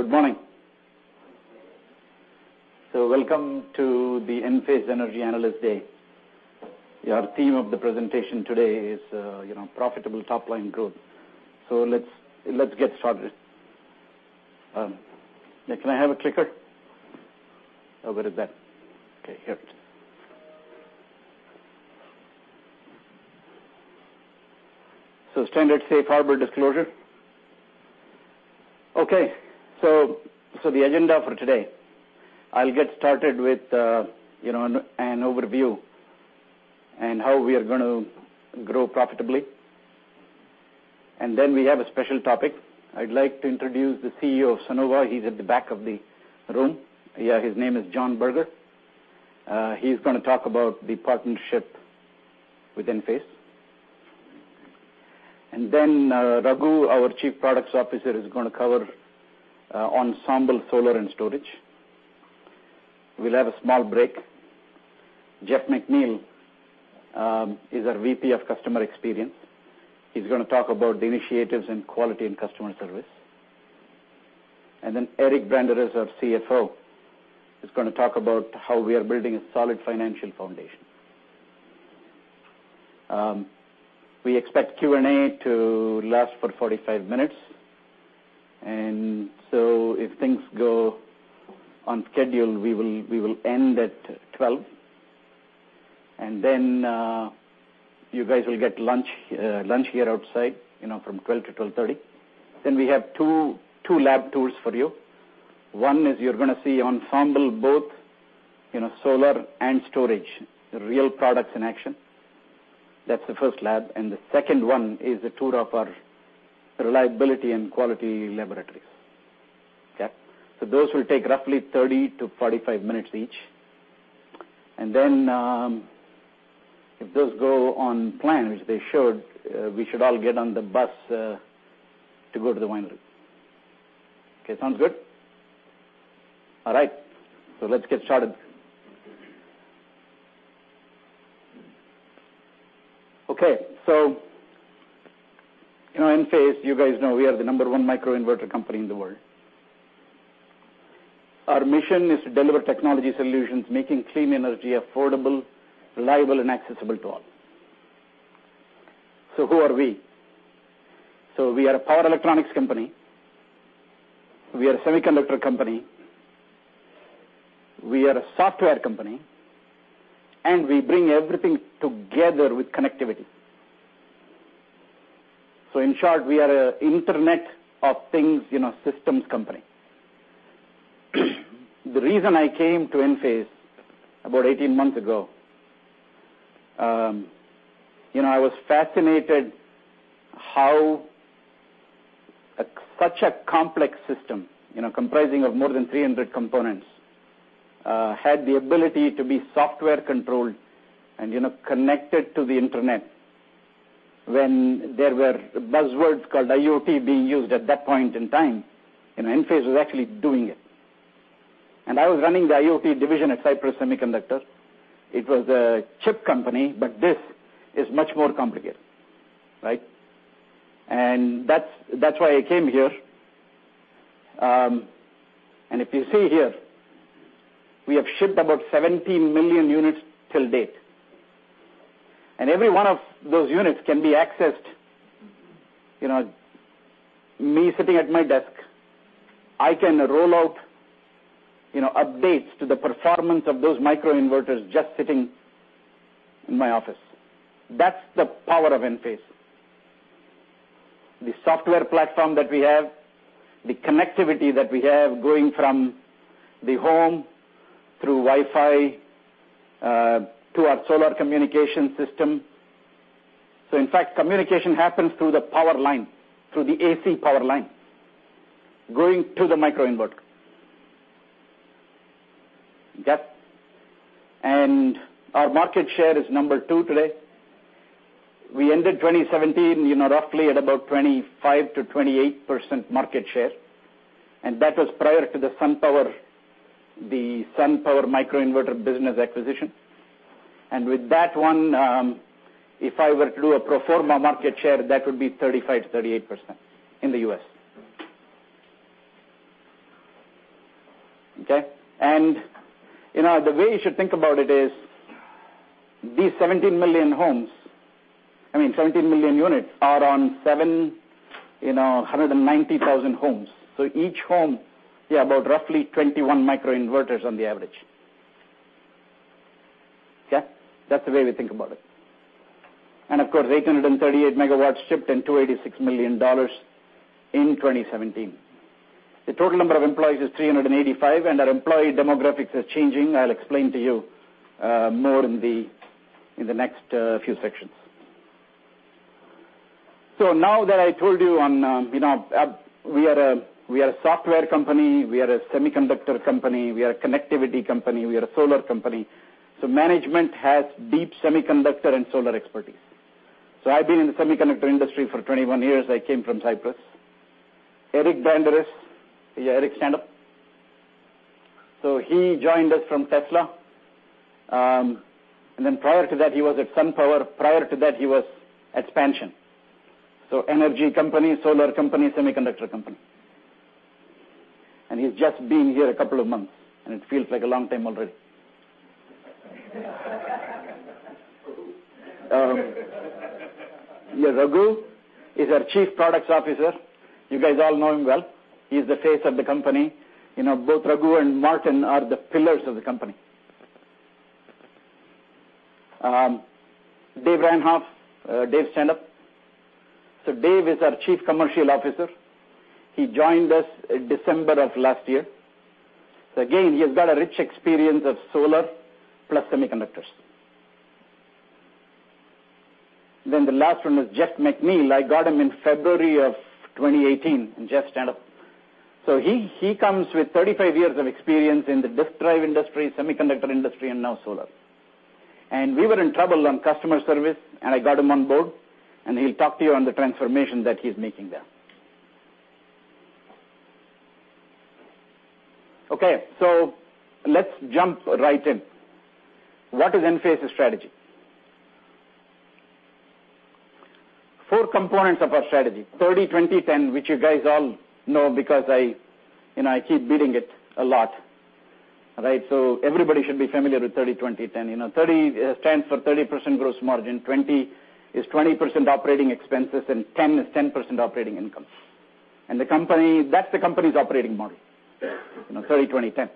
Good morning. Welcome to the Enphase Energy Analyst Day. Our theme of the presentation today is Profitable Top Line Growth. Let's get started. Can I have a clicker? Where is that? Here. Standard safe harbor disclosure. The agenda for today, I'll get started with an overview and how we are going to grow profitably. We have a special topic. I'd like to introduce the CEO of Sunnova. He's at the back of the room. His name is John Berger. He's going to talk about the partnership with Enphase. Raghu, our Chief Products Officer, is going to cover Ensemble Solar and Storage. We'll have a small break. Jeff McNeil is our VP of Customer Experience. He's going to talk about the initiatives in quality and customer service. Eric Branderiz, our CFO, is going to talk about how we are building a solid financial foundation. We expect Q&A to last for 45 minutes, if things go on schedule, we will end at 12:00 P.M. You guys will get lunch here outside from 12:00 P.M. to 12:30 P.M. We have two lab tours for you. One is you're going to see Ensemble, both solar and storage, the real products in action. That's the first lab. The second one is a tour of our reliability and quality laboratories. Okay. Those will take roughly 30 to 45 minutes each. If those go on plan, which they should, we should all get on the bus to go to the winery. Sounds good? All right, let's get started. Enphase, you guys know we are the number one microinverter company in the world. Our mission is to deliver technology solutions, making clean energy affordable, reliable, and accessible to all. Who are we? We are a power electronics company, we are a semiconductor company, we are a software company, and we bring everything together with connectivity. In short, we are an Internet of Things systems company. The reason I came to Enphase about 18 months ago, I was fascinated how such a complex system comprising of more than 300 components, had the ability to be software-controlled and connected to the internet. When there were buzzwords called IoT being used at that point in time, Enphase was actually doing it. I was running the IoT division at Cypress Semiconductor. It was a chip company, but this is much more complicated. Right. That's why I came here. If you see here, we have shipped about 17 million units till date. Every one of those units can be accessed. Me sitting at my desk, I can roll out updates to the performance of those microinverters just sitting in my office. That's the power of Enphase. The software platform that we have, the connectivity that we have going from the home through Wi-Fi, to our solar communication system. In fact, communication happens through the power line, through the AC power line, going to the microinverter. Yep. Our market share is number two today. We ended 2017 roughly at about 25%-28% market share, that was prior to the SunPower Microinverter business acquisition. With that one, if I were to do a pro forma market share, that would be 35%-38% in the U.S. Okay. The way you should think about it is, these 17 million units are on 790,000 homes. Each home, about roughly 21 microinverters on the average. Okay? That's the way we think about it. Of course, 838 megawatts shipped and $286 million in 2017. The total number of employees is 385, and our employee demographics are changing. I'll explain to you more in the next few sections. Now that I told you we are a software company, we are a semiconductor company, we are a connectivity company, we are a solar company. Management has deep semiconductor and solar expertise. I've been in the semiconductor industry for 21 years. I came from Cypress. Eric Branderiz. Eric, stand up. He joined us from Tesla. Prior to that, he was at SunPower. Prior to that, he was at Spansion. Energy company, solar company, semiconductor company. He's just been here a couple of months, and it feels like a long time already. Raghu is our Chief Products Officer. You guys all know him well. He's the face of the company. Both Raghu and Martin are the pillars of the company. Dave Ranhoff. Dave, stand up. Dave is our Chief Commercial Officer. He joined us in December of last year. Again, he has got a rich experience of solar, plus semiconductors. The last one is Jeff McNeil. I got him in February of 2018. Jeff, stand up. He comes with 35 years of experience in the disk drive industry, semiconductor industry, and now solar. We were in trouble on customer service, and I got him on board, and he'll talk to you on the transformation that he's making there. Okay. Let's jump right in. What is Enphase's strategy? Four components of our strategy: 30/20/10, which you guys all know because I keep beating it a lot. Right? Everybody should be familiar with 30/20/10. 30 stands for 30% gross margin, 20 is 20% operating expenses, and 10 is 10% operating income. That's the company's operating model, 30/20/10.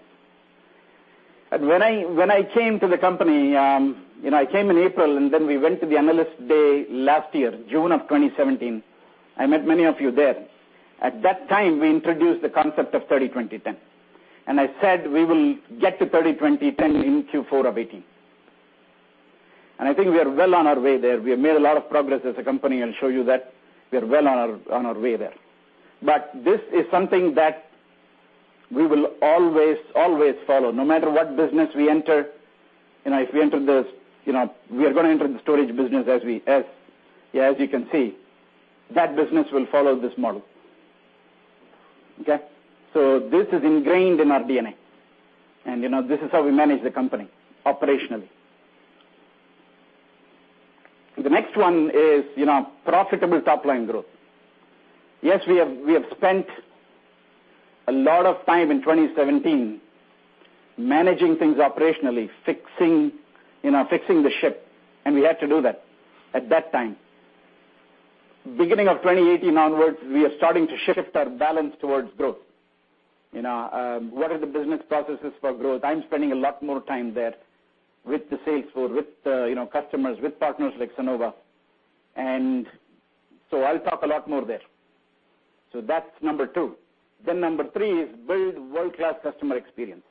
When I came to the company, I came in April, we went to the Analyst Day last year, June of 2017. I met many of you there. At that time, we introduced the concept of 30/20/10. I said we will get to 30/20/10 in Q4 of 2018. I think we are well on our way there. We have made a lot of progress as a company. I'll show you that. We are well on our way there. This is something that we will always follow, no matter what business we enter. We are going to enter the storage business, as you can see. That business will follow this model. Okay? This is ingrained in our DNA. This is how we manage the company, operationally. The next one is profitable top-line growth. Yes, we have spent a lot of time in 2017 managing things operationally, fixing the ship, and we had to do that at that time. Beginning of 2018 onwards, we are starting to shift our balance towards growth. What are the business processes for growth? I'm spending a lot more time there with the sales force, with customers, with partners like Sunnova. I'll talk a lot more there. That's number two. Number three is build world-class customer experience.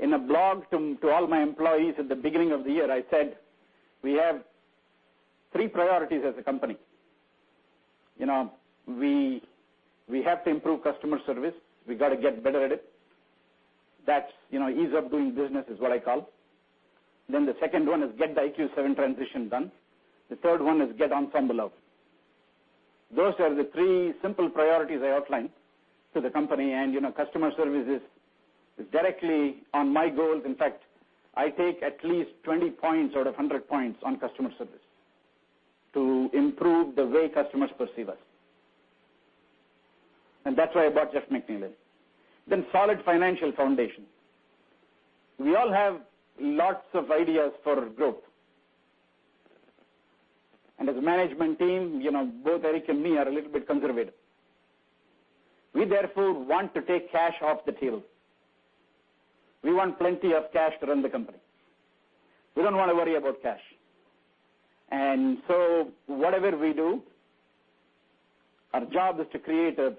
In a blog to all my employees at the beginning of the year, I said we have three priorities as a company. We have to improve customer service. We got to get better at it. That's ease of doing business, is what I call. The second one is get the IQ 7 transition done. The third one is get Ensemble out. Those are the three simple priorities I outlined to the company. Customer service is directly on my goals. In fact, I take at least 20 points out of 100 points on customer service, to improve the way customers perceive us. That's why I brought Jeff McNeil in. Solid financial foundation. We all have lots of ideas for growth. As a management team, both Eric and me are a little bit conservative. We, therefore, want to take cash off the table. We want plenty of cash to run the company. We don't want to worry about cash. Whatever we do, our job is to create a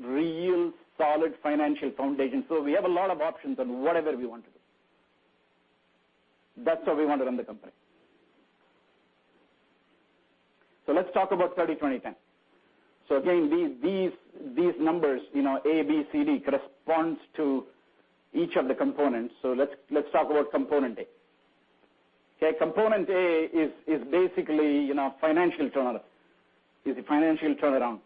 real solid financial foundation, so we have a lot of options on whatever we want to do. That's how we want to run the company. Let's talk about 30/20/10. Again, these numbers, A, B, C, D, corresponds to each of the components. Let's talk about component A. Okay, component A is basically financial turnaround. Is a financial turnaround.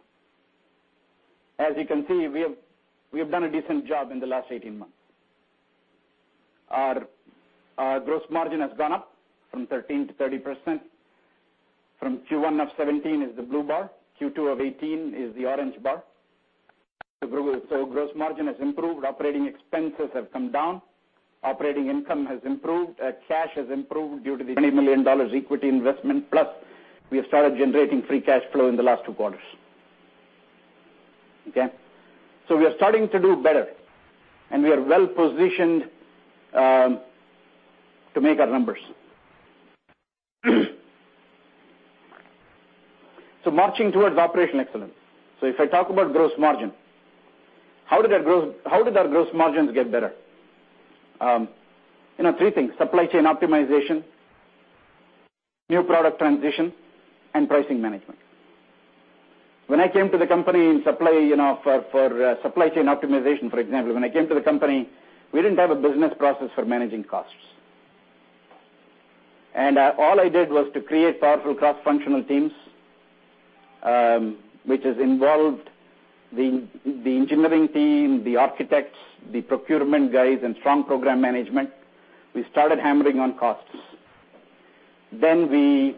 As you can see, we have done a decent job in the last 18 months. Our gross margin has gone up from 13%-30%. From Q1 of 2017 is the blue bar, Q2 of 2018 is the orange bar. Gross margin has improved. Operating expenses have come down. Operating income has improved. Cash has improved due to the $20 million equity investment. Plus, we have started generating free cash flow in the last two quarters. Okay? We are starting to do better, and we are well-positioned to make our numbers. Marching towards operational excellence. If I talk about gross margin, how did our gross margins get better? Three things: supply chain optimization, new product transition, and pricing management. For supply chain optimization, for example, when I came to the company, we didn't have a business process for managing costs. All I did was to create powerful cross-functional teams, which has involved the engineering team, the architects, the procurement guys, and strong program management. We started hammering on costs. In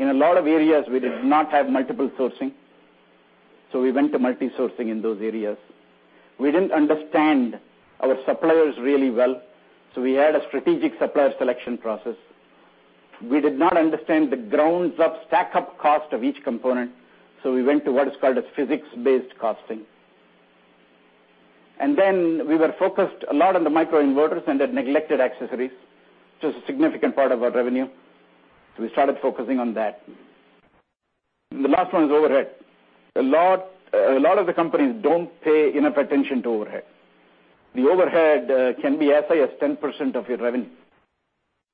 a lot of areas, we did not have multiple sourcing, so we went to multi-sourcing in those areas. We didn't understand our suppliers really well, so we had a strategic supplier selection process. We did not understand the grounds of stack-up cost of each component, so we went to what is called a physics-based costing. We were focused a lot on the microinverters and had neglected accessories, which is a significant part of our revenue, so we started focusing on that. The last one is overhead. A lot of the companies don't pay enough attention to overhead. The overhead can be as high as 10% of your revenue.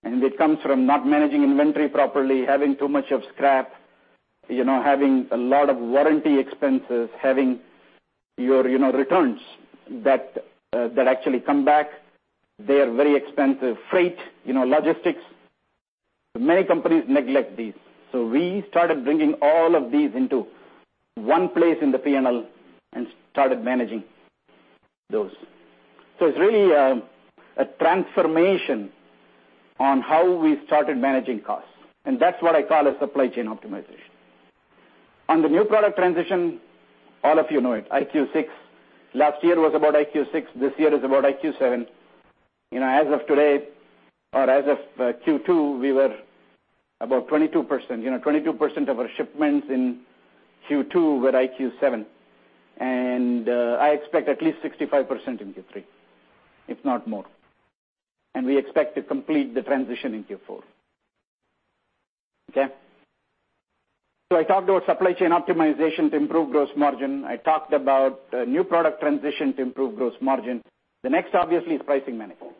It comes from not managing inventory properly, having too much scrap, having a lot of warranty expenses, having your returns that actually come back. They are very expensive. Freight, logistics. Many companies neglect these. We started bringing all of these into one place in the P&L and started managing those. It's really a transformation on how we started managing costs. That's what I call a supply chain optimization. On the new product transition, all of you know it, IQ6. Last year was about IQ6, this year is about IQ7. As of today, or as of Q2, we were about 22%. 22% of our shipments in Q2 were IQ7. I expect at least 65% in Q3, if not more. We expect to complete the transition in Q4. Okay. I talked about supply chain optimization to improve gross margin. I talked about new product transition to improve gross margin. The next, obviously, is pricing management.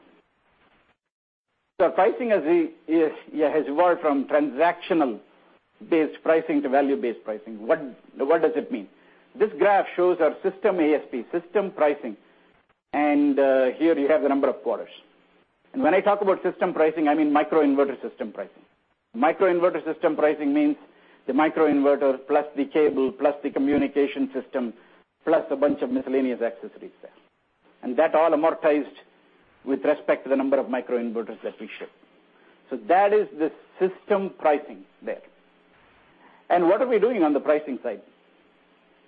Pricing has evolved from transactional-based pricing to value-based pricing. What does it mean? This graph shows our system ASP, system pricing. Here you have the number of quarters. When I talk about system pricing, I mean microinverter system pricing. Microinverter system pricing means the microinverter, plus the cable, plus the communication system, plus a bunch of miscellaneous accessories there. That all amortized with respect to the number of microinverters that we ship. That is the system pricing there. What are we doing on the pricing side?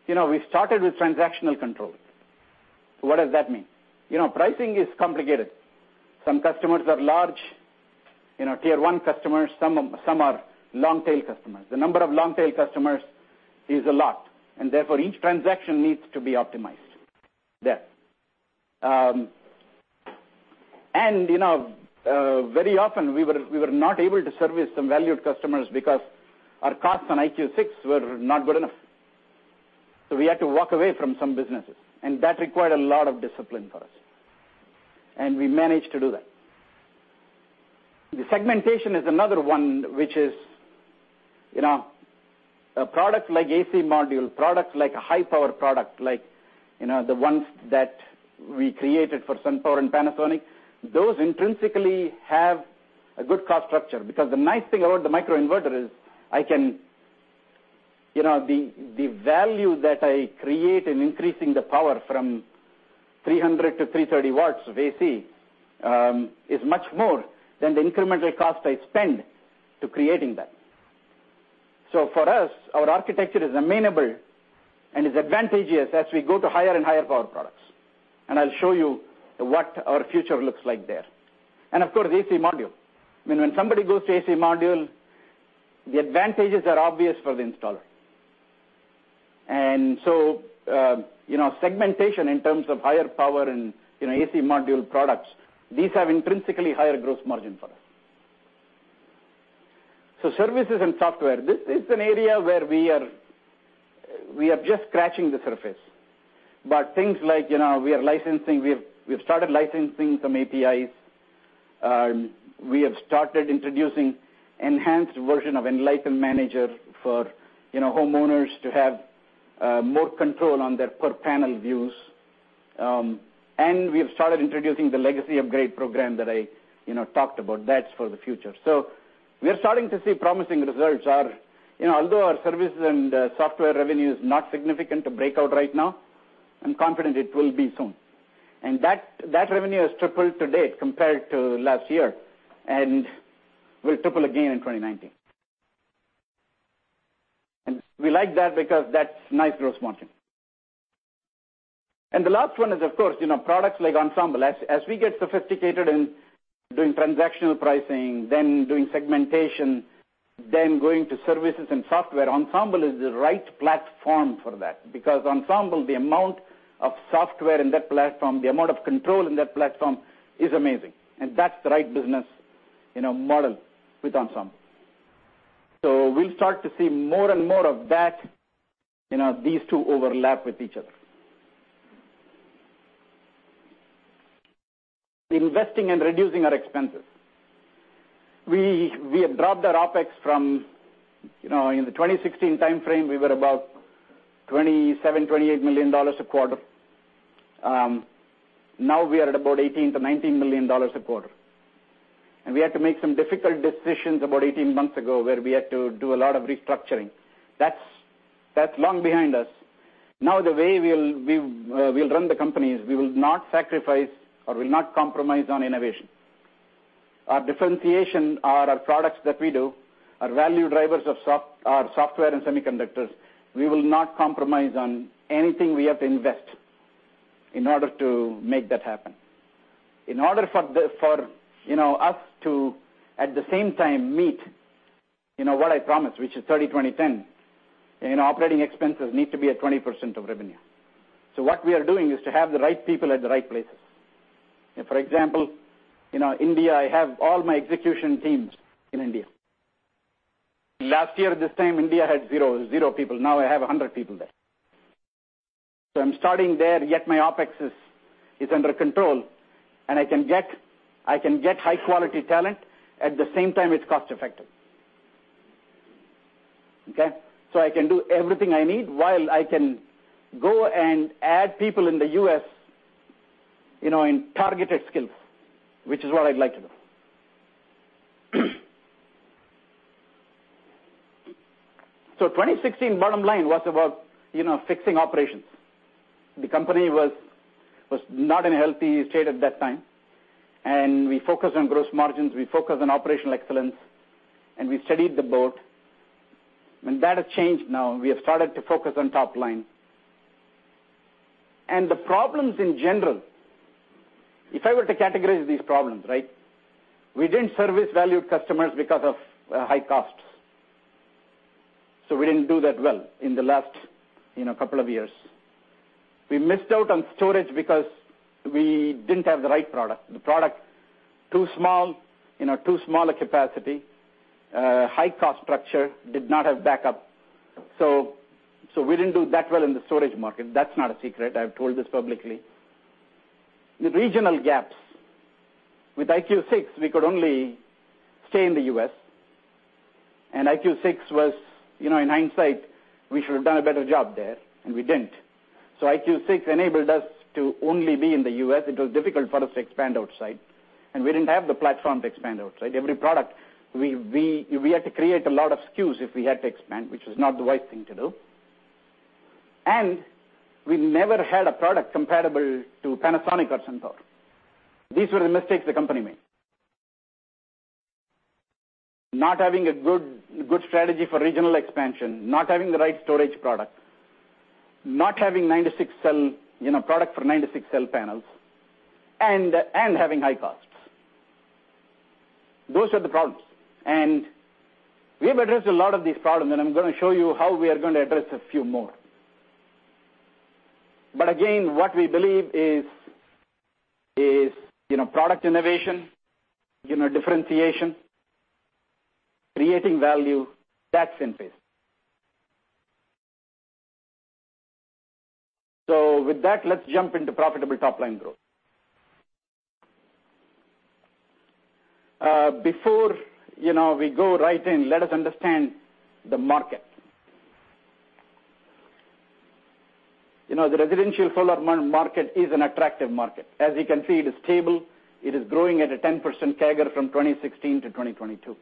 We started with transactional control. What does that mean? Pricing is complicated. Some customers are large, tier 1 customers. Some are long-tail customers. The number of long-tail customers is a lot, therefore each transaction needs to be optimized there. Very often, we were not able to service some valued customers because our costs on IQ6 were not good enough. We had to walk away from some businesses, that required a lot of discipline for us. We managed to do that. The segmentation is another one, which is, a product like AC module, product like a high-power product, like the ones that we created for SunPower and Panasonic. Those intrinsically have a good cost structure. The nice thing about the microinverter is, the value that I create in increasing the power from 300 to 330 watts of AC, is much more than the incremental cost I spend to creating that. For us, our architecture is amenable and is advantageous as we go to higher and higher power products. I'll show you what our future looks like there. Of course, AC module. When somebody goes to AC module, the advantages are obvious for the installer. Segmentation in terms of higher power and AC module products, these have intrinsically higher gross margin for us. Services and software. This is an area where we are just scratching the surface. Things like, we have started licensing some APIs. We have started introducing enhanced version of Enlighten Manager for homeowners to have more control on their per-panel views. We have started introducing the legacy upgrade program that I talked about. That's for the future. We are starting to see promising results. Although our service and software revenue is not significant to break out right now, I'm confident it will be soon. That revenue has tripled to date compared to last year, and will triple again in 2019. We like that because that's nice gross margin. The last one is, of course, products like Ensemble. As we get sophisticated in doing transactional pricing, then doing segmentation, then going to services and software, Ensemble is the right platform for that. Ensemble, the amount of software in that platform, the amount of control in that platform, is amazing. That's the right business model with Ensemble. We'll start to see more and more of that, these two overlap with each other. Investing and reducing our expenses. We have dropped our OpEx from, in the 2016 timeframe, we were about $27 million-$28 million a quarter. Now we are at about $18 million-$19 million a quarter. We had to make some difficult decisions about 18 months ago, where we had to do a lot of restructuring. That's long behind us. The way we'll run the company is we will not sacrifice or we'll not compromise on innovation. Our differentiation, or our products that we do, our value drivers of our software and semiconductors, we will not compromise on anything we have to invest in order to make that happen. In order for us to, at the same time, meet what I promised, which is 30/20/10, operating expenses need to be at 20% of revenue. What we are doing is to have the right people at the right places. For example, India, I have all my execution teams in India. Last year, this time, India had zero people. Now I have 100 people there. I'm starting there, yet my OpEx is under control, and I can get high quality talent. At the same time, it's cost-effective. Okay? I can do everything I need while I can go and add people in the U.S., in targeted skills, which is what I'd like to do. 2016, bottom line, was about fixing operations. The company was not in a healthy state at that time, and we focused on gross margins, we focused on operational excellence, and we steadied the boat. That has changed now. We have started to focus on top line. The problems in general, if I were to categorize these problems, we didn't service valued customers because of high costs. We didn't do that well in the last couple of years. We missed out on storage because we didn't have the right product. The product, too small a capacity, high cost structure, did not have backup. We didn't do that well in the storage market. That's not a secret. I've told this publicly. The regional gaps. With IQ 6, we could only stay in the U.S. IQ 6 was, in hindsight, we should have done a better job there, and we didn't. IQ 6 enabled us to only be in the U.S. It was difficult for us to expand outside, and we didn't have the platform to expand outside. Every product, we had to create a lot of SKUs if we had to expand, which is not the wise thing to do. We never had a product comparable to Panasonic or SunPower. These were the mistakes the company made. Not having a good strategy for regional expansion, not having the right storage product, not having product for 96-cell panels, and having high costs. Those were the problems. We have addressed a lot of these problems, and I'm going to show you how we are going to address a few more. Again, what we believe is product innovation, differentiation, creating value. That's Enphase. With that, let's jump into profitable top-line growth. Before we go right in, let us understand the market. The residential solar market is an attractive market. As you can see, it is stable. It is growing at a 10% CAGR from 2016 to 2022.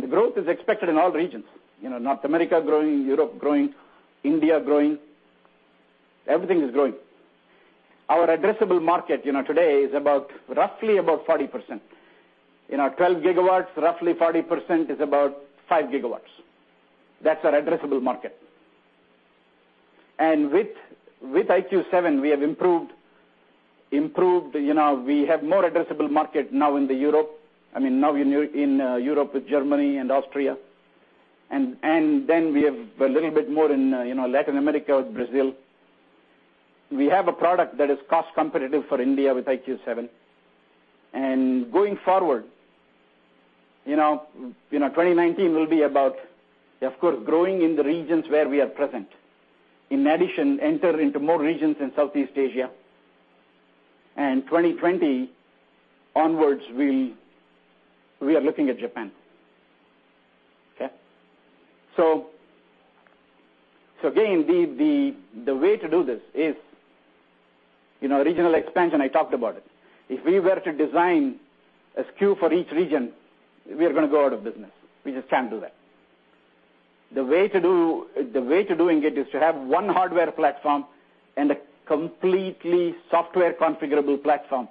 The growth is expected in all regions. North America growing, Europe growing, India growing, everything is growing. Our addressable market today is roughly about 40%. 12 GW, roughly 40%, is about 5 GW. That's our addressable market. With IQ 7, we have improved. We have more addressable market now in Europe, with Germany and Austria. Then we have a little bit more in Latin America, with Brazil. We have a product that is cost competitive for India with IQ 7. Going forward, 2019 will be about, of course, growing in the regions where we are present. In addition, enter into more regions in Southeast Asia. 2020 onwards, we are looking at Japan. Okay. Again, the way to do this is, regional expansion, I talked about it. If we were to design a SKU for each region, we are going to go out of business. We just can't do that. The way to doing it is to have one hardware platform and a completely software configurable platform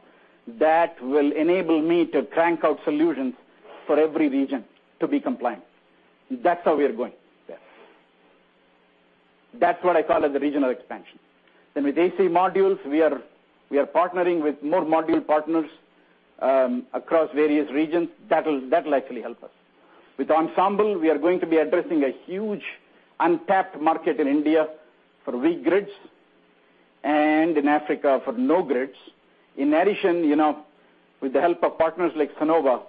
that will enable me to crank out solutions for every region to be compliant. That's how we are going there. That's what I call the regional expansion. Then with AC modules, we are partnering with more module partners across various regions. That'll actually help us. With Ensemble, we are going to be addressing a huge untapped market in India for weak grids, and in Africa for no grids. In addition, with the help of partners like Sunnova,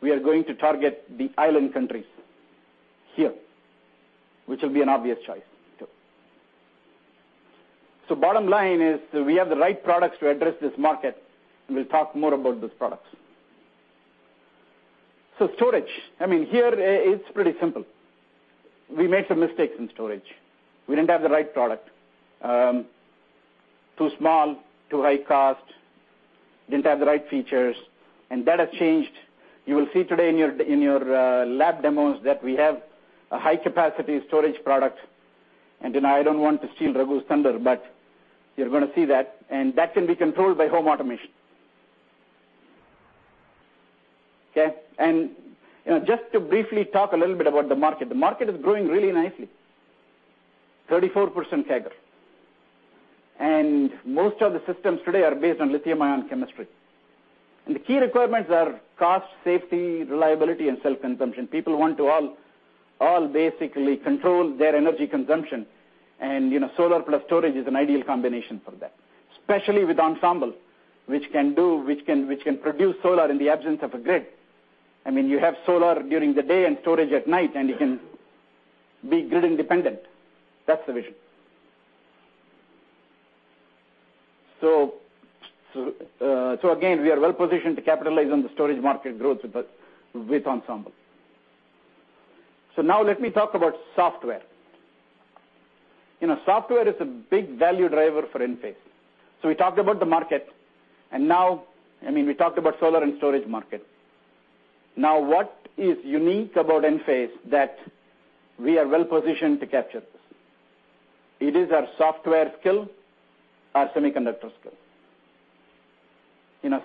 we are going to target the island countries here, which will be an obvious choice, too. Bottom line is we have the right products to address this market, and we'll talk more about those products. Storage, here it's pretty simple. We made some mistakes in storage. We didn't have the right product. Too small, too high cost, didn't have the right features. That has changed. You will see today in your lab demos that we have a high-capacity storage product. I don't want to steal Raghu's thunder, but you're going to see that, and that can be controlled by home automation. Okay. Just to briefly talk a little bit about the market. The market is growing really nicely, 34% CAGR. Most of the systems today are based on lithium-ion chemistry. The key requirements are cost, safety, reliability, and self-consumption. People want to all basically control their energy consumption, and solar plus storage is an ideal combination for that. Especially with Ensemble, which can produce solar in the absence of a grid. You have solar during the day and storage at night, and you can be grid-independent. That's the vision. Again, we are well-positioned to capitalize on the storage market growth with Ensemble. Now let me talk about software. Software is a big value driver for Enphase. We talked about the market, we talked about solar and storage market. Now, what is unique about Enphase that we are well-positioned to capture this? It is our software skill, our semiconductor skill.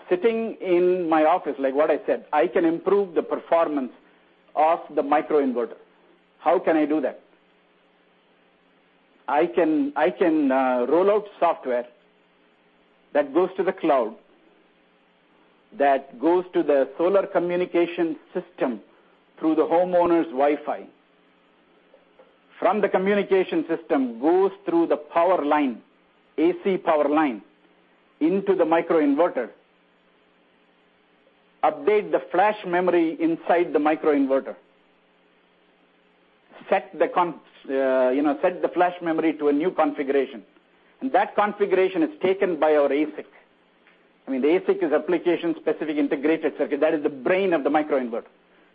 Sitting in my office, like what I said, I can improve the performance of the microinverter. How can I do that? I can roll out software that goes to the cloud, that goes to the solar communication system through the homeowner's Wi-Fi. From the communication system, goes through the power line, AC power line, into the microinverter, update the flash memory inside the microinverter, set the flash memory to a new configuration. That configuration is taken by our ASIC. The ASIC is application-specific integrated circuit. That is the brain of the microinverter.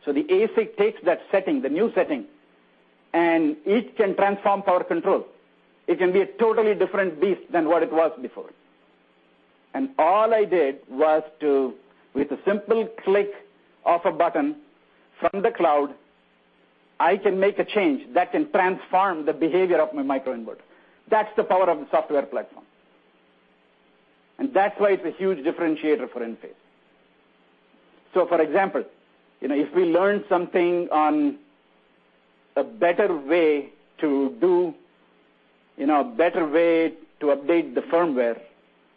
The ASIC takes that setting, the new setting, and it can transform power control. It can be a totally different beast than what it was before. All I did was, with a simple click of a button from the cloud, I can make a change that can transform the behavior of my microinverter. That's the power of the software platform. That's why it's a huge differentiator for Enphase. For example, if we learn something on a better way to update the firmware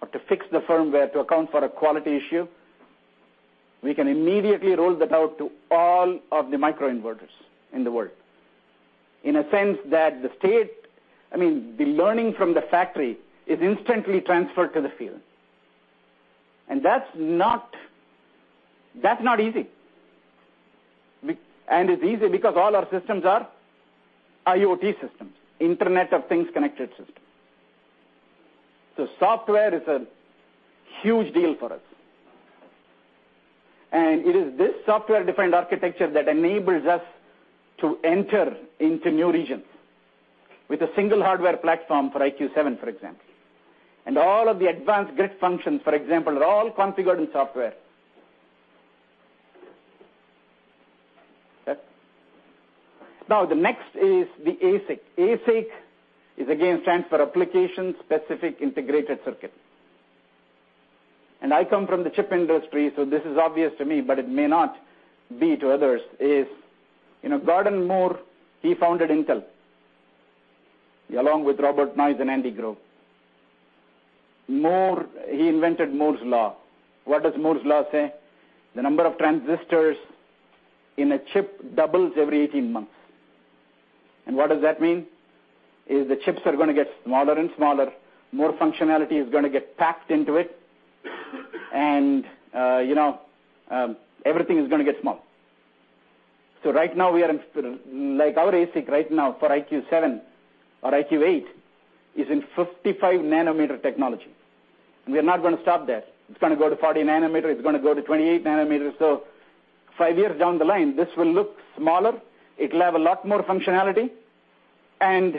or to fix the firmware to account for a quality issue, we can immediately roll that out to all of the microinverters in the world. In a sense that the state, the learning from the factory is instantly transferred to the field. That's not easy. It's easy because all our systems are IoT systems, Internet of Things-connected systems. Software is a huge deal for us. It is this software-defined architecture that enables us to enter into new regions with a single hardware platform for IQ 7, for example. All of the advanced grid functions, for example, are all configured in software. The next is the ASIC. ASIC again stands for application-specific integrated circuit. I come from the chip industry, this is obvious to me, but it may not be to others, is Gordon Moore, he founded Intel, along with Robert Noyce and Andy Grove. Moore, he invented Moore's law. What does Moore's law say? The number of transistors in a chip doubles every 18 months. What does that mean? Is the chips are going to get smaller and smaller, more functionality is going to get packed into it, and everything is going to get small. Right now, our ASIC right now for IQ 7 or IQ 8 is in 55 nanometer technology. We are not going to stop there. It's going to go to 40 nanometer, it's going to go to 28 nanometers. Five years down the line, this will look smaller, it'll have a lot more functionality, and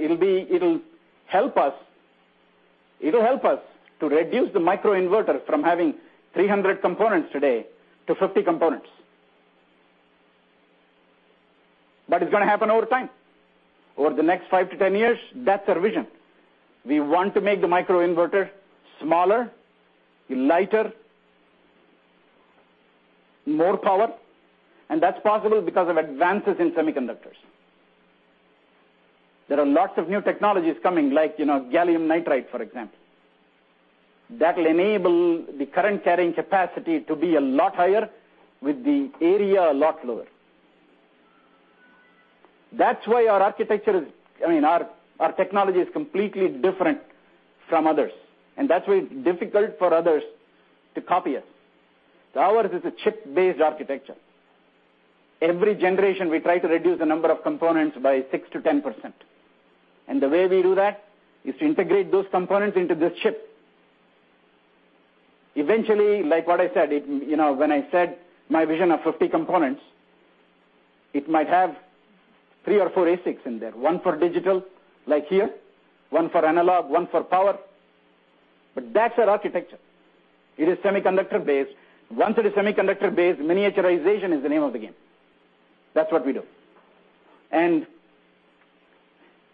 it'll help us to reduce the microinverter from having 300 components today to 50 components. It's going to happen over time. Over the next five to 10 years, that's our vision. We want to make the microinverter smaller, lighter, more power, that's possible because of advances in semiconductors. There are lots of new technologies coming, like gallium nitride, for example. That'll enable the current carrying capacity to be a lot higher with the area a lot lower. That's why our technology is completely different from others. That's why it's difficult for others to copy us. Ours is a chip-based architecture. Every generation, we try to reduce the number of components by 6%-10%. The way we do that is to integrate those components into the chip. Eventually, like what I said, when I said my vision of 50 components, it might have three or four ASICs in there. One for digital, like here, one for analog, one for power. That's our architecture. It is semiconductor-based. Once it is semiconductor-based, miniaturization is the name of the game. That's what we do.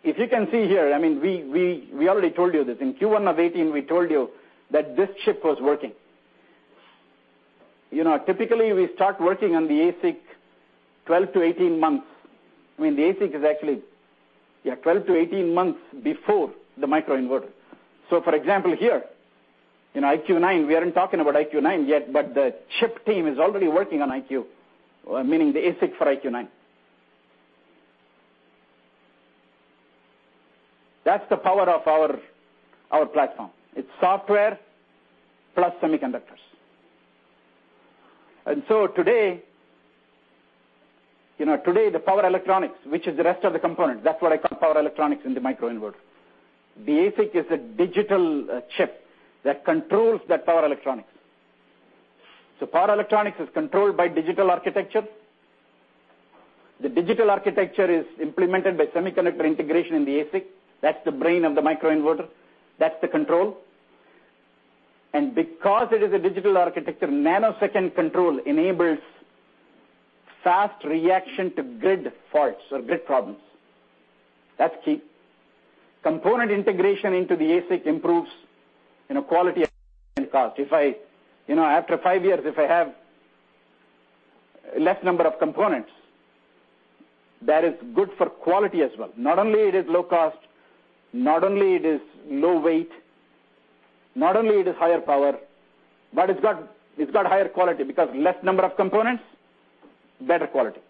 If you can see here, we already told you this. In Q1 of 2018, we told you that this chip was working. Typically, we start working on the ASIC 12 to 18 months. I mean, the ASIC is actually, yeah, 12 to 18 months before the microinverter. For example, here, IQ 9, we aren't talking about IQ 9 yet, but the chip team is already working on IQ, meaning the ASIC for IQ 9. That's the power of our platform. It's software plus semiconductors. Today, the power electronics, which is the rest of the component, that's what I call power electronics in the microinverter. The ASIC is a digital chip that controls the power electronics. Power electronics is controlled by digital architecture. The digital architecture is implemented by semiconductor integration in the ASIC. That's the brain of the microinverter. That's the control. Because it is a digital architecture, nanosecond control enables fast reaction to grid faults or grid problems. That's key. Component integration into the ASIC improves quality and cost. After five years, if I have less number of components, that is good for quality as well. Not only it is low cost, not only it is low weight, not only it is higher power, but it's got higher quality because less number of components, better quality.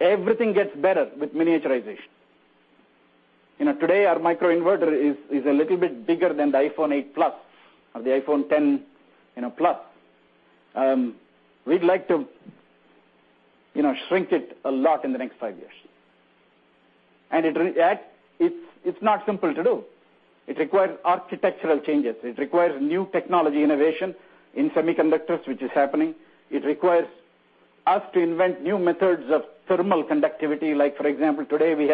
Everything gets better with miniaturization. Today, our microinverter is a little bit bigger than the iPhone 8 Plus or the iPhone X Plus. We'd like to shrink it a lot in the next five years. It's not simple to do. It requires architectural changes. It requires new technology innovation in semiconductors, which is happening. It requires us to invent new methods of thermal conductivity. Like for example, today, we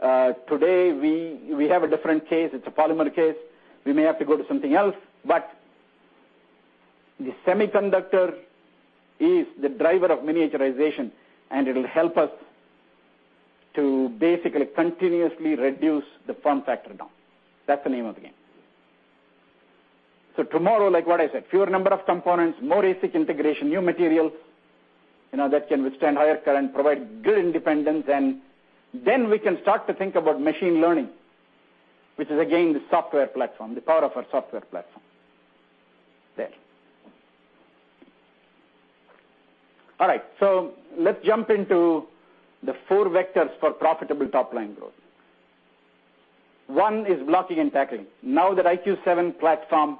have a different case. It's a polymer case. We may have to go to something else, but the semiconductor is the driver of miniaturization, and it'll help us to basically continuously reduce the form factor down. That's the name of the game. Tomorrow, like what I said, fewer number of components, more ASIC integration, new materials that can withstand higher current, provide grid independence. We can start to think about machine learning, which is again, the software platform, the power of our software platform there. All right. Let's jump into the four vectors for profitable top-line growth. One is blocking and tackling. Now that IQ 7 platform,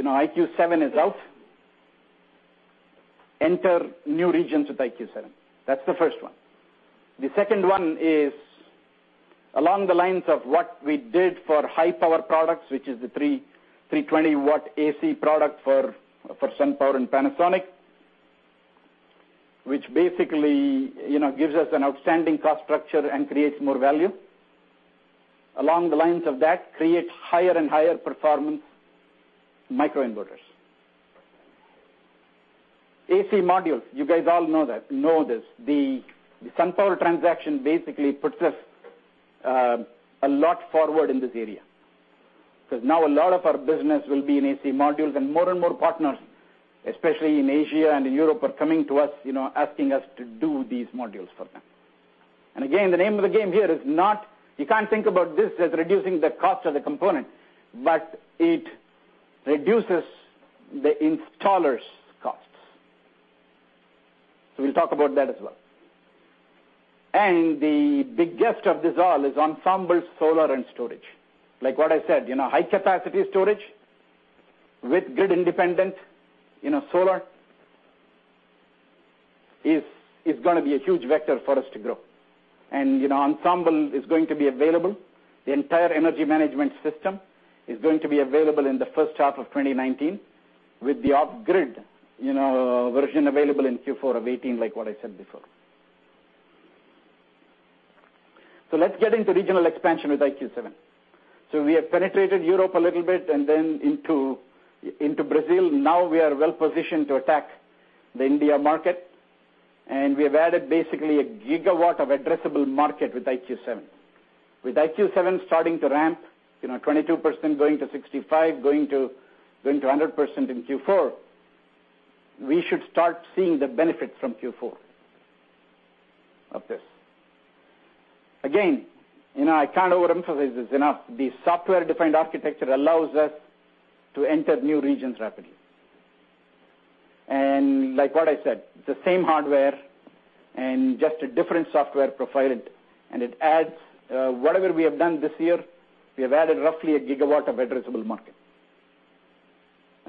IQ 7 is out, enter new regions with IQ 7. That's the first one. The second one is along the lines of what we did for high-power products, which is the 320-watt AC product for SunPower and Panasonic, which basically, gives us an outstanding cost structure and creates more value. Along the lines of that, create higher and higher performance microinverters. AC modules, you guys all know this. The SunPower transaction basically puts us a lot forward in this area. Now a lot of our business will be in AC modules, and more and more partners, especially in Asia and Europe, are coming to us, asking us to do these modules for them. Again, the name of the game here is not, you can't think about this as reducing the cost of the component, but it reduces the installers' costs. We'll talk about that as well. The biggest of this all is Ensemble Solar and Storage. Like what I said, high-capacity storage with grid independence, solar, is going to be a huge vector for us to grow. Ensemble is going to be available. The entire energy management system is going to be available in the first half of 2019 with the off-grid version available in Q4 of 2018, like what I said before. Let's get into regional expansion with IQ 7. We have penetrated Europe a little bit and then Brazil. Now we are well-positioned to attack the India market, we have added basically a gigawatt of addressable market with IQ 7. With IQ 7 starting to ramp, 22% going to 65%, going to 100% in Q4, we should start seeing the benefits from Q4 of this. Again, I can't overemphasize this enough. The software-defined architecture allows us to enter new regions rapidly. Like what I said, the same hardware and just a different software profile, and it adds, whatever we have done this year, we have added roughly a gigawatt of addressable market.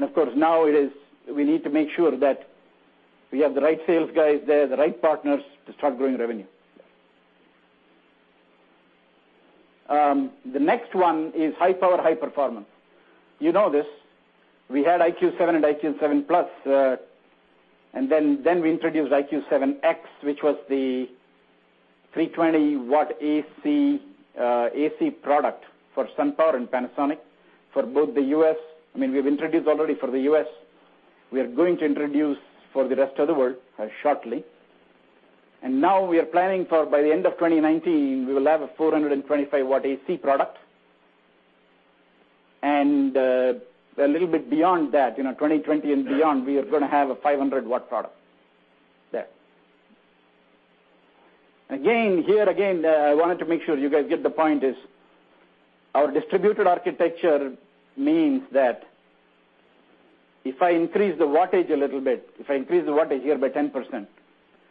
Of course, now we need to make sure that we have the right sales guys there, the right partners to start growing revenue. The next one is high power, high performance. You know this. We had IQ7 and IQ7 Plus, then we introduced IQ7X, which was the 320-watt AC product for SunPower and Panasonic for both the U.S. We've introduced already for the U.S. We are going to introduce for the rest of the world shortly. Now we are planning for, by the end of 2019, we will have a 425-watt AC product. A little bit beyond that, 2020 and beyond, we are going to have a 500-watt product there. Again, here again, I wanted to make sure you guys get the point is, our distributed architecture means that if I increase the wattage a little bit, if I increase the wattage here by 10%,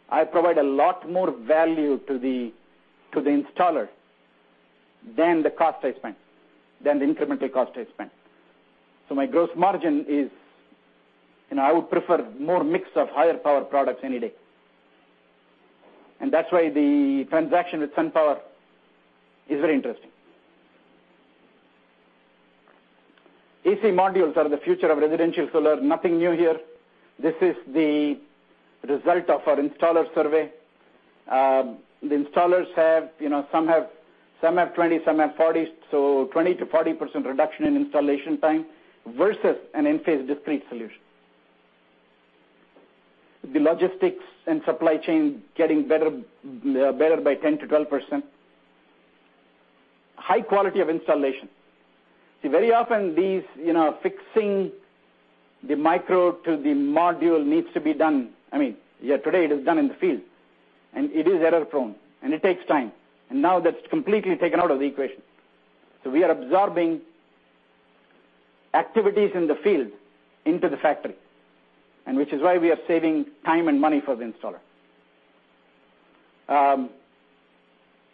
I provide a lot more value to the installer than the cost I spent, than the incremental cost I spent. My gross margin is, I would prefer more mix of higher power products any day. That's why the transaction with SunPower is very interesting. AC modules are the future of residential solar. Nothing new here. This is the result of our installer survey. The installers have, some have 20%, some have 40%, so 20%-40% reduction in installation time versus an Enphase discrete solution. The logistics and supply chain getting better by 10%-12%. High quality of installation. See, very often these, fixing the micro to the module needs to be done. Today it is done in the field. It is error-prone, it takes time. Now that's completely taken out of the equation. We are absorbing activities in the field into the factory. Which is why we are saving time and money for the installer.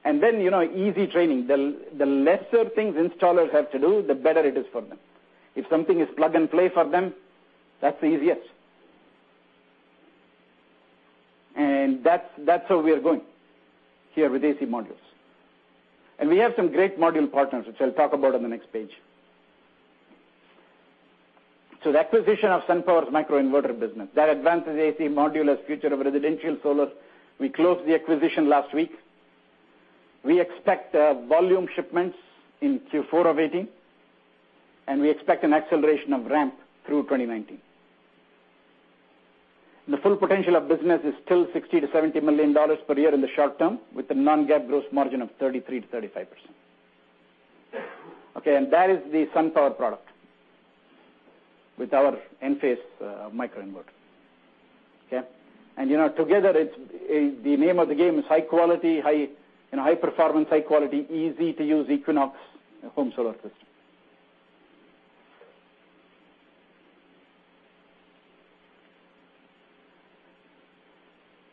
Then, easy training. The lesser things installers have to do, the better it is for them. If something is plug-and-play for them, that's the easiest. That's how we are going here with AC modules. We have some great module partners, which I'll talk about on the next page. The acquisition of SunPower's microinverter business. That advances AC module as future of residential solar. We closed the acquisition last week. We expect volume shipments in Q4 of 2018, and we expect an acceleration of ramp through 2019. The full potential of business is still $60 million-$70 million per year in the short term, with a non-GAAP gross margin of 33%-35%. Okay. That is the SunPower product with our Enphase microinverter. Okay. Together, the name of the game is high quality, high performance, high quality, easy-to-use Enphase Equinox home solar system.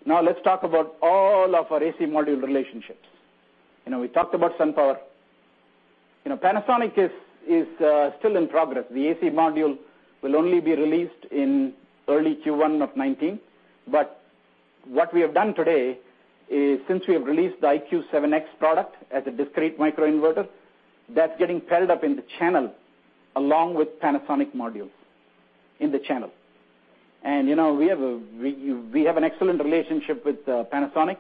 Now let's talk about all of our AC module relationships. We talked about SunPower. Panasonic is still in progress. The AC module will only be released in early Q1 of 2019. What we have done today is, since we have released the IQ7X product as a discrete microinverter, that's getting paired up in the channel along with Panasonic modules in the channel. We have an excellent relationship with Panasonic,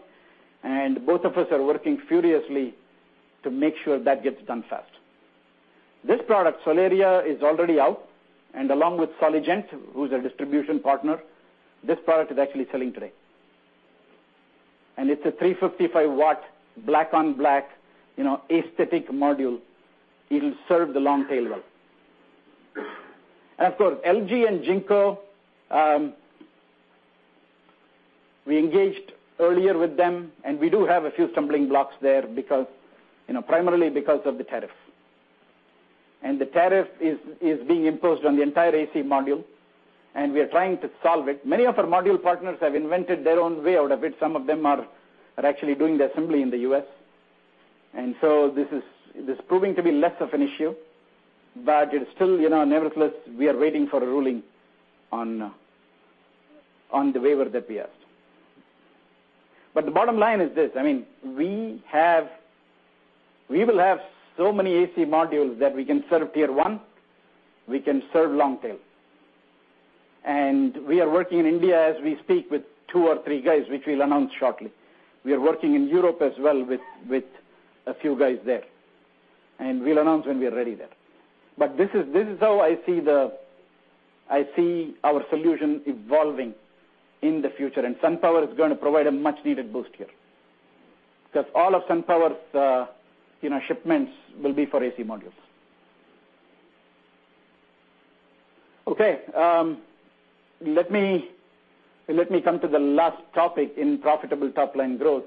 and both of us are working furiously to make sure that gets done fast. This product, Solaria, is already out, and along with Soligent, who's our distribution partner, this product is actually selling today. It's a 355-watt black-on-black aesthetic module. It'll serve the long tail well. Of course, LG and JinkoSolar, we engaged earlier with them, and we do have a few stumbling blocks there primarily because of the tariff. The tariff is being imposed on the entire AC module, and we are trying to solve it. Many of our module partners have invented their own way out of it. Some of them are actually doing the assembly in the U.S. This is proving to be less of an issue, but it's still, nevertheless, we are waiting for a ruling on the waiver that we asked. The bottom line is this, we will have so many AC modules that we can serve tier 1, we can serve long tail. We are working in India as we speak with two or three guys, which we'll announce shortly. We are working in Europe as well with a few guys there. We'll announce when we are ready there. This is how I see our solution evolving in the future, and SunPower is going to provide a much needed boost here. Because all of SunPower's shipments will be for AC modules. Okay. Let me come to the last topic in profitable top-line growth,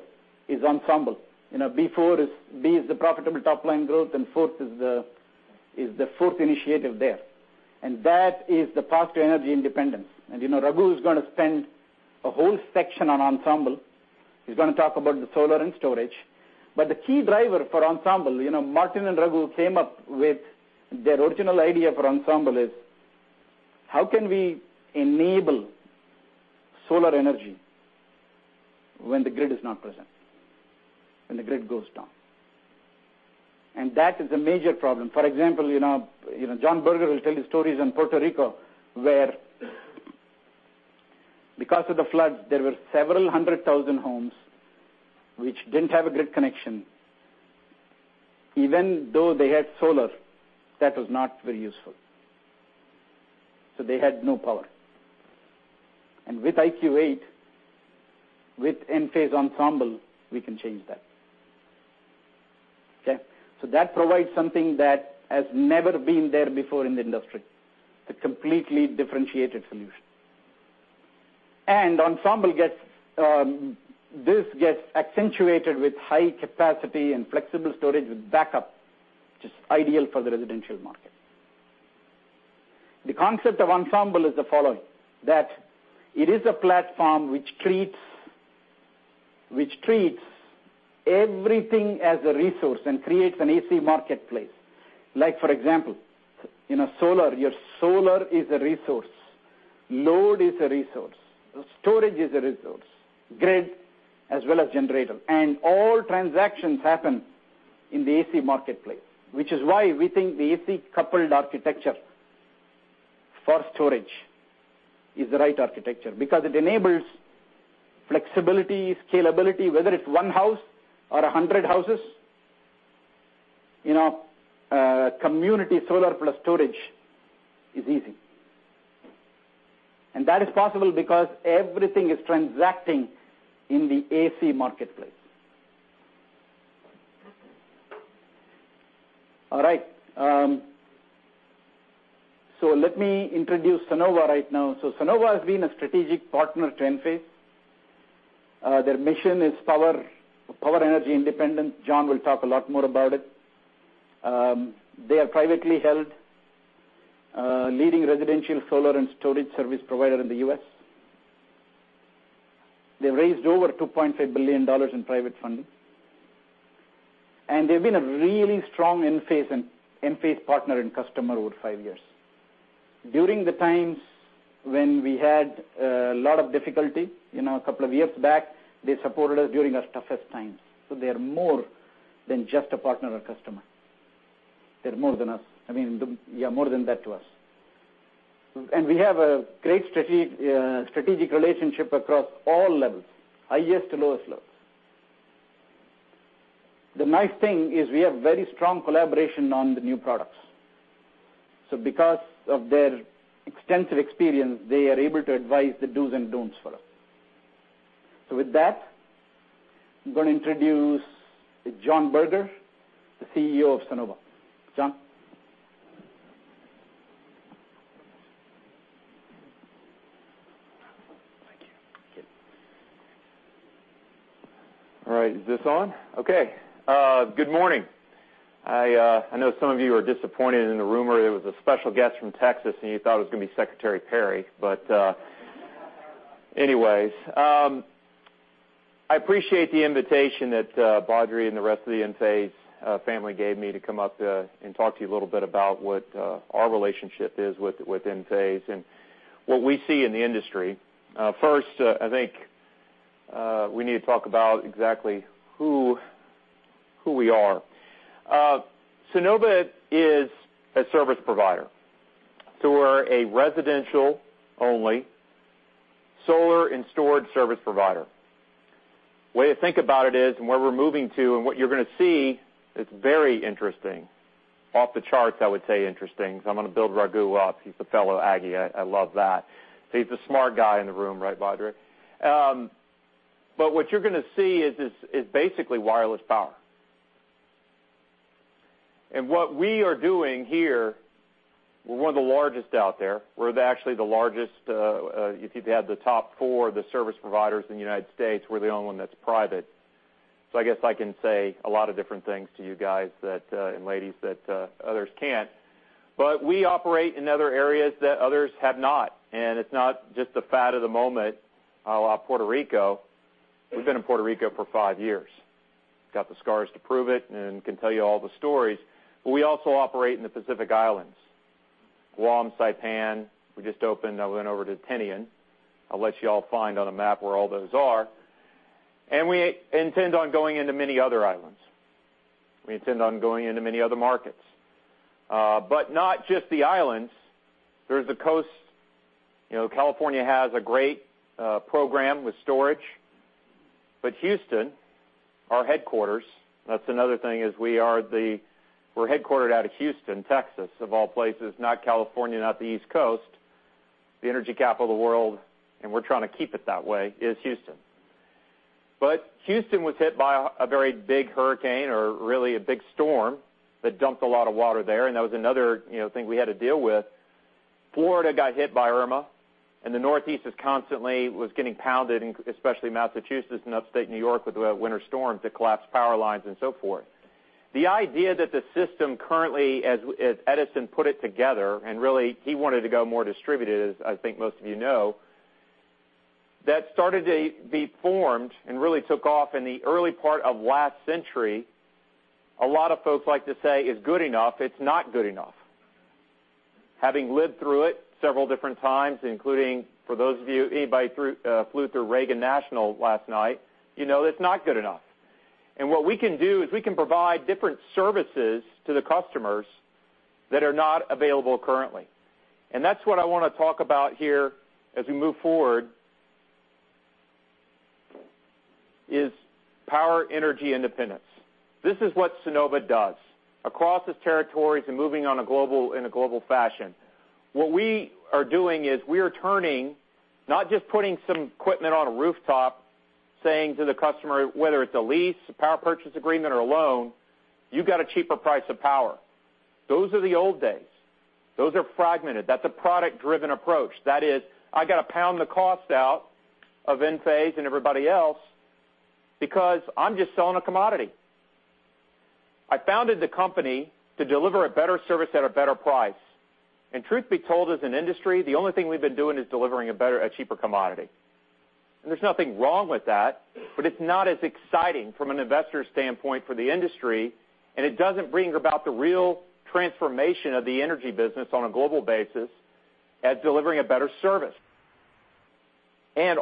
is Ensemble. B4 is B is the profitable top-line growth, and fourth is the fourth initiative there. That is the path to energy independence. Raghu is going to spend a whole section on Ensemble. He's going to talk about the solar and storage. The key driver for Ensemble, Martin and Raghu came up with their original idea for Ensemble is, how can we enable solar energy when the grid is not present, when the grid goes down? That is a major problem. For example, John Berger will tell you stories in Puerto Rico, where because of the floods, there were several hundred thousand homes which didn't have a grid connection. Even though they had solar, that was not very useful. They had no power. With IQ 8, with Enphase Ensemble, we can change that. Okay? That provides something that has never been there before in the industry, a completely differentiated solution. Ensemble, this gets accentuated with high capacity and flexible storage with backup, which is ideal for the residential market. The concept of Ensemble is the following, that it is a platform which treats everything as a resource and creates an AC marketplace. For example, in a solar, your solar is a resource, load is a resource, storage is a resource, grid, as well as generator. All transactions happen in the AC marketplace, which is why we think the AC coupled architecture for storage is the right architecture because it enables flexibility, scalability, whether it's one house or 100 houses. Community solar plus storage is easy. That is possible because everything is transacting in the AC marketplace. All right. Let me introduce Sunnova right now. Sunnova has been a strategic partner to Enphase. Their mission is power energy independence. John will talk a lot more about it. They are privately held, leading residential solar and storage service provider in the U.S. They've raised over $2.5 billion in private funding. They've been a really strong Enphase partner and customer over five years. During the times when we had a lot of difficulty, a couple of years back, they supported us during our toughest times. They are more than just a partner or customer. They're more than that to us. We have a great strategic relationship across all levels, highest to lowest levels. The nice thing is we have very strong collaboration on the new products. Because of their extensive experience, they are able to advise the dos and don'ts for us. With that, I'm going to introduce John Berger, the CEO of Sunnova. John. Thank you. Yeah. All right. Is this on? Okay. Good morning. I know some of you are disappointed in the rumor there was a special guest from Texas, and you thought it was going to be Secretary Perry. Anyways, I appreciate the invitation that Badri and the rest of the Enphase family gave me to come up and talk to you a little bit about what our relationship is with Enphase and what we see in the industry. First, I think, we need to talk about exactly who we are. Sunnova is a service provider. We're a residential-only solar and storage service provider. Way to think about it is, and where we're moving to and what you're going to see is very interesting. Off the charts, I would say interesting, because I'm going to build Raghu up. He's a fellow Aggie. I love that. He's the smart guy in the room, right, Badri? What you're going to see is basically wireless power. What we are doing here, we're one of the largest out there. We're actually the largest. If you had the top four of the service providers in the U.S., we're the only one that's private. I guess I can say a lot of different things to you guys and ladies that others can't. We operate in other areas that others have not, and it's not just the fad of the moment. Puerto Rico, we've been in Puerto Rico for five years. Got the scars to prove it and can tell you all the stories. We also operate in the Pacific Islands, Guam, Saipan. We just opened over in Tinian. I'll let you all find on a map where all those are. We intend on going into many other islands. We intend on going into many other markets. Not just the islands. There's the coast. California has a great program with storage. Houston, our headquarters, that's another thing is we're headquartered out of Houston, Texas, of all places. Not California, not the East Coast. The energy capital of the world, and we're trying to keep it that way, is Houston. Houston was hit by a very big hurricane or really a big storm that dumped a lot of water there, and that was another thing we had to deal with. Florida got hit by Irma, the Northeast is constantly was getting pounded, especially Massachusetts and Upstate New York with winter storms that collapsed power lines and so forth. The idea that the system currently, as Edison put it together, really he wanted to go more distributed, as I think most of you know, that started to be formed and really took off in the early part of last century, a lot of folks like to say is good enough. It's not good enough. Having lived through it several different times, including for those of you, anybody flew through Reagan National last night, you know that's not good enough. What we can do is we can provide different services to the customers that are not available currently. That's what I want to talk about here as we move forward, is power energy independence. This is what Sunnova does across its territories and moving in a global fashion. What we are doing is we are turning, not just putting some equipment on a rooftop saying to the customer, whether it's a lease, a power purchase agreement, or a loan, you've got a cheaper price of power. Those are the old days. Those are fragmented. That's a product-driven approach. That is, I got to pound the cost out of Enphase and everybody else because I'm just selling a commodity. I founded the company to deliver a better service at a better price. Truth be told, as an industry, the only thing we've been doing is delivering a cheaper commodity. There's nothing wrong with that, but it's not as exciting from an investor standpoint for the industry, and it doesn't bring about the real transformation of the energy business on a global basis as delivering a better service.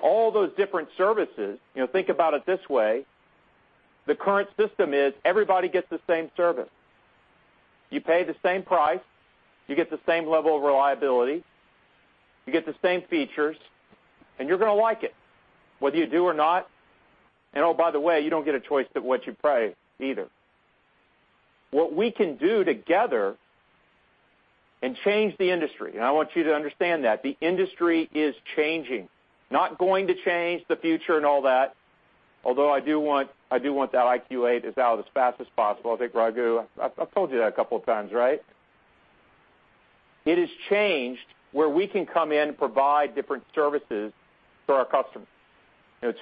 All those different services, think about it this way, the current system is everybody gets the same service. You pay the same price, you get the same level of reliability, you get the same features, and you're going to like it, whether you do or not. Oh, by the way, you don't get a choice of what you pay either. What we can do together and change the industry, and I want you to understand that the industry is changing, not going to change the future and all that, although I do want that IQ8 out as fast as possible. I think, Raghu, I've told you that a couple of times, right? It has changed where we can come in and provide different services for our customers.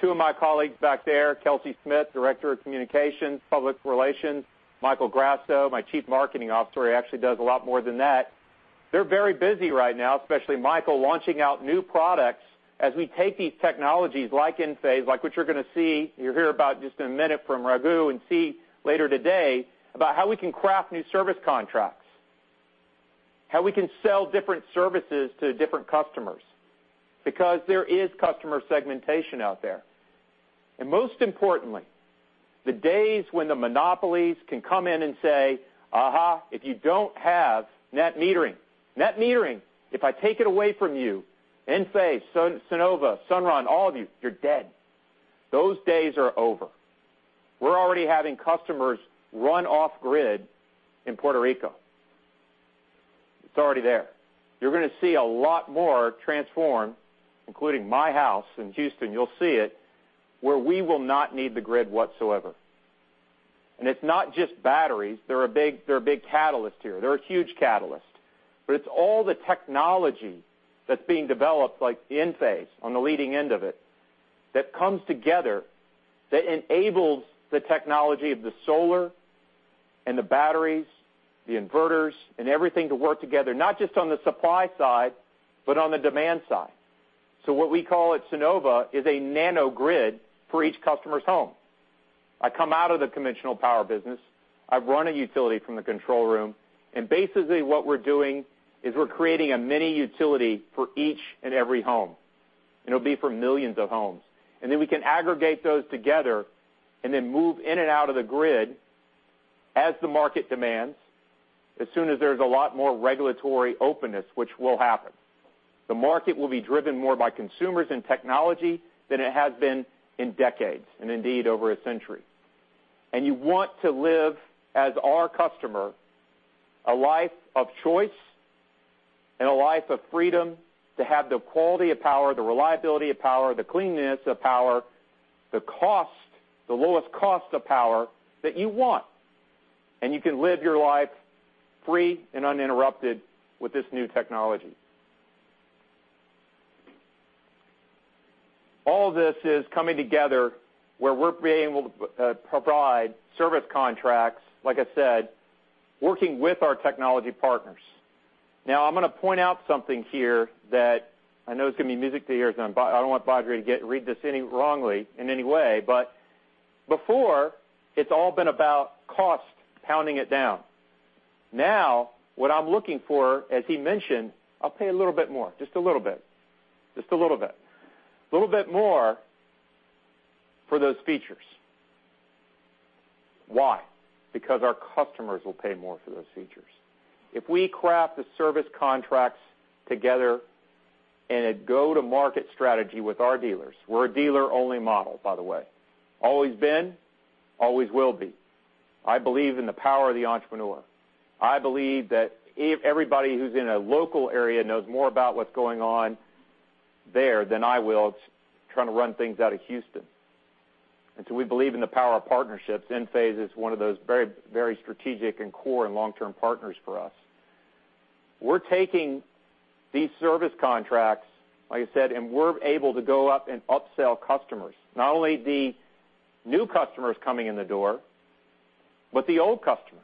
Two of my colleagues back there, Kelsey Smith, Director of Communications, Public Relations, Michael Grasso, my Chief Marketing Officer, he actually does a lot more than that. They're very busy right now, especially Michael, launching out new products as we take these technologies like Enphase, like what you're going to see and hear about just in a minute from Raghu and see later today about how we can craft new service contracts, how we can sell different services to different customers because there is customer segmentation out there. Most importantly, the days when the monopolies can come in and say, "Aha, if you don't have net metering. Net metering, if I take it away from you, Enphase, Sunnova, Sunrun, all of you're dead." Those days are over. We're already having customers run off grid in Puerto Rico. It's already there. You're going to see a lot more transform, including my house in Houston. You'll see it where we will not need the grid whatsoever. It's not just batteries. They're a big catalyst here. They're a huge catalyst. It's all the technology that's being developed like Enphase on the leading end of it, that comes together, that enables the technology of the solar and the batteries, the inverters, and everything to work together, not just on the supply side, but on the demand side. What we call at Sunnova is a nanogrid for each customer's home. I come out of the conventional power business. I've run a utility from the control room, and basically what we're doing is we're creating a mini utility for each and every home, and it'll be for millions of homes. We can aggregate those together and then move in and out of the grid as the market demands, as soon as there's a lot more regulatory openness, which will happen. The market will be driven more by consumers and technology than it has been in decades, and indeed over a century. You want to live as our customer, a life of choice and a life of freedom to have the quality of power, the reliability of power, the cleanness of power, the lowest cost of power that you want. You can live your life free and uninterrupted with this new technology. All this is coming together where we're being able to provide service contracts, like I said, working with our technology partners. I'm going to point out something here that I know is going to be music to your ears, and I don't want Badri to read this wrongly in any way, before it's all been about cost, pounding it down. What I'm looking for, as he mentioned, I'll pay a little bit more, just a little bit. A little bit more for those features. Why? Because our customers will pay more for those features. If we craft the service contracts together in a go-to-market strategy with our dealers, we're a dealer-only model, by the way. Always been, always will be. I believe in the power of the entrepreneur. I believe that if everybody who's in a local area knows more about what's going on there than I will trying to run things out of Houston. We believe in the power of partnerships. Enphase is one of those very strategic and core and long-term partners for us. We're taking these service contracts, like I said, we're able to go up and upsell customers. Not only the new customers coming in the door, the old customers.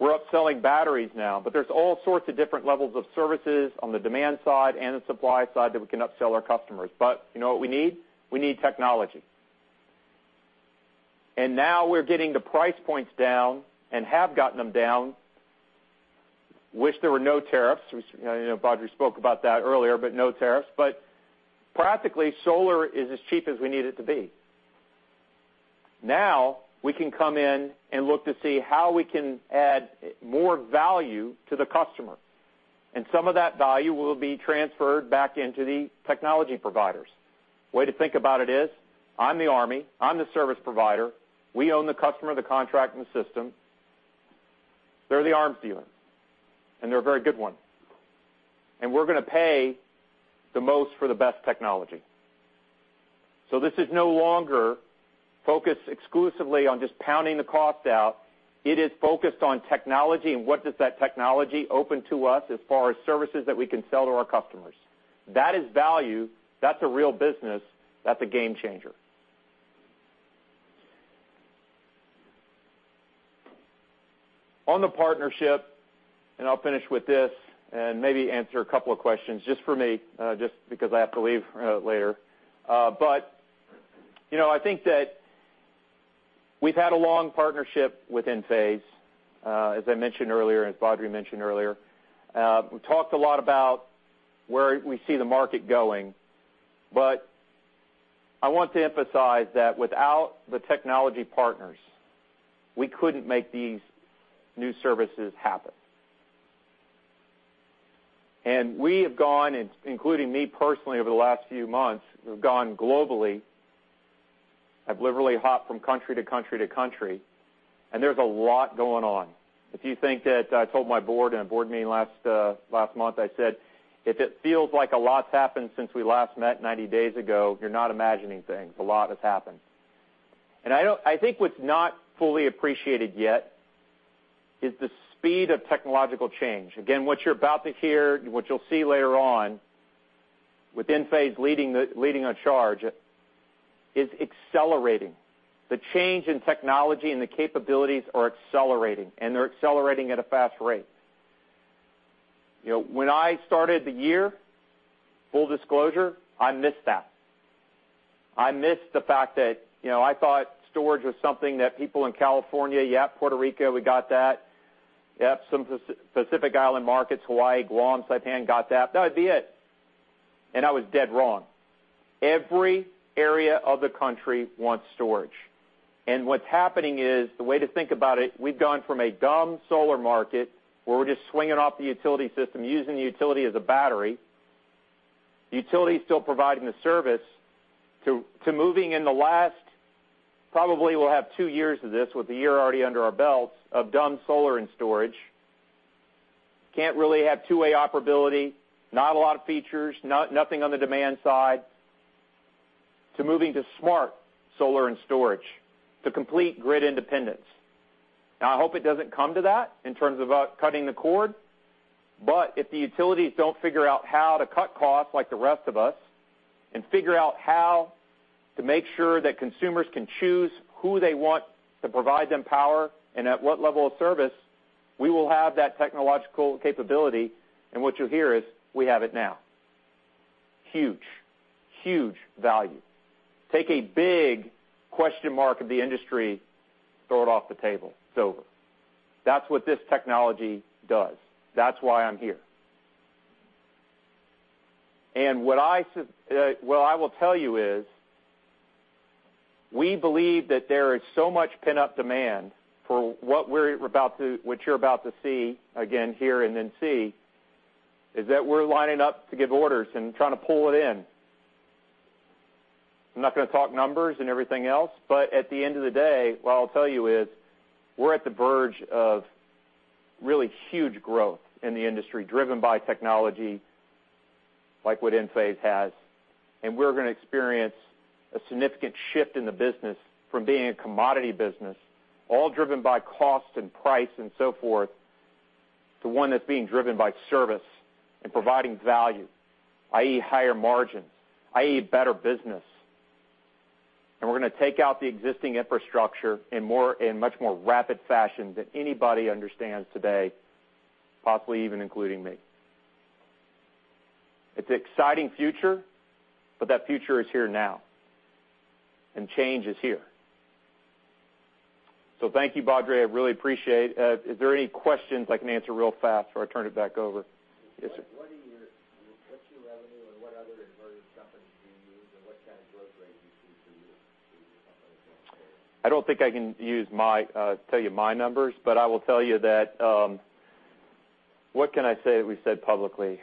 We're upselling batteries now, there's all sorts of different levels of services on the demand side and the supply side that we can upsell our customers. You know what we need? We need technology. Now we're getting the price points down and have gotten them down. Wish there were no tariffs, which I know Badri spoke about that earlier, no tariffs. Practically, solar is as cheap as we need it to be. We can come in and look to see how we can add more value to the customer, some of that value will be transferred back into the technology providers. Way to think about it is, I'm the army, I'm the service provider. We own the customer, the contract, and the system. They're the arms dealer, they're a very good one, we're going to pay the most for the best technology. This is no longer focused exclusively on just pounding the cost out. It is focused on technology and what does that technology open to us as far as services that we can sell to our customers. That is value. That's a real business. That's a game-changer. On the partnership, I'll finish with this and maybe answer a couple of questions just for me, just because I have to leave later. I think that we've had a long partnership with Enphase, as I mentioned earlier, and as Badri mentioned earlier. We talked a lot about where we see the market going. I want to emphasize that without the technology partners, we couldn't make these new services happen. We have gone, including me personally, over the last few months, globally. I've literally hopped from country to country to country. There's a lot going on. I told my board in a board meeting last month, I said, "If it feels like a lot's happened since we last met 90 days ago, you're not imagining things. A lot has happened." I think what's not fully appreciated yet is the speed of technological change. Again, what you're about to hear and what you'll see later on, with Enphase leading a charge, is accelerating. The change in technology and the capabilities are accelerating. They're accelerating at a fast rate. When I started the year, full disclosure, I missed that. I missed the fact that I thought storage was something that people in California, yeah, Puerto Rico, we got that. Yeah, some Pacific Island markets, Hawaii, Guam, Saipan got that. That would be it. I was dead wrong. Every area of the country wants storage. What's happening is, the way to think about it, we've gone from a dumb solar market where we're just swinging off the utility system, using the utility as a battery. The utility's still providing the service to moving in probably we'll have 2 years of this with 1 year already under our belts of dumb solar and storage. Can't really have 2-way operability, not a lot of features, nothing on the demand side, to moving to smart solar and storage, to complete grid independence. Now, I hope it doesn't come to that in terms of us cutting the cord. If the utilities don't figure out how to cut costs like the rest of us and figure out how to make sure that consumers can choose who they want to provide them power and at what level of service, we will have that technological capability. What you'll hear is we have it now. Huge. Huge value. Take a big question mark of the industry, throw it off the table. It's over. That's what this technology does. That's why I'm here. What I will tell you is, we believe that there is so much pent-up demand for what you're about to see, again, hear and then see, is that we're lining up to give orders and trying to pull it in. I'm not going to talk numbers and everything else. At the end of the day, what I'll tell you is we're at the verge of really huge growth in the industry, driven by technology like what Enphase has. We're going to experience a significant shift in the business from being a commodity business, all driven by cost and price and so forth, to one that's being driven by service and providing value, i.e. higher margins, i.e. better business. We're going to take out the existing infrastructure in much more rapid fashion than anybody understands today, possibly even including me. It's an exciting future, but that future is here now, and change is here. Thank you, Badri. I really appreciate. Is there any questions I can answer real fast before I turn it back over? Yes, sir. What's your revenue or what other inverter companies do you use, and what kind of growth rate do you see for your company going forward? I don't think I can tell you my numbers, but I will tell you that. What can I say that we've said publicly?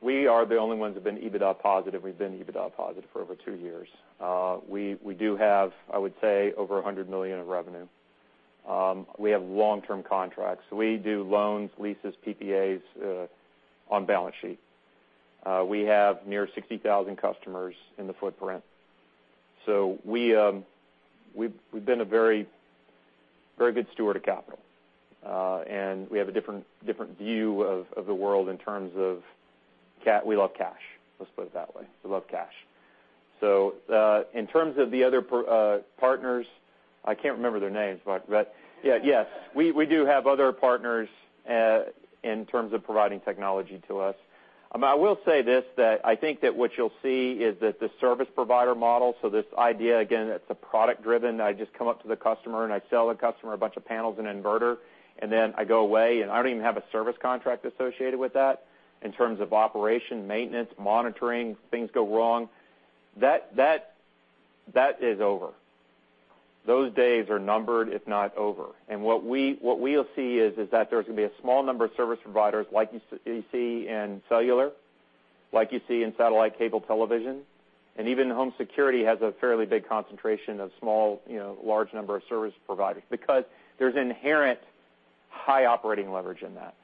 We are the only ones that have been EBITDA positive. We've been EBITDA positive for over two years. We do have, I would say, over $100 million of revenue. We have long-term contracts. We do loans, leases, PPAs on balance sheet. We have near 60,000 customers in the footprint. We've been a very good steward of capital. We have a different view of the world in terms of. We love cash, let's put it that way. We love cash. In terms of the other partners, I can't remember their names, but yes, we do have other partners, in terms of providing technology to us. I will say this, that I think that what you'll see is that the service provider model, so this idea, again, it's a product-driven, I just come up to the customer, and I sell the customer a bunch of panels and inverter, and then I go away, and I don't even have a service contract associated with that, in terms of operation, maintenance, monitoring, things go wrong. That is over. Those days are numbered, if not over. What we'll see is that there's going to be a small number of service providers like you see in cellular, like you see in satellite cable television, and even home security has a fairly big concentration of large number of service providers, because there's inherent high operating leverage in that.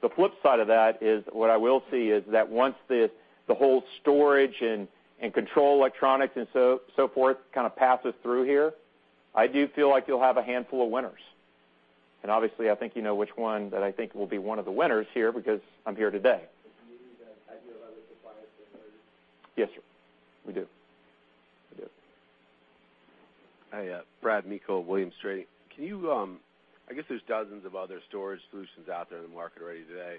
The flip side of that is, what I will see is that once the whole storage and control electronics and so forth kind of passes through here, I do feel like you'll have a handful of winners. Obviously, I think you know which one that I think will be one of the winners here because I'm here today. You need to add your other suppliers in? Yes, sir. We do. Hi, Bradford Meikle, Williams Trading. I guess there's dozens of other storage solutions out there in the market already today.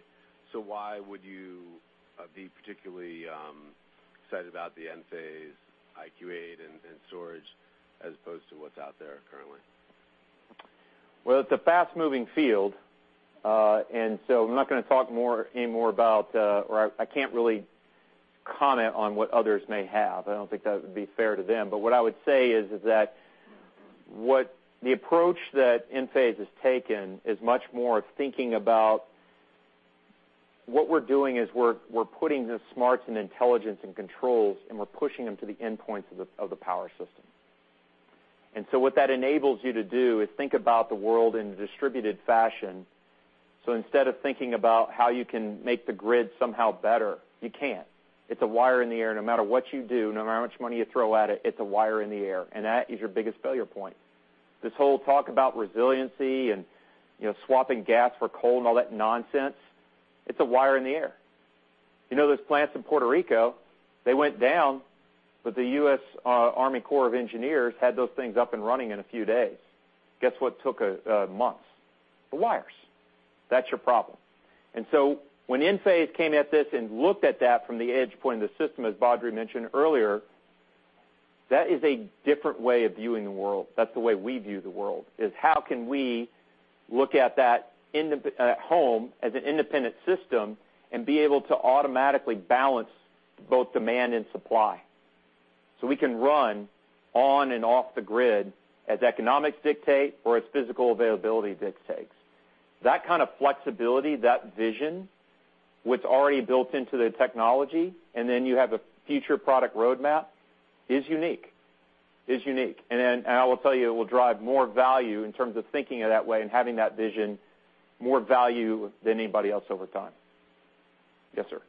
Why would you be particularly excited about the Enphase IQ8 and storage as opposed to what's out there currently? Well, it's a fast-moving field. I'm not going to talk anymore or I can't really comment on what others may have. I don't think that would be fair to them. What I would say is that the approach that Enphase has taken is much more of thinking. What we're doing is we're putting the smarts and intelligence and controls, and we're pushing them to the endpoints of the power system. What that enables you to do is think about the world in a distributed fashion. Instead of thinking about how you can make the grid somehow better, you can't. It's a wire in the air. No matter what you do, no matter how much money you throw at it's a wire in the air, and that is your biggest failure point. This whole talk about resiliency and swapping gas for coal and all that nonsense, it's a wire in the air. Those plants in Puerto Rico, they went down, but the U.S. Army Corps of Engineers had those things up and running in a few days. Guess what took months? The wires. That's your problem. When Enphase came at this and looked at that from the edge point of the system, as Badri mentioned earlier, that is a different way of viewing the world. That's the way we view the world, is how can we look at that home as an independent system and be able to automatically balance both demand and supply. We can run on and off the grid as economics dictate or as physical availability dictates. That kind of flexibility, that vision, what's already built into the technology, and then you have a future product roadmap, is unique. I will tell you, it will drive more value in terms of thinking of that way and having that vision, more value than anybody else over time. Yes, sir.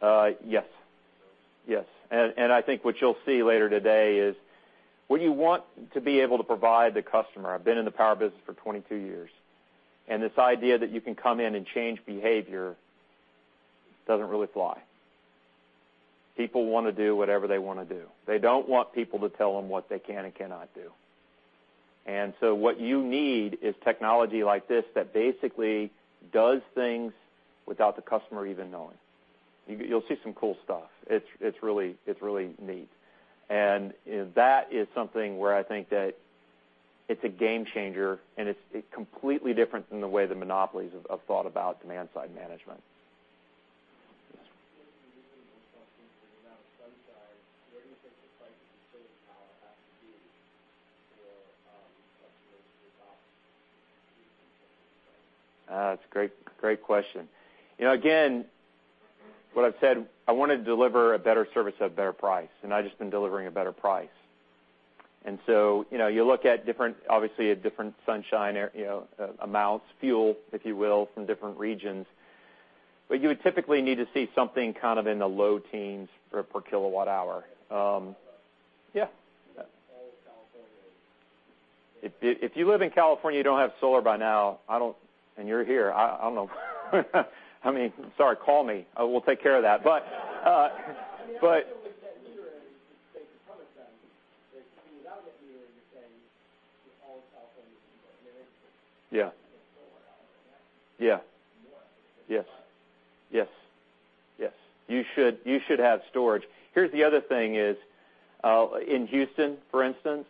On the management, are you looking in addition to the storage, are you looking at home automation and load shedding roadmaps? Yes. Okay. Yes. I think what you'll see later today is what you want to be able to provide the customer. I've been in the power business for 22 years, and this idea that you can come in and change behavior doesn't really fly. People want to do whatever they want to do. They don't want people to tell them what they can and cannot do. What you need is technology like this that basically does things without the customer even knowing. You'll see some cool stuff. It's really neat. That is something where I think that it's a game changer, and it's completely different than the way the monopolies have thought about demand-side management. Yes. the amount of sunshine, where do you think the price of the solar power has to be for customers to adopt right? That's a great question. Again, what I've said, I want to deliver a better service at a better price, and not just been delivering a better price. You look at obviously at different sunshine amounts, fuel, if you will, from different regions, but you would typically need to see something in the low teens for a per kilowatt hour. Yeah. All of California. If you live in California, you don't have solar by now, and you're here, I don't know. Sorry, call me. We'll take care of that. I mean, I don't think with net metering, they can stomach them. Without net metering, you're saying all of California solar power more. Yes. You should have storage. Here's the other thing is, in Houston, for instance,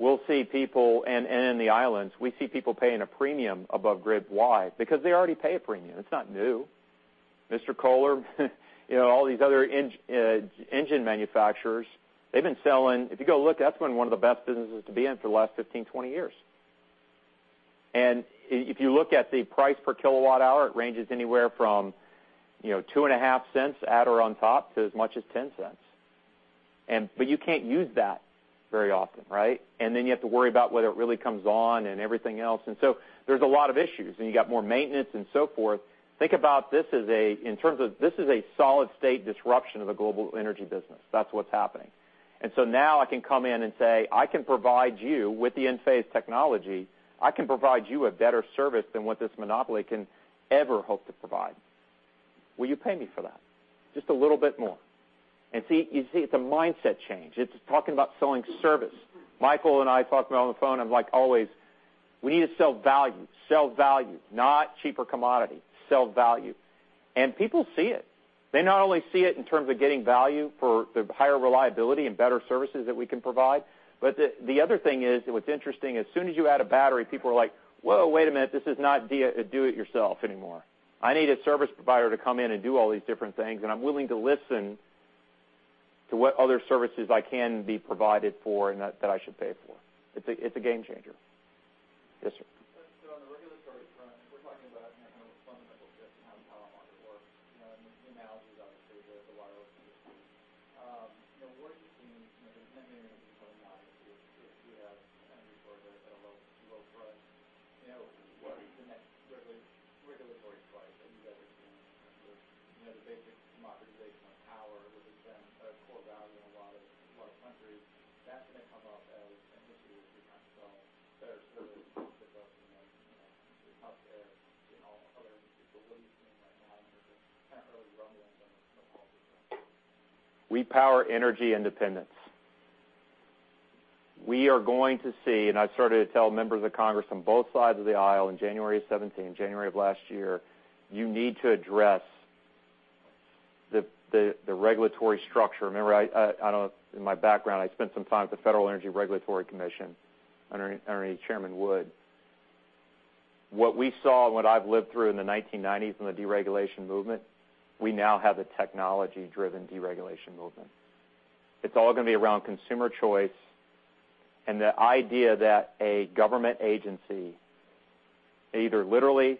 and in the islands, we see people paying a premium above grid. Why? Because they already pay a premium. It's not new. Mr. Kohler, all these other engine manufacturers, they've been selling. If you go look, that's been one of the best businesses to be in for the last 15, 20 years. If you look at the price per kilowatt hour, it ranges anywhere from $0.025 add or on top to as much as $0.10. You can't use that very often, right? Then you have to worry about whether it really comes on and everything else. So there's a lot of issues, and you got more maintenance and so forth. Think about this, in terms of this is a solid-state disruption of the global energy business. That's what's happening. So now I can come in and say, "I can provide you with the Enphase technology. I can provide you a better service than what this monopoly can ever hope to provide. Will you pay me for that? Just a little bit more." You see it's a mindset change. It's talking about selling service. Michael and I talk on the phone, I'm like, "Always, we need to sell value. Not cheaper commodity. Sell value." People see it. They not only see it in terms of getting value for the higher reliability and better services that we can provide. The other thing is, what's interesting, as soon as you add a battery, people are like, "Whoa, wait a minute. This is not do-it-yourself anymore. I need a service provider to come in and do all these different things, and I'm willing to listen to what other services I can be provided for and that I should pay for." It's a game changer. Yes, sir. we now have a technology-driven deregulation movement. It's all going to be around consumer choice and the idea that a government agency, either literally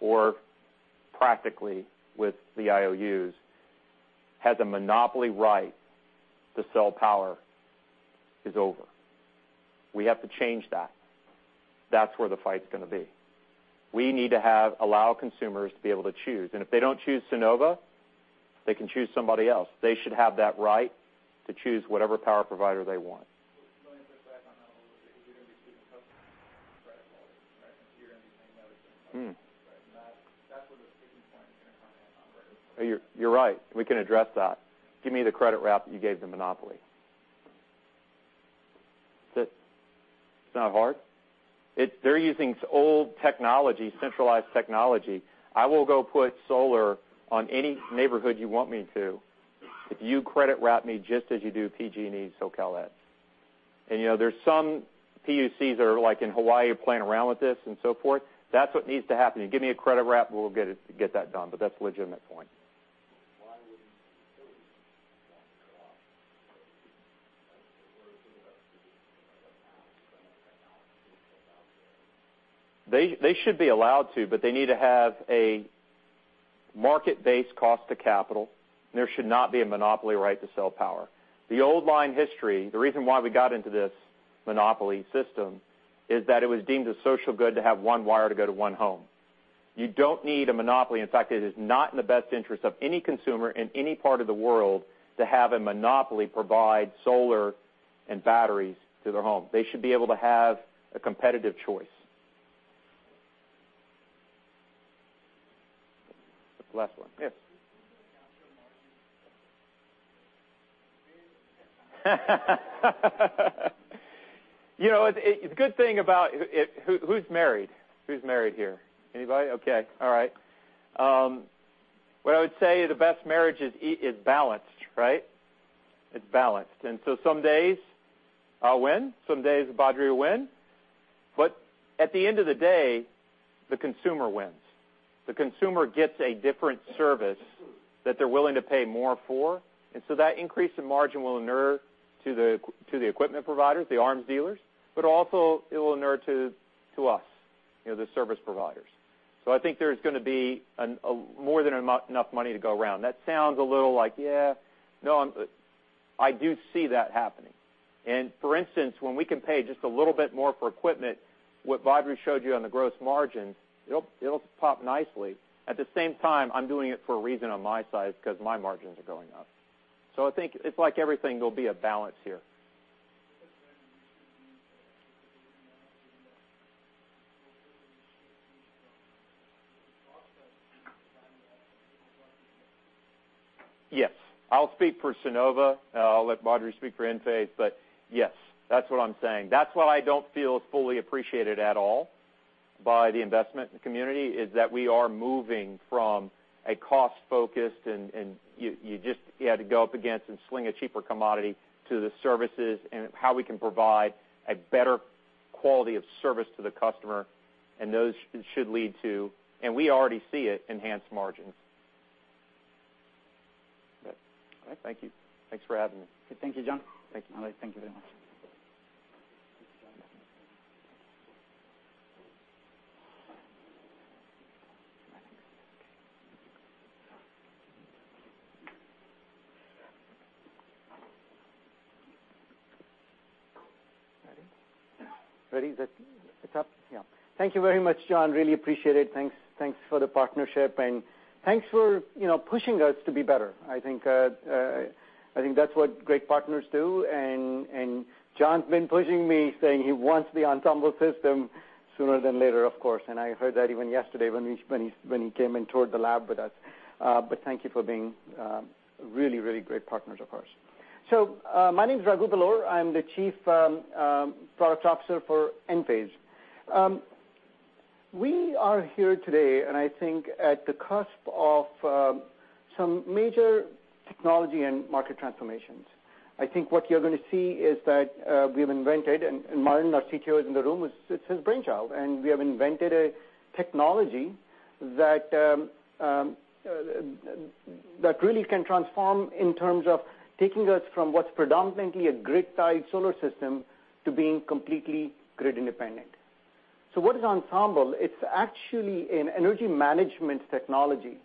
or practically with the IOUs, has a monopoly right to sell power is over. We have to change that. That's where the fight's going to be. We need to allow consumers to be able to choose. If they don't choose Sunnova, they can choose somebody else. They should have that right to choose whatever power provider they want. Just going to push back on that a little bit, because you're going to be competing with customer credit quality, right? Because you're going to be paying that against customer credit quality, right? That's where the sticking point is going to come in on regulatory. You're right. We can address that. Give me the credit wrap that you gave the monopoly. It's not hard. They're using old technology, centralized technology. I will go put solar on any neighborhood you want me to if you credit wrap me just as you do PG&E, SoCalEd. There's some PUCs that are like in Hawaii playing around with this and so forth. That's what needs to happen. You give me a credit wrap, we'll get that done. That's a legitimate point. Why wouldn't utilities want to cut out the middleman? We're talking about the past, the current technology that's out there. They should be allowed to, but they need to have a market-based cost to capital, and there should not be a monopoly right to sell power. The old line history, the reason why we got into this monopoly system, is that it was deemed a social good to have one wire to go to one home. You don't need a monopoly. In fact, it is not in the best interest of any consumer in any part of the world to have a monopoly provide solar and batteries to their home. They should be able to have a competitive choice. The last one. Yes. Do you see the downstream margin expanding or contracting? Who's married? Who's married here? Anybody? Okay. All right. What I would say the best marriage is balanced, right? It's balanced. Some days I'll win, some days Badri will win. At the end of the day, the consumer wins. The consumer gets a different service that they're willing to pay more for, that increase in margin will inure to the equipment providers, the arms dealers, but also it will inure to us, the service providers. I think there's going to be more than enough money to go around. That sounds a little like, yeah. No, I do see that happening. For instance, when we can pay just a little bit more for equipment, what Badri showed you on the gross margin, it'll pop nicely. At the same time, I'm doing it for a reason on my side, because my margins are going up. I think it's like everything, there'll be a balance here. Does that lead to the conclusion that ultimately you see a boost in gross margin as you add more and more services? Yes. I'll speak for Sunnova. I'll let Badri speak for Enphase, but yes, that's what I'm saying. That's why I don't feel it's fully appreciated at all by the investment community, is that we are moving from a cost-focused, and you just had to go up against and sling a cheaper commodity to the services and how we can provide a better quality of service to the customer, and those should lead to, and we already see it, enhanced margins. All right. Thank you. Thanks for having me. Thank you, John. Thank you. All right. Thank you very much. Ready? Ready, the top. Yeah. Thank you very much, John. Really appreciate it. Thanks for the partnership and thanks for pushing us to be better. I think that's what great partners do, and John's been pushing me, saying he wants the Ensemble system sooner than later, of course. I heard that even yesterday when he came and toured the lab with us. Thank you for being really great partners of ours. My name is Raghu Belur. I'm the Chief Product Officer for Enphase. We are here today, and I think at the cusp of some major technology and market transformations. I think what you're going to see is that we have invented, and Martin, our CTO, is in the room. It's his brainchild. We have invented a technology that really can transform in terms of taking us from what's predominantly a grid-tied solar system to being completely grid independent. What is Ensemble? It's actually an energy management technology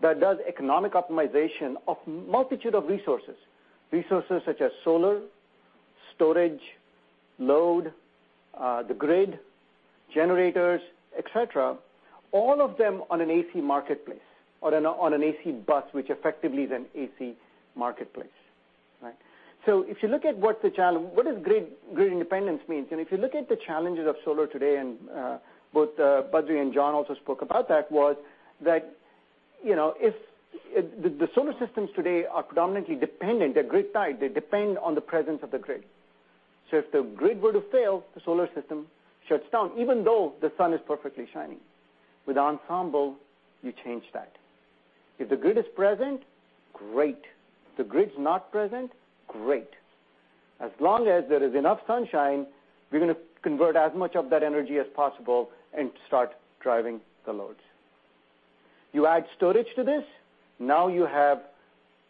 that does economic optimization of a multitude of resources. Resources such as solar, storage, load, the grid, generators, et cetera, all of them on an AC marketplace or on an AC bus, which effectively is an AC marketplace. Right? If you look at what the challenge, what does grid independence mean? If you look at the challenges of solar today, both Badri and John also spoke about that, was that the solar systems today are predominantly dependent. They're grid-tied. They depend on the presence of the grid. If the grid were to fail, the solar system shuts down, even though the sun is perfectly shining. With Ensemble, you change that. If the grid is present, great. The grid's not present, great. As long as there is enough sunshine, we're going to convert as much of that energy as possible and start driving the loads. You add storage to this, now you have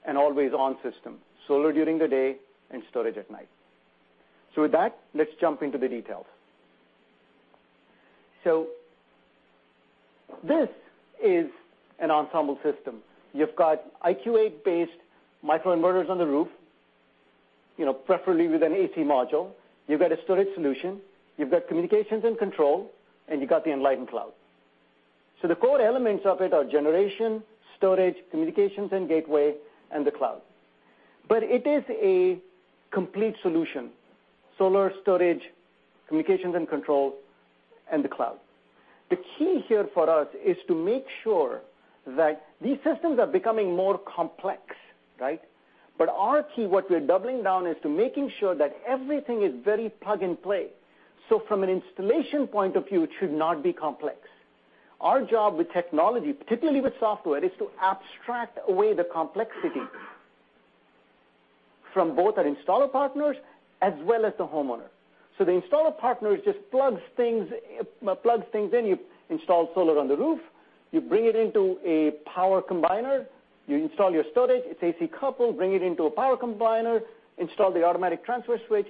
an always-on system, solar during the day and storage at night. With that, let's jump into the details. This is an Ensemble system. You've got IQ8-based microinverters on the roof, preferably with an AC module. You've got a storage solution, you've got communications and control, and you've got the Enlighten cloud. The core elements of it are generation, storage, communications and gateway, and the cloud. It is a complete solution, solar, storage, communications and control, and the cloud. The key here for us is to make sure that these systems are becoming more complex. Right? Our key, what we're doubling down is to making sure that everything is very plug and play. From an installation point of view, it should not be complex. Our job with technology, particularly with software, is to abstract away the complexity from both our installer partners as well as the homeowner. The installer partners just plugs things in. You install solar on the roof, you bring it into a power combiner, you install your storage, it's AC coupled, bring it into a power combiner, install the automatic transfer switch.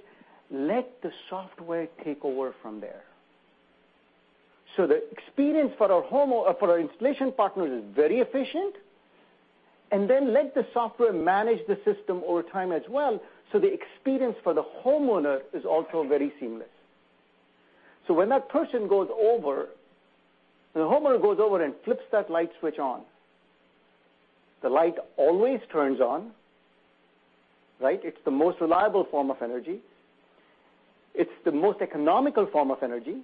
Let the software take over from there. The experience for our installation partners is very efficient, and then let the software manage the system over time as well, so the experience for the homeowner is also very seamless. When that person goes over, when the homeowner goes over and flips that light switch on, the light always turns on, right? It's the most reliable form of energy. It's the most economical form of energy.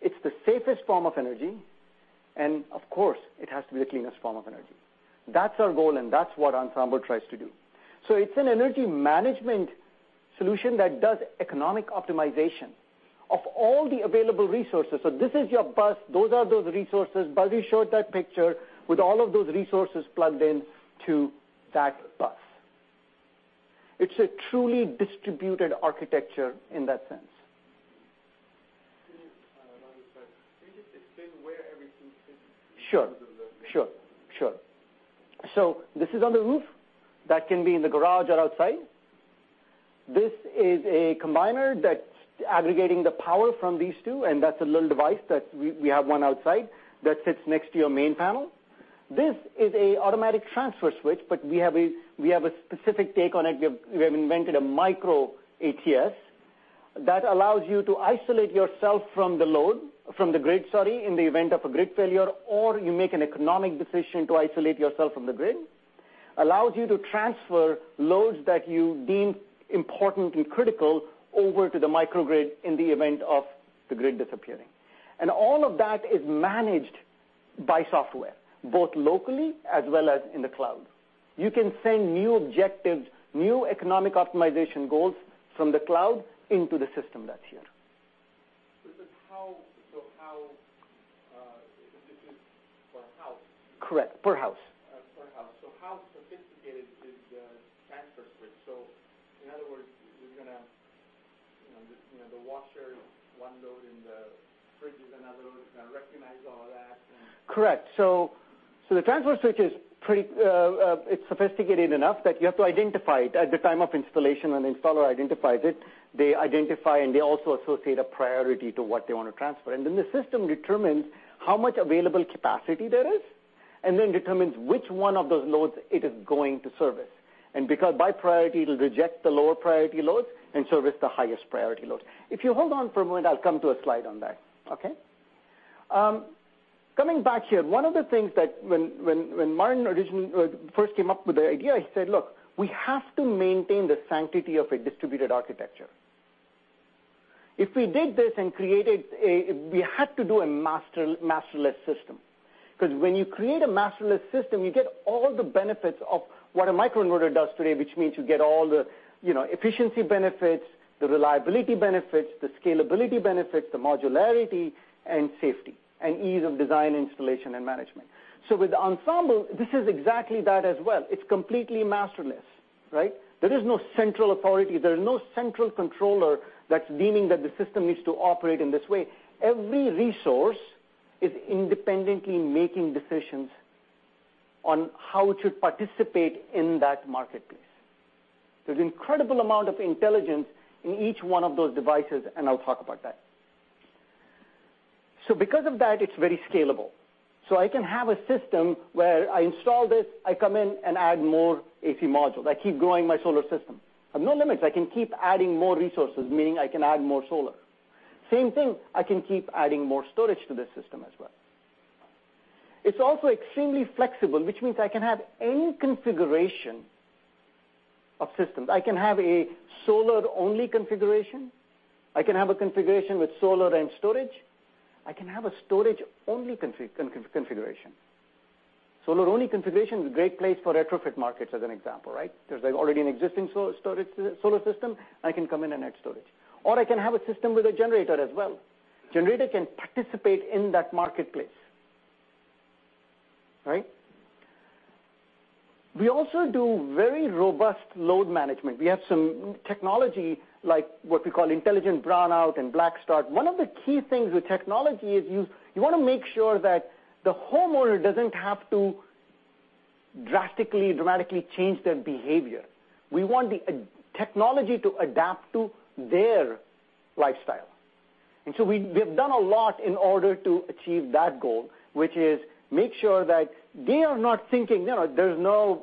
It's the safest form of energy, and of course, it has to be the cleanest form of energy. That's our goal, and that's what Ensemble tries to do. It's an energy management solution that does economic optimization of all the available resources. This is your bus. Those are those resources. Badri showed that picture with all of those resources plugged into that bus. It's a truly distributed architecture in that sense. Can you, Raghu, sorry. Can you just explain where everything fits. Sure In terms of the. Sure. This is on the roof. That can be in the garage or outside. This is a combiner that's aggregating the power from these two, and that's a little device that we have one outside that sits next to your main panel. This is a automatic transfer switch, but we have a specific take on it. We have invented a micro ATS that allows you to isolate yourself from the load, from the grid, sorry, in the event of a grid failure, or you make an economic decision to isolate yourself from the grid. It allows you to transfer loads that you deem important and critical over to the microgrid in the event of the grid disappearing. All of that is managed by software, both locally as well as in the cloud. You can send new objectives, new economic optimization goals from the cloud into the system that's here. This is per house? Correct. Per house. Per house. How sophisticated is the transfer switch? In other words, Just the washer is one load and the fridge is another load. It recognizes all of that? Correct. The transfer switch is sophisticated enough that you have to identify it at the time of installation, an installer identifies it. They identify, and they also associate a priority to what they want to transfer. Then the system determines how much available capacity there is, and then determines which one of those loads it is going to service. Because by priority, it'll reject the lower priority loads and service the highest priority loads. If you hold on for a moment, I'll come to a slide on that, okay? Coming back here, one of the things that when Martin first came up with the idea, he said, "Look, we have to maintain the sanctity of a distributed architecture." If we did this and We had to do a masterless system, because when you create a masterless system, you get all the benefits of what a microinverter does today, which means you get all the efficiency benefits, the reliability benefits, the scalability benefits, the modularity, and safety, and ease of design, installation, and management. With Ensemble, this is exactly that as well. It's completely masterless, right? There is no central authority. There is no central controller that's deeming that the system needs to operate in this way. Every resource is independently making decisions on how it should participate in that marketplace. There's incredible amount of intelligence in each one of those devices, and I'll talk about that. Because of that, it's very scalable. I can have a system where I install this, I come in and add more AC modules. I keep growing my solar system. I have no limits. I can keep adding more resources, meaning I can add more solar. Same thing, I can keep adding more storage to this system as well. It's also extremely flexible, which means I can have any configuration of systems. I can have a solar-only configuration. I can have a configuration with solar and storage. I can have a storage-only configuration. Solar-only configuration is a great place for retrofit markets, as an example, right. There's already an existing solar system, I can come in and add storage. Or I can have a system with a generator as well. Generator can participate in that marketplace. Right. We also do very robust load management. We have some technology, like what we call intelligent brownout and black start. One of the key things with technology is you want to make sure that the homeowner doesn't have to drastically, dramatically change their behavior. We want the technology to adapt to their lifestyle. We've done a lot in order to achieve that goal, which is make sure that they are not thinking -- there's no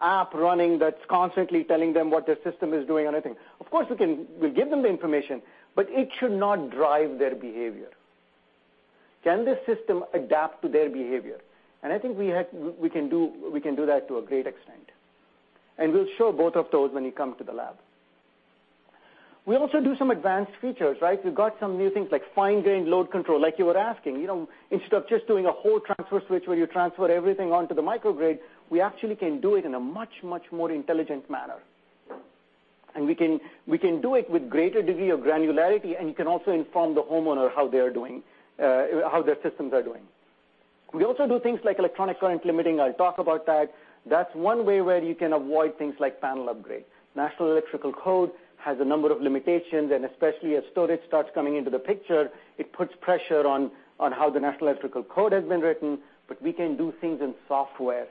app running that's constantly telling them what their system is doing or anything. Of course, we give them the information, but it should not drive their behavior. Can the system adapt to their behavior? I think we can do that to a great extent. We'll show both of those when you come to the lab. We also do some advanced features, right. We've got some new things like fine-grained load control, like you were asking. Instead of just doing a whole transfer switch where you transfer everything onto the microgrid, we actually can do it in a much more intelligent manner. We can do it with greater degree of granularity, and you can also inform the homeowner how their systems are doing. We also do things like electronic current limiting. I'll talk about that. That's one way where you can avoid things like panel upgrades. National Electrical Code has a number of limitations, and especially as storage starts coming into the picture, it puts pressure on how the National Electrical Code has been written, but we can do things in software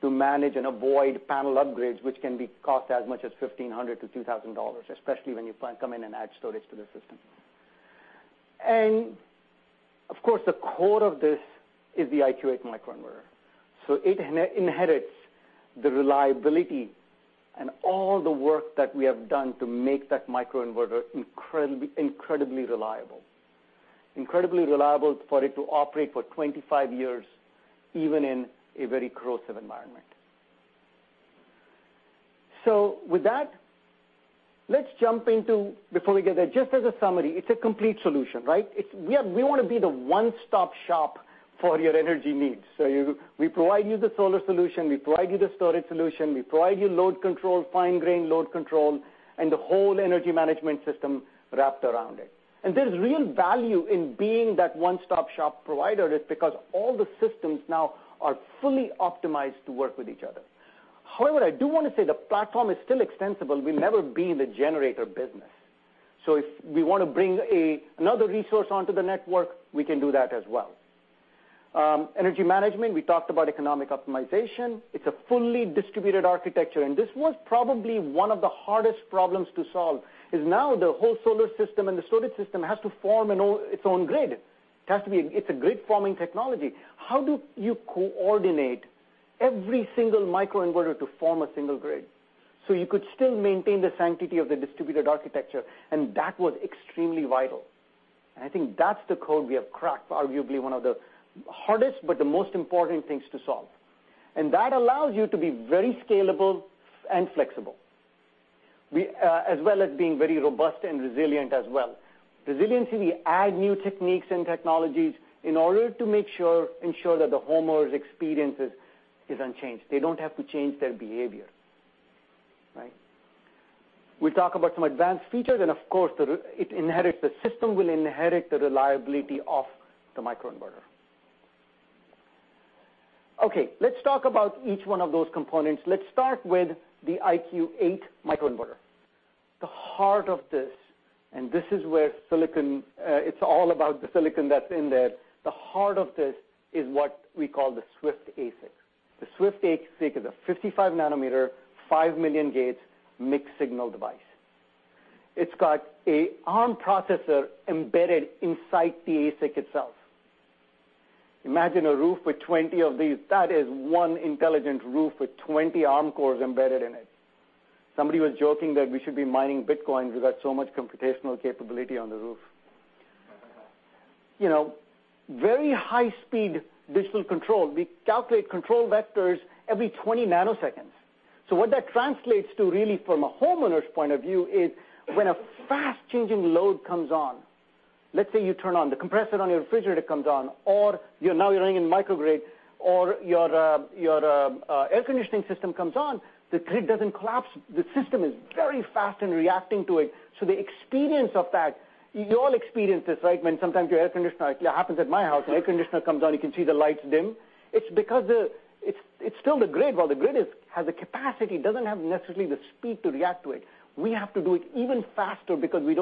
to manage and avoid panel upgrades, which can be cost as much as $1,500-$2,000, especially when you come in and add storage to the system. Of course, the core of this is the IQ8 microinverter. It inherits the reliability and all the work that we have done to make that microinverter incredibly reliable. Incredibly reliable for it to operate for 25 years, even in a very corrosive environment. With that, let's jump into, before we get there, just as a summary, it's a complete solution, right. We want to be the one-stop shop for your energy needs. We provide you the solar solution, we provide you the storage solution, we provide you load control, fine grain load control, and the whole energy management system wrapped around it. There's real value in being that one-stop shop provider is because all the systems now are fully optimized to work with each other. However, I do want to say the platform is still extensible. We've never been in the generator business. If we want to bring another resource onto the network, we can do that as well. Energy management, we talked about economic optimization. It's a fully distributed architecture, this was probably one of the hardest problems to solve, is now the whole solar system and the storage system has to form its own grid. It's a grid-forming technology. How do you coordinate every single microinverter to form a single grid? You could still maintain the sanctity of the distributed architecture, that was extremely vital. I think that's the code we have cracked, arguably one of the hardest but the most important things to solve. That allows you to be very scalable and flexible, as well as being very robust and resilient as well. Resiliency, add new techniques and technologies in order to ensure that the homeowner's experience is unchanged. They don't have to change their behavior. Right? We talk about some advanced features, of course, the system will inherit the reliability of the microinverter. Let's talk about each one of those components. Let's start with the IQ 8 microinverter. The heart of this is where it's all about the silicon that's in there, the heart of this is what we call the Swift ASIC. The Swift ASIC is a 55 nanometer, 5 million gates mixed signal device. It's got an ARM processor embedded inside the ASIC itself. Imagine a roof with 20 of these. That is one intelligent roof with 20 ARM cores embedded in it. Somebody was joking that we should be mining Bitcoin because we got so much computational capability on the roof. Very high speed digital control. We calculate control vectors every 20 nanoseconds. What that translates to really from a homeowner's point of view is when a fast-changing load comes on, let's say you turn on, the compressor on your refrigerator comes on, or you're now running in microgrid, or your air conditioning system comes on, the grid doesn't collapse. The system is very fast in reacting to it. The experience of that, you all experience this, right? When sometimes your air conditioner, it happens at my house, your air conditioner comes on, you can see the lights dim. It's because it's still the grid. While the grid has the capacity, it doesn't have necessarily the speed to react to it. We have to do it even faster because we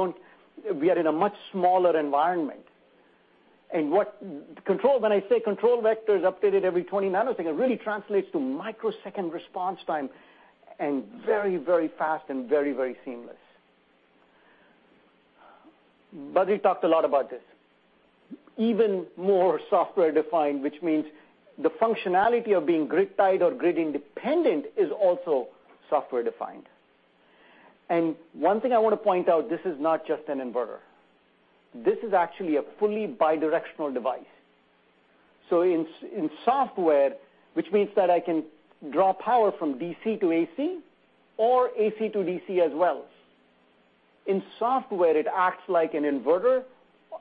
are in a much smaller environment. When I say control vector is updated every 20 nanoseconds, it really translates to microsecond response time, very, very fast and very, very seamless. Badri talked a lot about this. Even more software defined, which means the functionality of being grid-tied or grid-independent is also software defined. One thing I want to point out, this is not just an inverter. This is actually a fully bidirectional device. In software, which means that I can draw power from DC to AC or AC to DC as well. In software, it acts like an inverter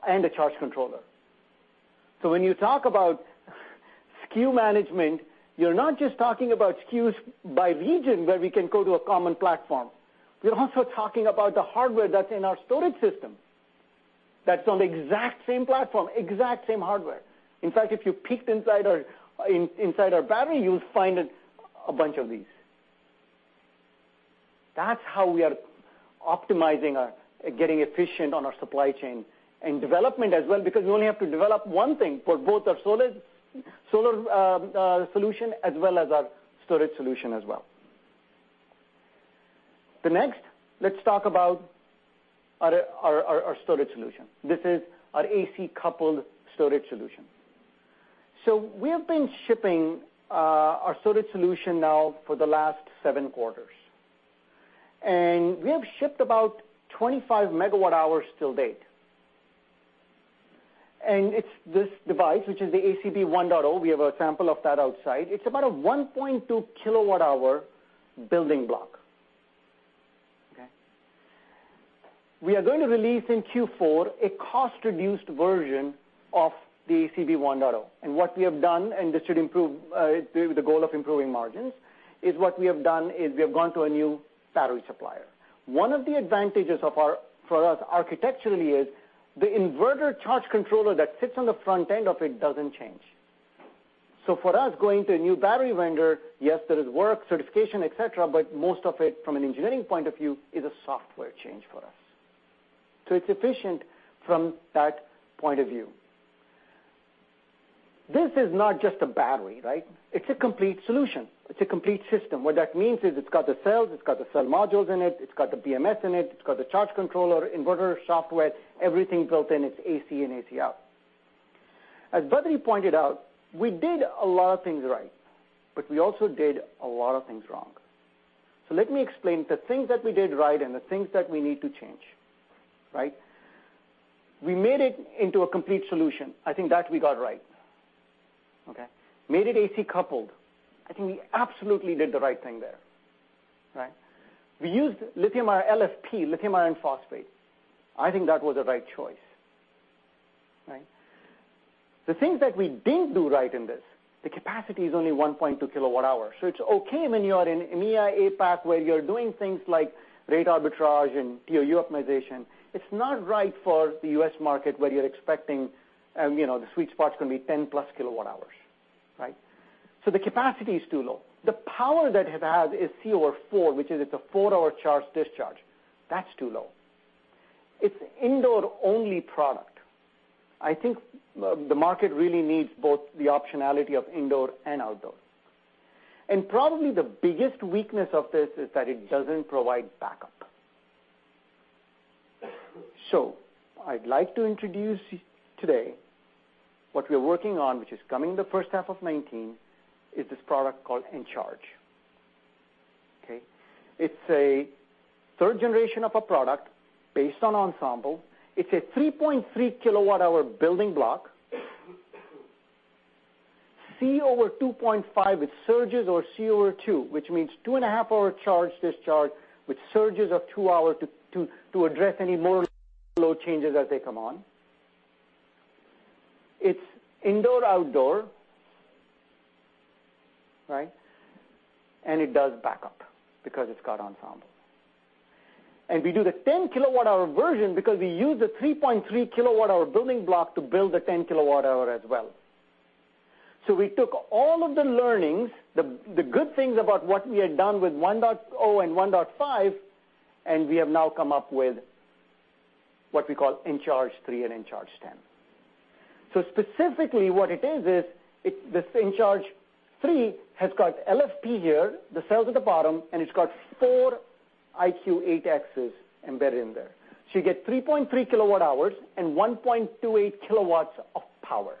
and a charge controller. When you talk about SKU management, you're not just talking about SKUs by region, where we can go to a common platform. We're also talking about the hardware that's in our storage system, that's on the exact same platform, exact same hardware. If you peeked inside our battery, you'd find a bunch of these. That's how we are optimizing or getting efficient on our supply chain and development as well, because you only have to develop one thing for both our solar solution as well as our storage solution as well. Let's talk about our storage solution. This is our AC-coupled storage solution. We have been shipping our storage solution now for the last seven quarters, and we have shipped about 25 megawatt hours till date. It's this device, which is the ACB 1.0. We have a sample of that outside. It's about a 1.2 kilowatt hour building block. Okay. We are going to release in Q4 a cost-reduced version of the ACB 1.0, and what we have done, and this should improve, the goal of improving margins, is what we have done is we have gone to a new battery supplier. One of the advantages for us architecturally is the inverter charge controller that sits on the front end of it doesn't change. For us, going to a new battery vendor, yes, there is work, certification, et cetera, but most of it, from an engineering point of view, is a software change for us. It's efficient from that point of view. This is not just a battery, right? It's a complete solution. It's a complete system. What that means is it's got the cells, it's got the cell modules in it's got the BMS in it's got the charge controller, inverter, software, everything built in. It's AC in, AC out. As Badri pointed out, we did a lot of things right, but we also did a lot of things wrong. Let me explain the things that we did right and the things that we need to change. Right? We made it into a complete solution. I think that we got right. Okay? Made it AC coupled. I think we absolutely did the right thing there. Right? We used LFP, lithium iron phosphate. I think that was the right choice. Right? The things that we didn't do right in this, the capacity is only 1.2 kilowatt hours. It's okay when you are in EMEA, APAC, where you're doing things like rate arbitrage and TOU optimization. It's not right for the U.S. market where you're expecting the sweet spot is going to be 10-plus kilowatt hours. Right? The capacity is too low. The power that it has is C over four, which is it's a four-hour charge discharge. That's too low. It's indoor-only product. I think the market really needs both the optionality of indoor and outdoor. Probably the biggest weakness of this is that it doesn't provide backup. I'd like to introduce today what we're working on, which is coming in the first half of 2019, is this product called Encharge. Okay? It's a third generation of a product based on Ensemble. It's a 3.3 kilowatt hour building block. C over 2.5 with surges or C over two, which means two and a half hour charge discharge with surges of two hours to address any load changes as they come on. It's indoor/outdoor. Right? It does backup because it's got Ensemble. We do the 10 kWh version because we use the 3.3 kWh building block to build the 10 kWh as well. We took all of the learnings, the good things about what we had done with 1.0 and 1.5, and we have now come up with what we call Encharge 3 and Encharge 10. Specifically, what it is, this Encharge 3 has got LFP here, the cells at the bottom, and it's got four IQ8Xs embedded in there. You get 3.3 kWh and 1.28 kW of power.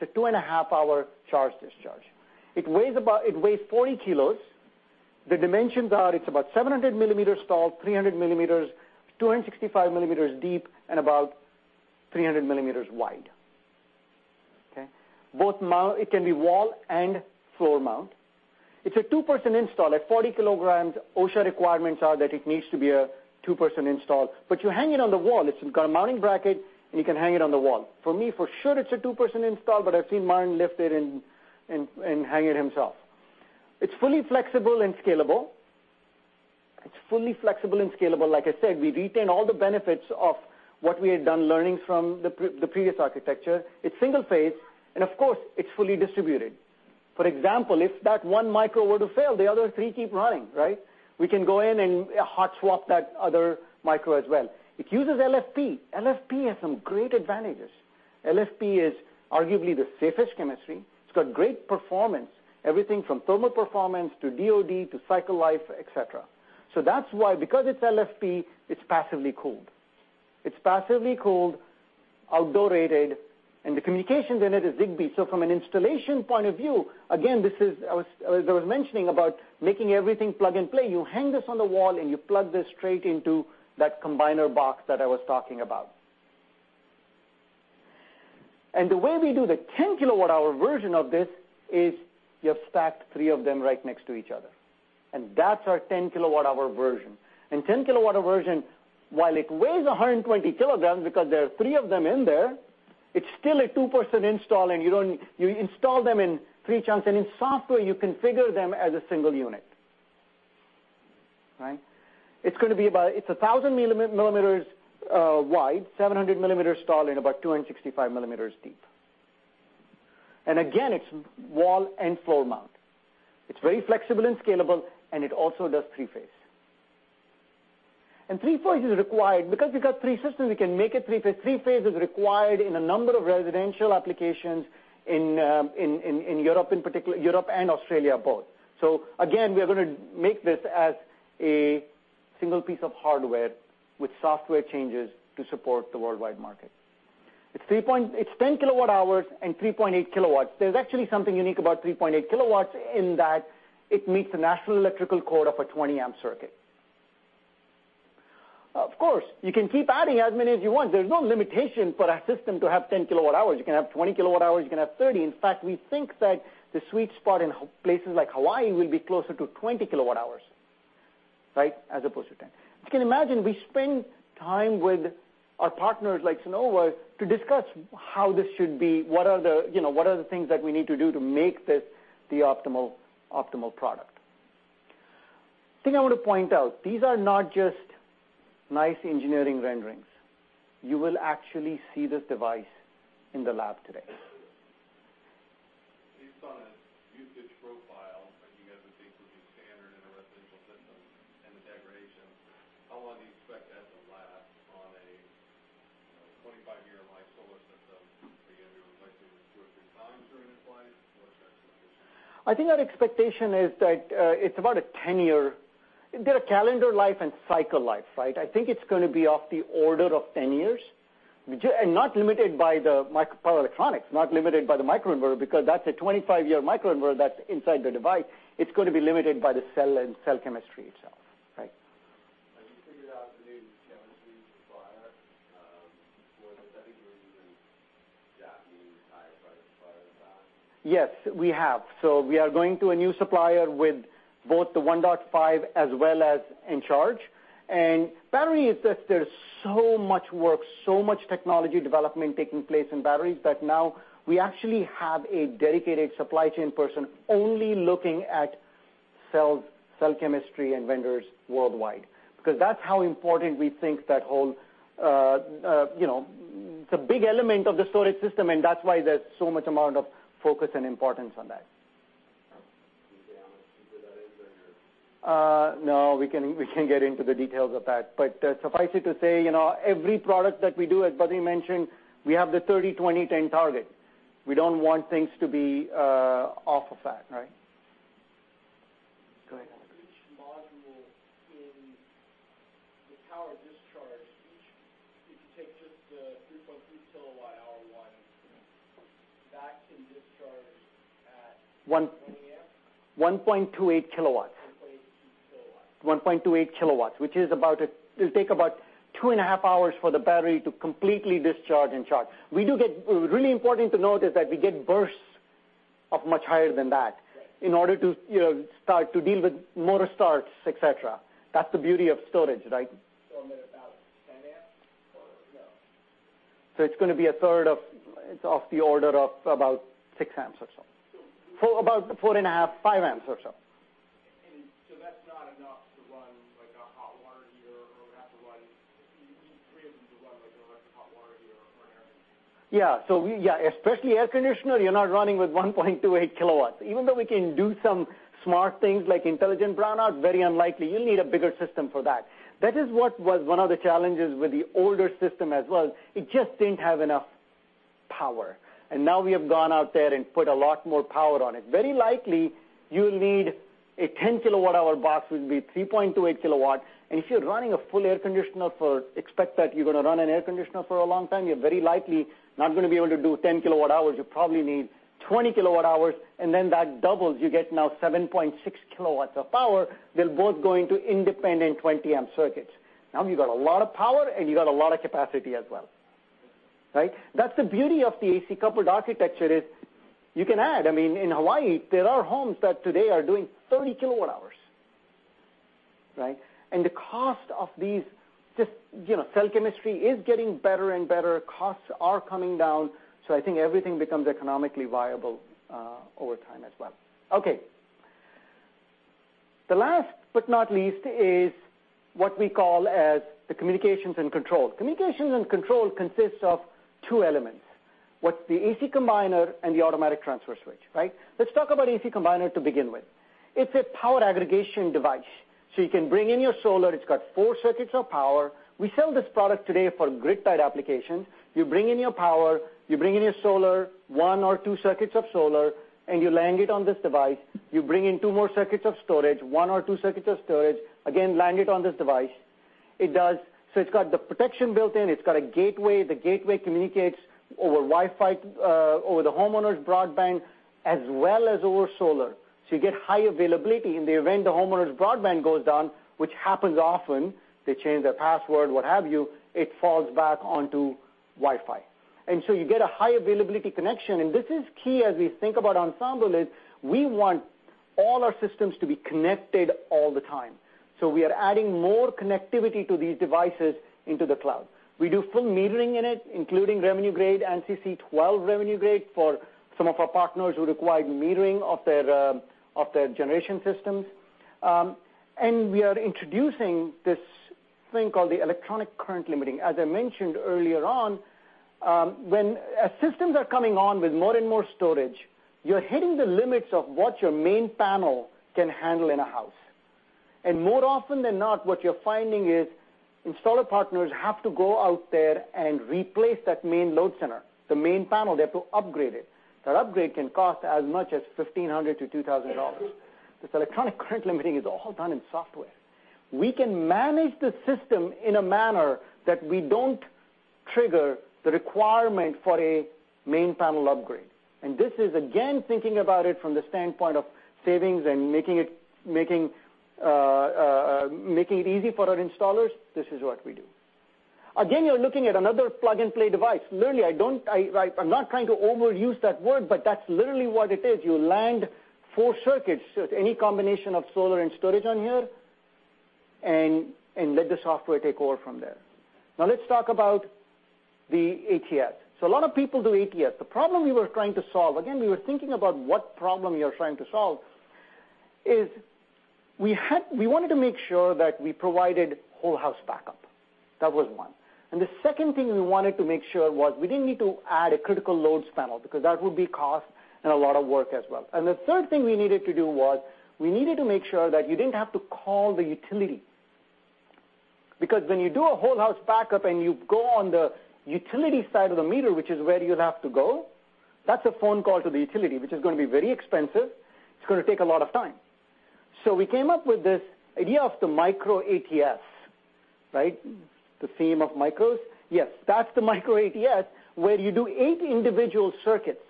It's a two-and-a-half-hour charge discharge. It weighs 40 kg. The dimensions are, it's about 700 mm tall, 265 mm deep, and about 300 mm wide. Okay? It can be wall and floor mount. It's a two-person install. At 40 kg, OSHA requirements are that it needs to be a two-person install. You hang it on the wall. It's got a mounting bracket, and you can hang it on the wall. For me, for sure it's a two-person install, but I've seen Martin lift it and hang it himself. It's fully flexible and scalable. Like I said, we retain all the benefits of what we had done, learnings from the previous architecture. It's single-phase, and of course, it's fully distributed. For example, if that one micro were to fail, the other three keep running. We can go in and hot swap that other micro as well. It uses LFP. LFP has some great advantages. LFP is arguably the safest chemistry. It's got great performance, everything from thermal performance to DoD to cycle life, et cetera. That's why, because it's LFP, it's passively cooled, outdoor rated, and the communication in it is Zigbee. From an installation point of view, again, as I was mentioning about making everything plug and play, you hang this on the wall, and you plug this straight into that combiner box that I was talking about. The way we do the 10 kWh version of this is you have stacked three of them right next to each other, and that's our 10 kWh version. 10 kWh version, while it weighs 120 kg because there are three of them in there, it's still a two-person install, and you install them in three chunks, and in software, you configure them as a single unit. It's 1,000 mm wide, 700 mm tall, and about 265 mm deep. Again, it's wall and floor mount. It's very flexible and scalable, and it also does three-phase. Three-phase is required because we've got three systems, we can make it three-phase. Three-phase is required in a number of residential applications in Europe and Australia both. Again, we are going to make this as a single piece of hardware with software changes to support the worldwide market. It's 10 kWh and 3.8 kW. There's actually something unique about 3.8 kW in that it meets the National Electrical Code of a 20 amp circuit. Of course, you can keep adding as many as you want. There's no limitation for a system to have 10 kWh. You can have 20 kWh, you can have 30. In fact, we think that the sweet spot in places like Hawaii will be closer to 20 kWh as opposed to 10. As you can imagine, we spend time with our partners like Sunnova to discuss how this should be, what are the things that we need to do to make this the optimal product. The thing I want to point out, these are not just nice engineering renderings. You will actually see this device in the lab today. Based on a usage profile that you guys would think would be standard in a residential system and the degradation, how long do you expect that to last on a 25-year life solar system? Are you going to be replacing this two or three times during its life, or is that sufficient? I think our expectation is that it's about a 10 year. There are calendar life and cycle life, right? I think it's going to be of the order of 10 years, and not limited by the micro power electronics, not limited by the microinverter, because that's a 25-year microinverter that's inside the device. It's going to be limited by the cell and cell chemistry itself. Have you figured out the new chemistry supplier? Does that mean a new Japanese higher price supplier or not? We have. We are going to a new supplier with both the 1.5 as well as Encharge, battery is such there's so much work, so much technology development taking place in batteries that now we actually have a dedicated supply chain person only looking at cell chemistry and vendors worldwide. That's how important we think that whole, it's a big element of the storage system, and that's why there's so much amount of focus and importance on that. Can you say how much cheaper that is than your- No, we can't get into the details of that. Suffice it to say, every product that we do, as Badri mentioned, we have the 30/20/10 target. We don't want things to be off of that. Go ahead. Each module in the power discharge, if you take just the 3.3 kWh one, that can discharge at 20 amps? 1.28 kilowatts. 1.28 kilowatts. 1.28 kilowatts, which it'll take about two and a half hours for the battery to completely discharge and charge. Really important to note is that we get bursts of much higher than that in order to start to deal with motor starts, et cetera. That's the beauty of storage, right? I'm at about 10 amps? It's going to be a third of the order of about six amps or so. About four and a half, five amps or so. That's not enough to run a hot water heater or would have to run, you'd need three of them to run an electric hot water heater or an air conditioner. Especially air conditioner, you're not running with 1.28 kW. Even though we can do some smart things like intelligent brownout, very unlikely. You'll need a bigger system for that. That is what was one of the challenges with the older system as well. It just didn't have enough power. Now we have gone out there and put a lot more power on it. Very likely, you'll need a 10 kWh box with the 3.28 kW. If you're running a full air conditioner for, expect that you're going to run an air conditioner for a long time, you're very likely not going to be able to do 10 kWh. You probably need 20 kWh, and then that doubles. You get now 7.6 kW of power. They'll both go into independent 20 amp circuits. You've got a lot of power, and you got a lot of capacity as well. That's the beauty of the AC coupled architecture is you can add. I mean, in Hawaii, there are homes that today are doing 30 kWh. The cost of these, just cell chemistry is getting better and better, costs are coming down. I think everything becomes economically viable, over time as well. The last but not least is what we call as the communications and control. Communications and control consists of two elements. What's the AC combiner and the automatic transfer switch, right? Let's talk about AC combiner to begin with. It's a power aggregation device. You can bring in your solar. It's got four circuits of power. We sell this product today for grid-tied application. You bring in your power, you bring in your solar, one or two circuits of solar, you land it on this device. You bring in two more circuits of storage, one or two circuits of storage, again, land it on this device. It does. It's got the protection built in. It's got a gateway. The gateway communicates over Wi-Fi, over the homeowner's broadband, as well as over solar. You get high availability. In the event the homeowner's broadband goes down, which happens often, they change their password, what have you, it falls back onto Wi-Fi. You get a high availability connection, and this is key as we think about Ensemble, is we want all our systems to be connected all the time. We are adding more connectivity to these devices into the cloud. We do full metering in it, including revenue grade, ANSI C12 revenue grade for some of our partners who require metering of their generation systems. We are introducing this thing called the electronic current limiting. As I mentioned earlier on, when systems are coming on with more and more storage, you're hitting the limits of what your main panel can handle in a house. More often than not, what you're finding is installer partners have to go out there and replace that main load center, the main panel. They have to upgrade it. That upgrade can cost as much as $1,500-$2,000. This electronic current limiting is all done in software. We can manage the system in a manner that we don't trigger the requirement for a main panel upgrade. This is, again, thinking about it from the standpoint of savings and making it easy for our installers. This is what we do. Again, you're looking at another plug-and-play device. Literally, I'm not trying to overuse that word, but that's literally what it is. You land four circuits, it's any combination of solar and storage on here, and let the software take over from there. Let's talk about the ATS. A lot of people do ATS. The problem we were trying to solve, again, we were thinking about what problem you're trying to solve, is we wanted to make sure that we provided whole house backup. That was one. The second thing we wanted to make sure was we didn't need to add a critical loads panel, because that would be cost and a lot of work as well. The third thing we needed to do was we needed to make sure that you didn't have to call the utility. Because when you do a whole house backup and you go on the utility side of the meter, which is where you'd have to go, that's a phone call to the utility, which is going to be very expensive. It's going to take a lot of time. We came up with this idea of the micro ATS, right? The theme of micros. Yes, that's the micro ATS, where you do eight individual circuits.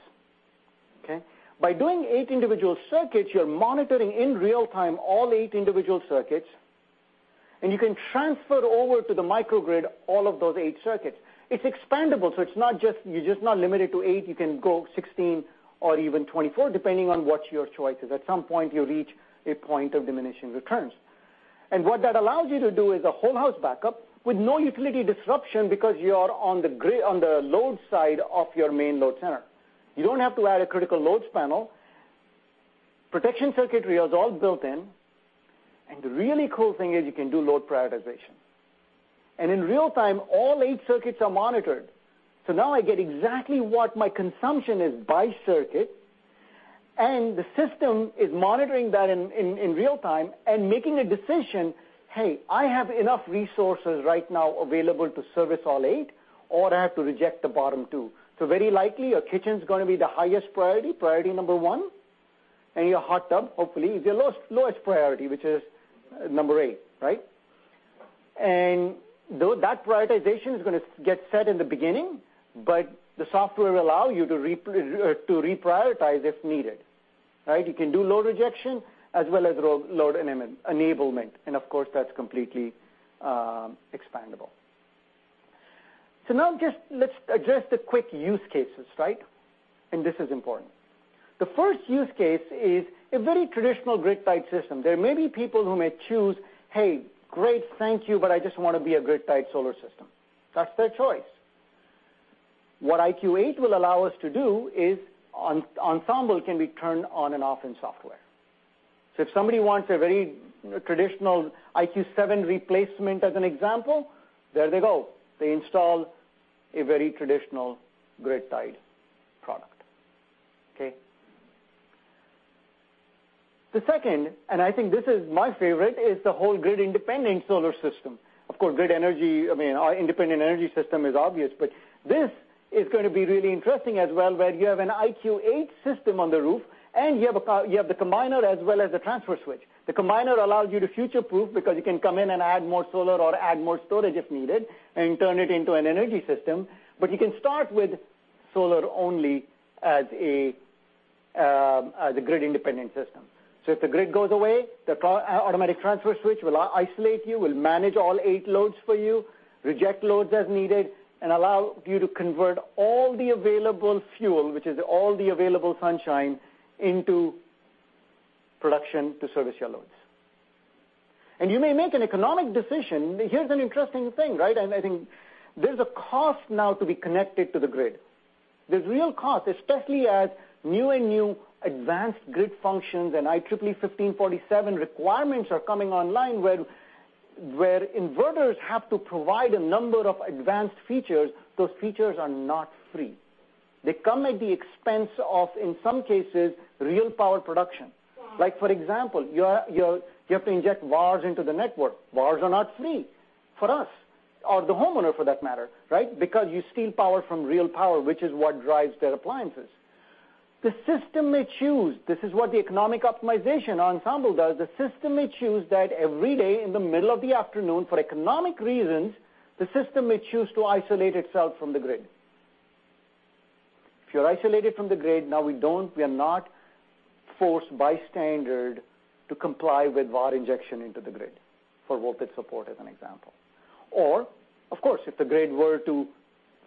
Okay? By doing eight individual circuits, you're monitoring in real time all eight individual circuits, and you can transfer over to the microgrid all of those eight circuits. It's expandable, so you're just not limited to eight. You can go 16 or even 24, depending on what your choice is. At some point, you reach a point of diminishing returns. What that allows you to do is a whole house backup with no utility disruption because you are on the load side of your main load center. You don't have to add a critical loads panel. Protection circuitry is all built in. The really cool thing is you can do load prioritization. In real time, all 8 circuits are monitored. Now I get exactly what my consumption is by circuit, and the system is monitoring that in real time and making a decision, "Hey, I have enough resources right now available to service all 8, or I have to reject the bottom 2." Very likely, your kitchen's going to be the highest priority number 1, and your hot tub, hopefully, is your lowest priority, which is number 8, right? That prioritization is going to get set in the beginning, but the software will allow you to reprioritize if needed. You can do load rejection as well as load enablement. Of course, that's completely expandable. Now let's address the quick use cases. This is important. The first use case is a very traditional grid-tied system. There may be people who may choose, "Hey, great, thank you, but I just want to be a grid-tied solar system." That's their choice. What IQ8 will allow us to do is Ensemble can be turned on and off in software. If somebody wants a very traditional IQ7 replacement as an example, there they go. They install a very traditional grid-tied product. Okay? The second, and I think this is my favorite, is the whole grid independent solar system. Grid energy, our independent energy system is obvious, this is going to be really interesting as well, where you have an IQ8 system on the roof, you have the combiner as well as the transfer switch. The combiner allows you to future-proof because you can come in and add more solar or add more storage if needed and turn it into an energy system. You can start with solar only as a grid independent system. If the grid goes away, the automatic transfer switch will isolate you, will manage all 8 loads for you, reject loads as needed, and allow you to convert all the available fuel, which is all the available sunshine, into production to service your loads. You may make an economic decision. Here's an interesting thing, right? I think there's a cost now to be connected to the grid. There's real cost, especially as new and new advanced grid functions and IEEE 1547 requirements are coming online, where inverters have to provide a number of advanced features. Those features are not free. They come at the expense of, in some cases, real power production. For example, you have to inject VARs into the network. VARs are not free for us or the homeowner for that matter, right? Because you steal power from real power, which is what drives their appliances. The system may choose, this is what the economic optimization Ensemble does. The system may choose that every day in the middle of the afternoon, for economic reasons, the system may choose to isolate itself from the grid. If you're isolated from the grid, now we are not forced by standard to comply with VAR injection into the grid for voltage support as an example. Of course, if the grid were to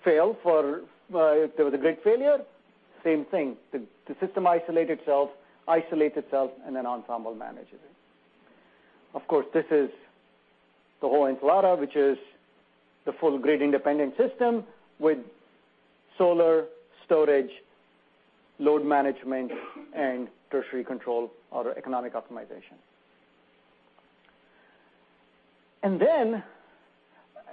fail, if there was a grid failure, same thing. The system isolate itself, and Ensemble manages it. Of course, this is the whole enchilada, which is the full grid independent system with solar storage, load management, and tertiary control or economic optimization.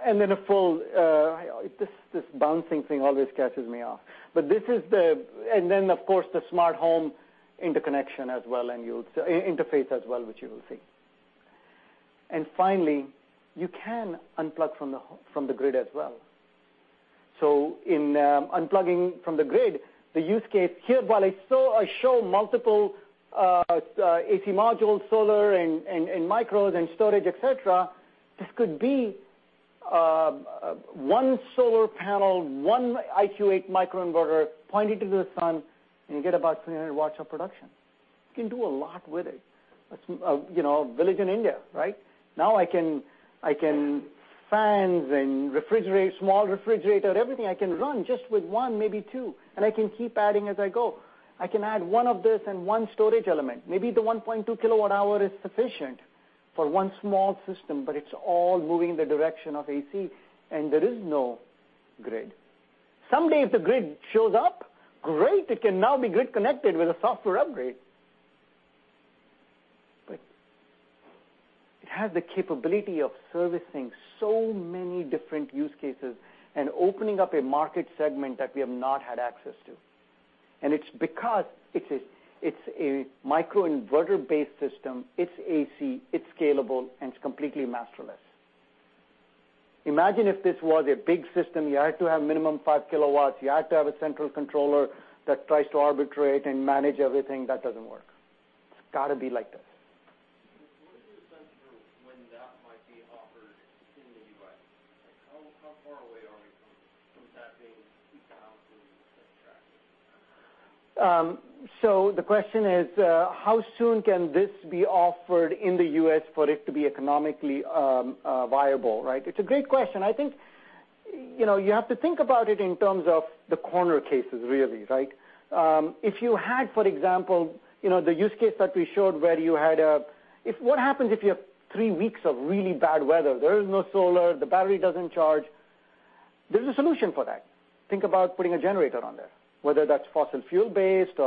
A full -- this bouncing thing always catches me off. Of course, the smart home interconnection as well and interface as well, which you will see. Finally, you can unplug from the grid as well. In unplugging from the grid, the use case here, while I show multiple AC modules, solar and micros and storage, et cetera, this could be one solar panel, one IQ8 microinverter pointed to the sun, and you get about 300 watts of production. You can do a lot with it. A village in India, right? I can fans and small refrigerator, everything I can run just with one, maybe two, and I can keep adding as I go. I can add one of this and one storage element. Maybe the 1.2 kilowatt hour is sufficient for one small system, but it's all moving in the direction of AC, and there is no grid. Someday, if the grid shows up, great. It can now be grid connected with a software upgrade. It has the capability of servicing so many different use cases and opening up a market segment that we have not had access to. It's because it's a microinverter-based system, it's AC, it's scalable, and it's completely masterless. Imagine if this was a big system. You had to have minimum five kilowatts. You had to have a central controller that tries to arbitrate and manage everything. That doesn't work. It's got to be like this. What is the sense for when that might be offered in the U.S.? How far away are we from that being economically attractive? The question is, how soon can this be offered in the U.S. for it to be economically viable, right? It's a great question. I think you have to think about it in terms of the corner cases, really, right? If you had, for example, the use case that we showed where you had a what happens if you have three weeks of really bad weather? There is no solar. The battery doesn't charge. There's a solution for that. Think about putting a generator on there, whether that's fossil fuel-based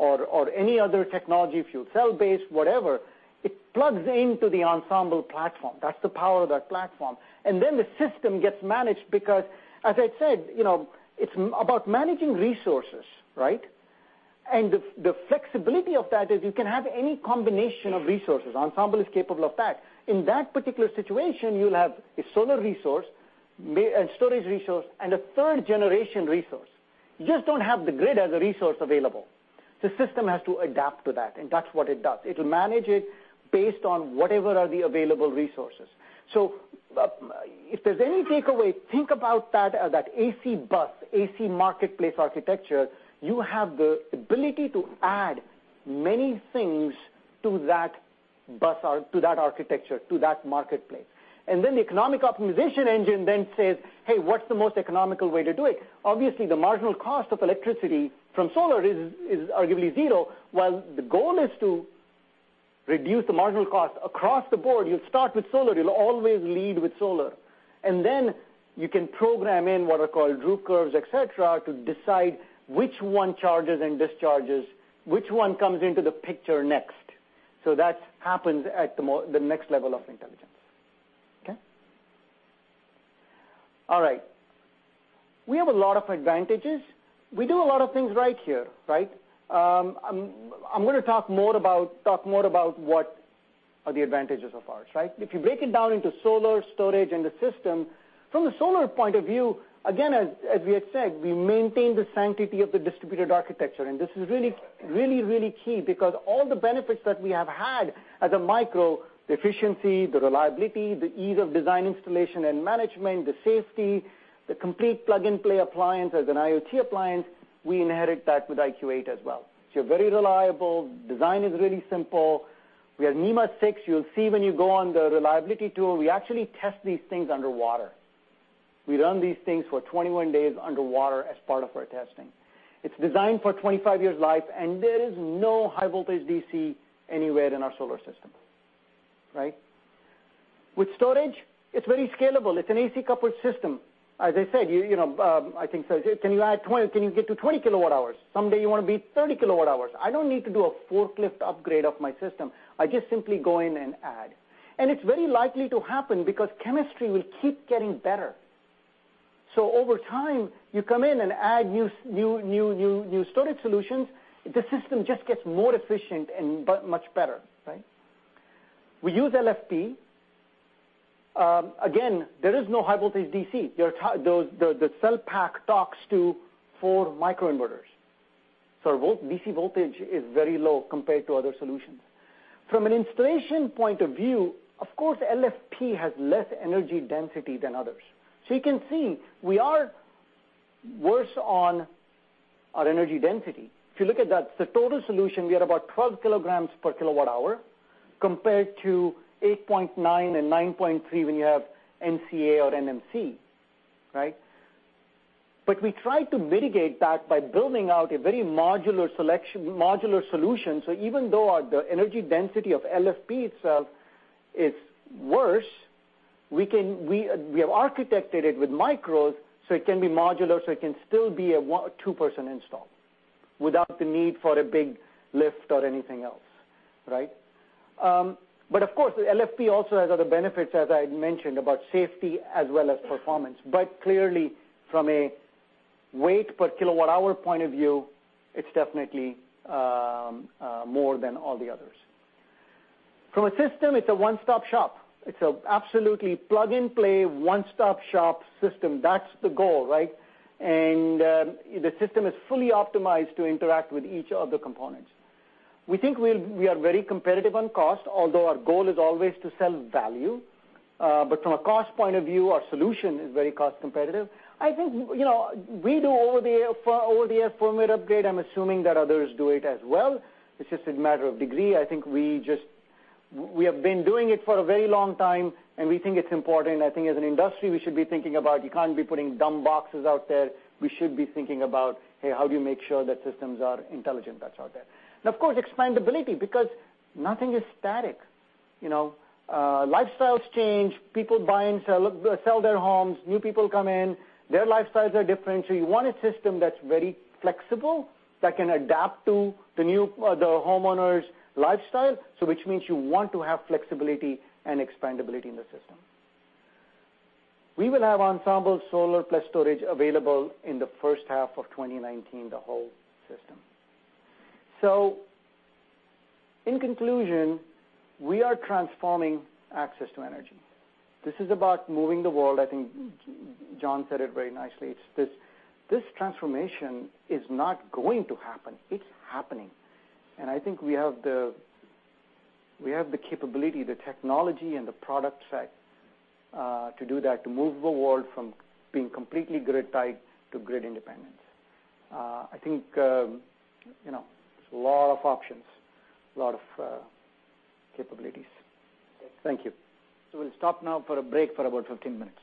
or any other technology, fuel cell based, whatever. It plugs into the Ensemble platform. That's the power of that platform. The system gets managed because, as I said, it's about managing resources, right? The flexibility of that is you can have any combination of resources. Ensemble is capable of that. In that particular situation, you'll have a solar resource, a storage resource, and a third generation resource. You just don't have the grid as a resource available. The system has to adapt to that, and that's what it does. It'll manage it based on whatever are the available resources. If there's any takeaway, think about that as that AC bus, AC marketplace architecture. You have the ability to add many things to that bus to that architecture, to that marketplace. The economic optimization engine then says, "Hey, what's the most economical way to do it?" Obviously, the marginal cost of electricity from solar is arguably zero, while the goal is to reduce the marginal cost across the board. You'll start with solar, you'll always lead with solar. You can program in what are called droop curves, et cetera, to decide which one charges and discharges, which one comes into the picture next. That happens at the next level of intelligence. Okay. All right. We have a lot of advantages. We do a lot of things right here. I'm going to talk more about what are the advantages of ours. If you break it down into solar, storage, and the system, from the solar point of view, again, as we had said, we maintain the sanctity of the distributed architecture. This is really, really key because all the benefits that we have had as a micro, the efficiency, the reliability, the ease of design installation and management, the safety, the complete plug-and-play appliance as an IoT appliance, we inherit that with IQ8 as well. You're very reliable. Design is really simple. We are NEMA 6. You'll see when you go on the reliability tool, we actually test these things underwater. We run these things for 21 days underwater as part of our testing. It's designed for 25 years life. There is no high voltage DC anywhere in our solar system. With storage, it's very scalable. It's an AC coupled system. As I said, I think, can you get to 20 kilowatt hours? Someday you want to be 30 kilowatt hours. I don't need to do a forklift upgrade of my system. I just simply go in and add. It's very likely to happen because chemistry will keep getting better. Over time, you come in and add new storage solutions. The system just gets more efficient and much better. We use LFP. Again, there is no high voltage DC. The cell pack talks to four microinverters. DC voltage is very low compared to other solutions. From an installation point of view, of course, LFP has less energy density than others. You can see we are worse on our energy density. If you look at that, the total solution, we are about 12 kilograms per kilowatt hour compared to 8.9 and 9.3 when you have NCA or NMC. We try to mitigate that by building out a very modular solution, so even though the energy density of LFP itself is worse, we have architected it with micros so it can be modular, so it can still be a two-person install without the need for a big lift or anything else. Of course, LFP also has other benefits, as I had mentioned, about safety as well as performance. Clearly, from a weight per kilowatt hour point of view, it's definitely more than all the others. From a system, it's a one-stop shop. It's an absolutely plug-and-play, one-stop shop system. That's the goal. The system is fully optimized to interact with each of the components. We think we are very competitive on cost, although our goal is always to sell value. From a cost point of view, our solution is very cost competitive. I think, we do over-the-air firmware upgrade. I'm assuming that others do it as well. It's just a matter of degree. I think we have been doing it for a very long time, and we think it's important. I think as an industry, we should be thinking about you can't be putting dumb boxes out there. We should be thinking about, hey, how do you make sure that systems are intelligent that's out there? Of course, expandability, because nothing is static. Lifestyles change, people buy and sell their homes. New people come in. Their lifestyles are different. You want a system that's very flexible, that can adapt to the homeowner's lifestyle. Which means you want to have flexibility and expandability in the system. We will have Ensemble Solar plus Storage available in the first half of 2019, the whole system. In conclusion, we are transforming access to energy. This is about moving the world. I think John said it very nicely. This transformation is not going to happen. It's happening. I think we have the capability, the technology and the product set, to do that, to move the world from being completely grid-tied to grid independence. I think, there's a lot of options, a lot of capabilities. Thank you. We'll stop now for a break for about 15 minutes.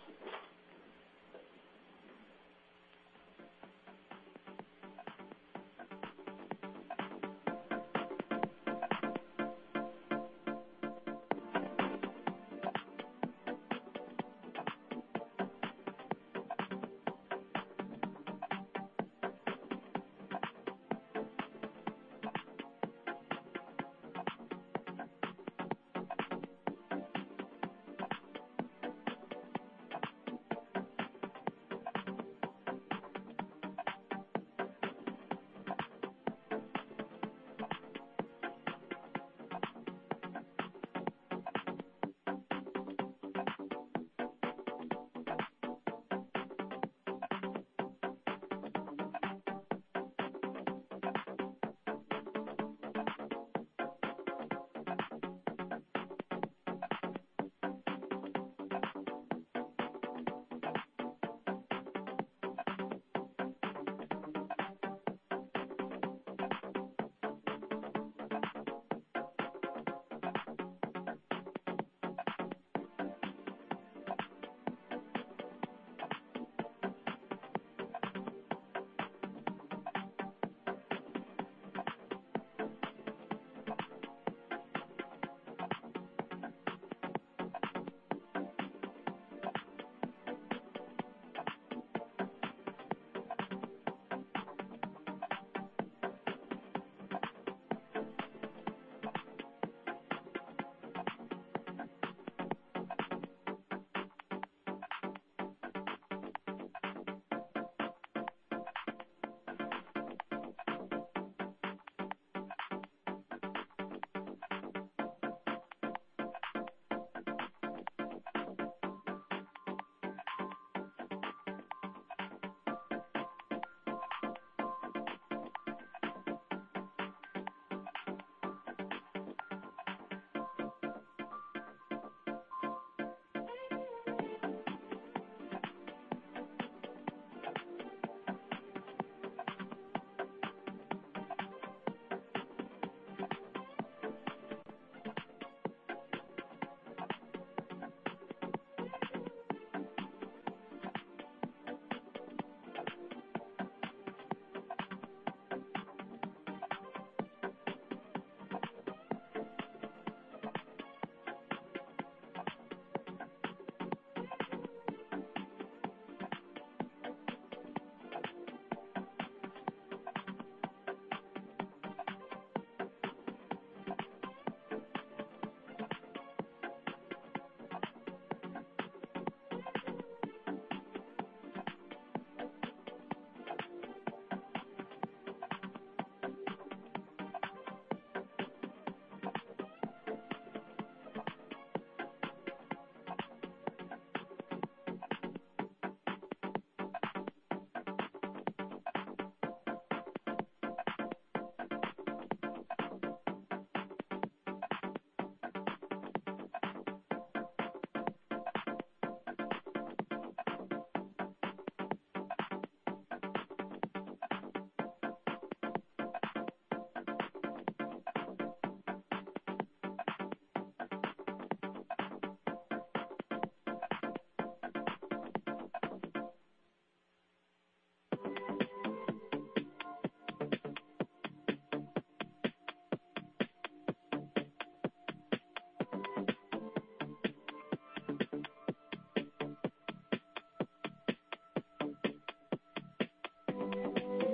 You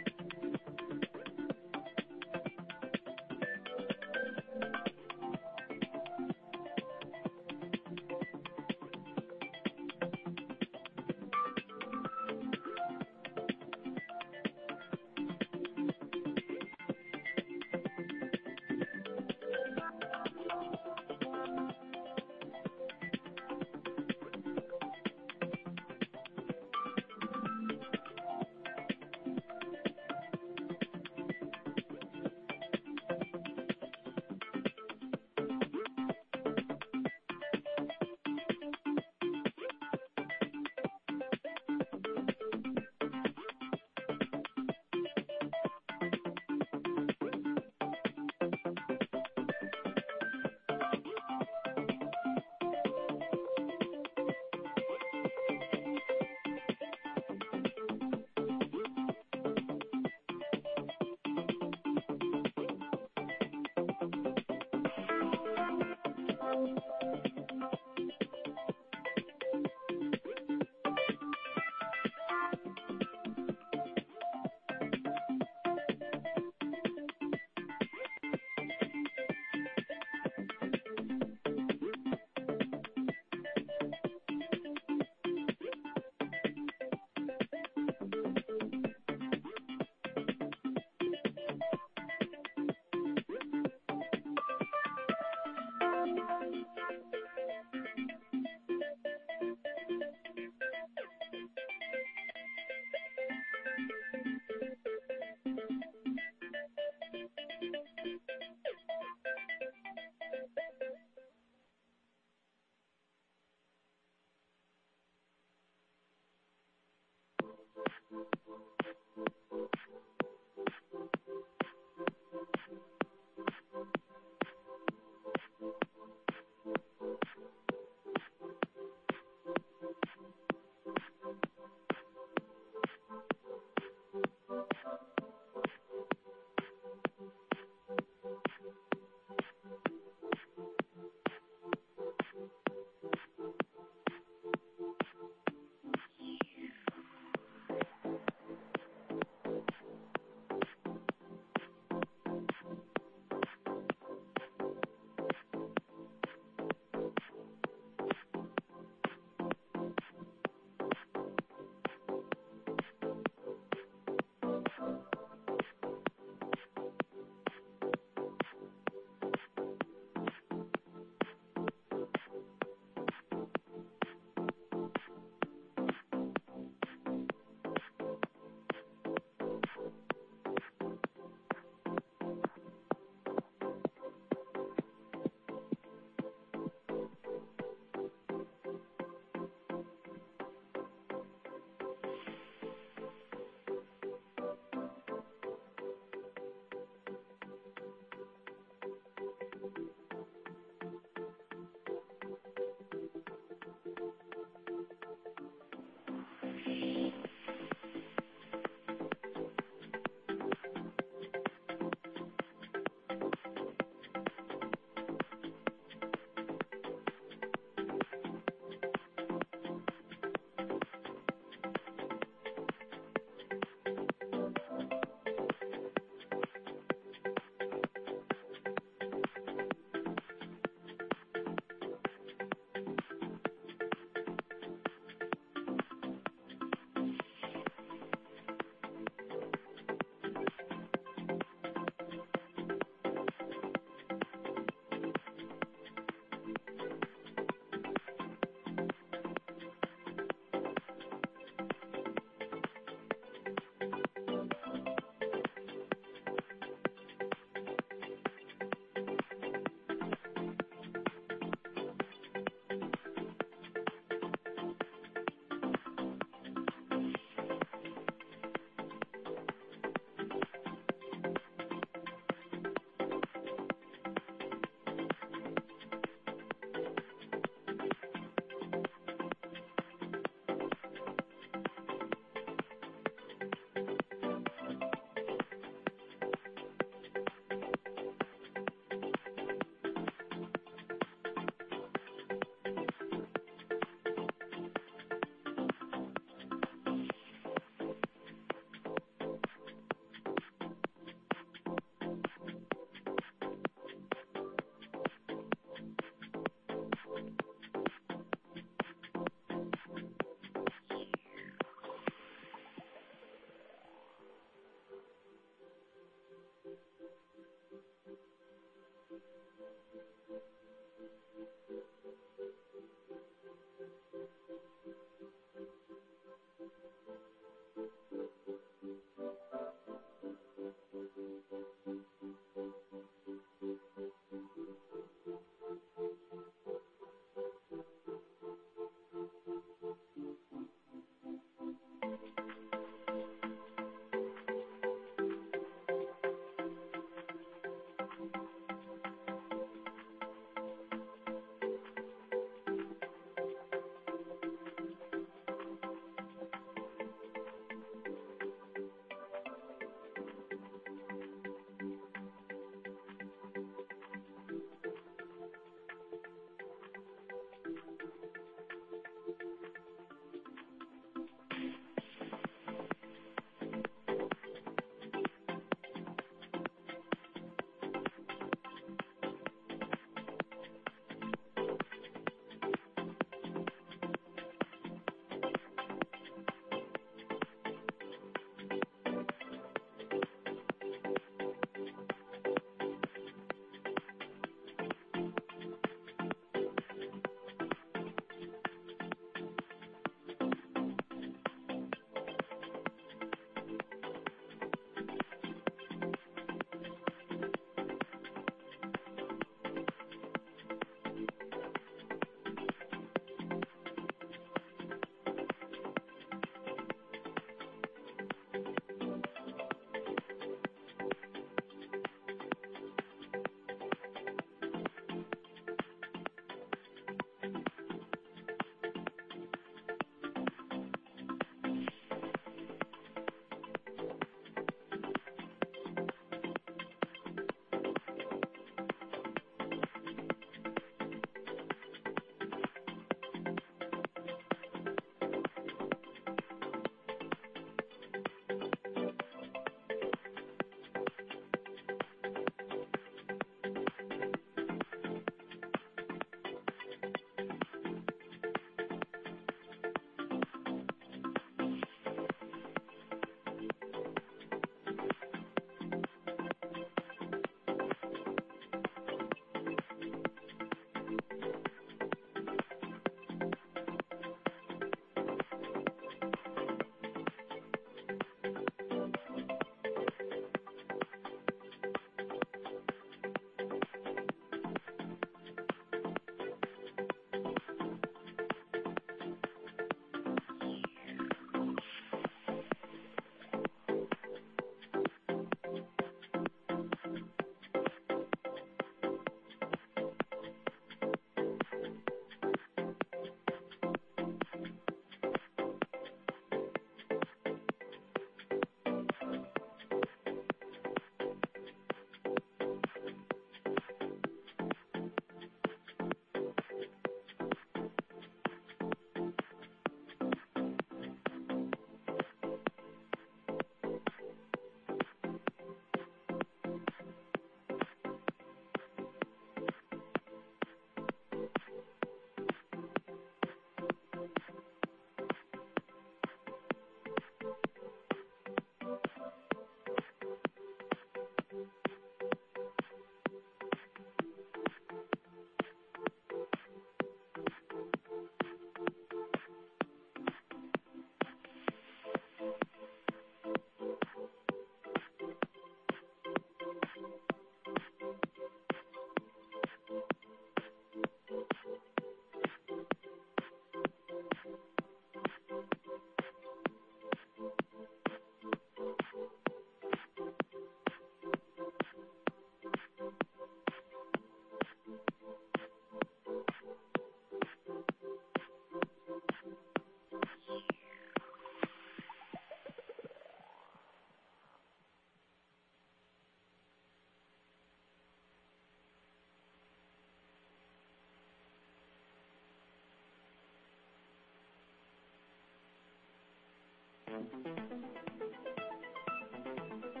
can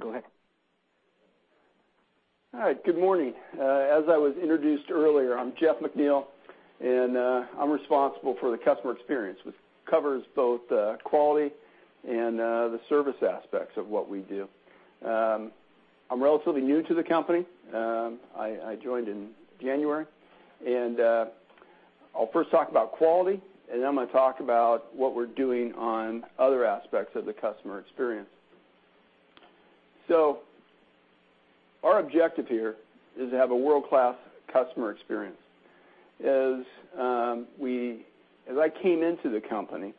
go ahead. All right. Good morning. As I was introduced earlier, I'm Jeff McNeil, and I'm responsible for the customer experience, which covers both the quality and the service aspects of what we do. I'm relatively new to the company. I joined in January. I'll first talk about quality, and then I'm going to talk about what we're doing on other aspects of the customer experience. Our objective here is to have a world-class customer experience. As I came into the company,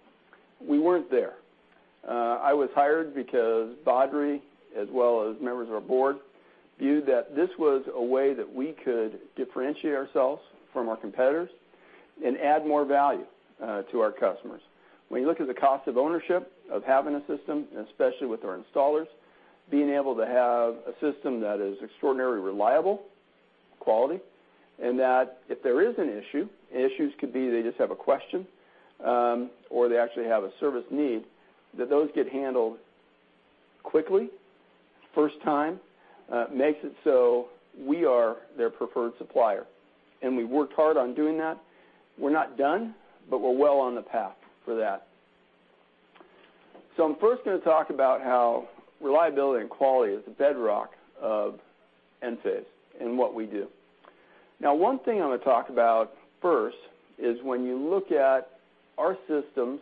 we weren't there. I was hired because Badri, as well as members of our board, viewed that this was a way that we could differentiate ourselves from our competitors and add more value to our customers. When you look at the cost of ownership of having a system, and especially with our installers, being able to have a system that is extraordinarily reliable, quality, and that if there is an issue, issues could be they just have a question, or they actually have a service need, that those get handled quickly, first time, makes it so we are their preferred supplier. We worked hard on doing that. We're not done, but we're well on the path for that. I'm first going to talk about how reliability and quality is the bedrock of Enphase and what we do. One thing I'm going to talk about first is when you look at our systems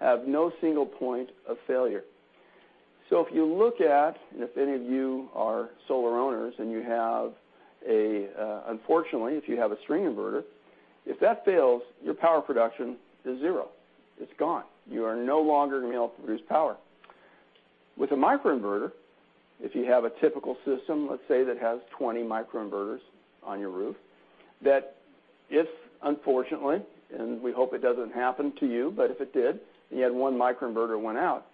have no single point of failure. If you look at, and if any of you are solar owners, and unfortunately, if you have a string inverter, if that fails, your power production is zero. It's gone. You are no longer going to be able to produce power. With a microinverter, if you have a typical system, let's say that has 20 microinverters on your roof, that if unfortunately, and we hope it doesn't happen to you, but if it did, and you had one microinverter went out,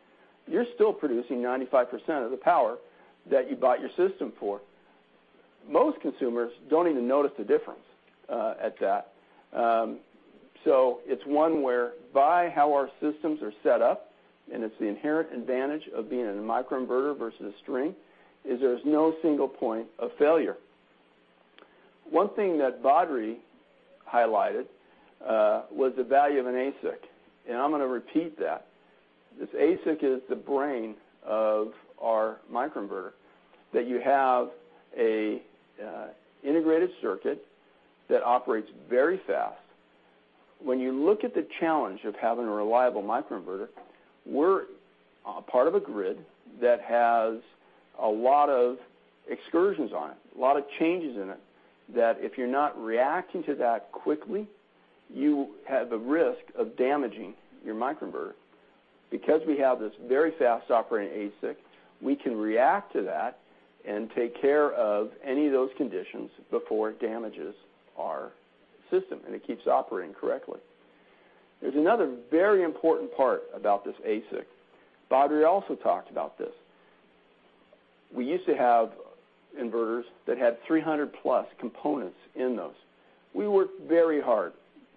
you're still producing 95% of the power that you bought your system for. Most consumers don't even notice the difference at that. It's one where by how our systems are set up, and it's the inherent advantage of being in a microinverter versus string, is there's no single point of failure. One thing that Badri highlighted, was the value of an ASIC. I'm going to repeat that. This ASIC is the brain of our microinverter that you have a integrated circuit that operates very fast. When you look at the challenge of having a reliable microinverter, we're part of a grid that has a lot of excursions on it, a lot of changes in it, that if you're not reacting to that quickly, you have a risk of damaging your microinverter. Because we have this very fast operating ASIC, we can react to that and take care of any of those conditions before it damages our system, and it keeps operating correctly. There's another very important part about this ASIC. Badri also talked about this. We used to have inverters that had 300-plus components in those. We worked very hard,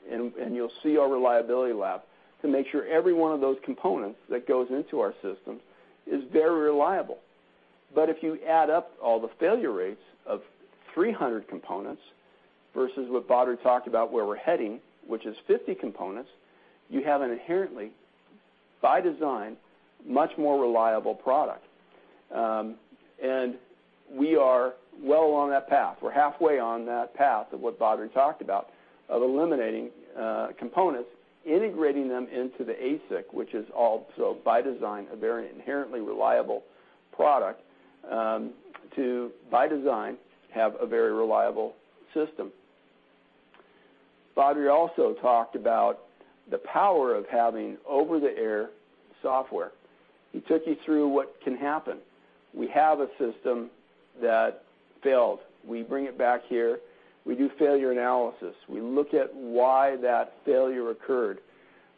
and you'll see our reliability lab, to make sure every one of those components that goes into our system is very reliable. If you add up all the failure rates of 300 components versus what Badri talked about, where we're heading, which is 50 components, you have an inherently, by design, much more reliable product. We are well along that path. We're halfway on that path of what Badri talked about, of eliminating components, integrating them into the ASIC, which is also, by design, a very inherently reliable product, to, by design, have a very reliable system. Badri also talked about the power of having over-the-air software. He took you through what can happen. We have a system that failed. We bring it back here. We do failure analysis. We look at why that failure occurred.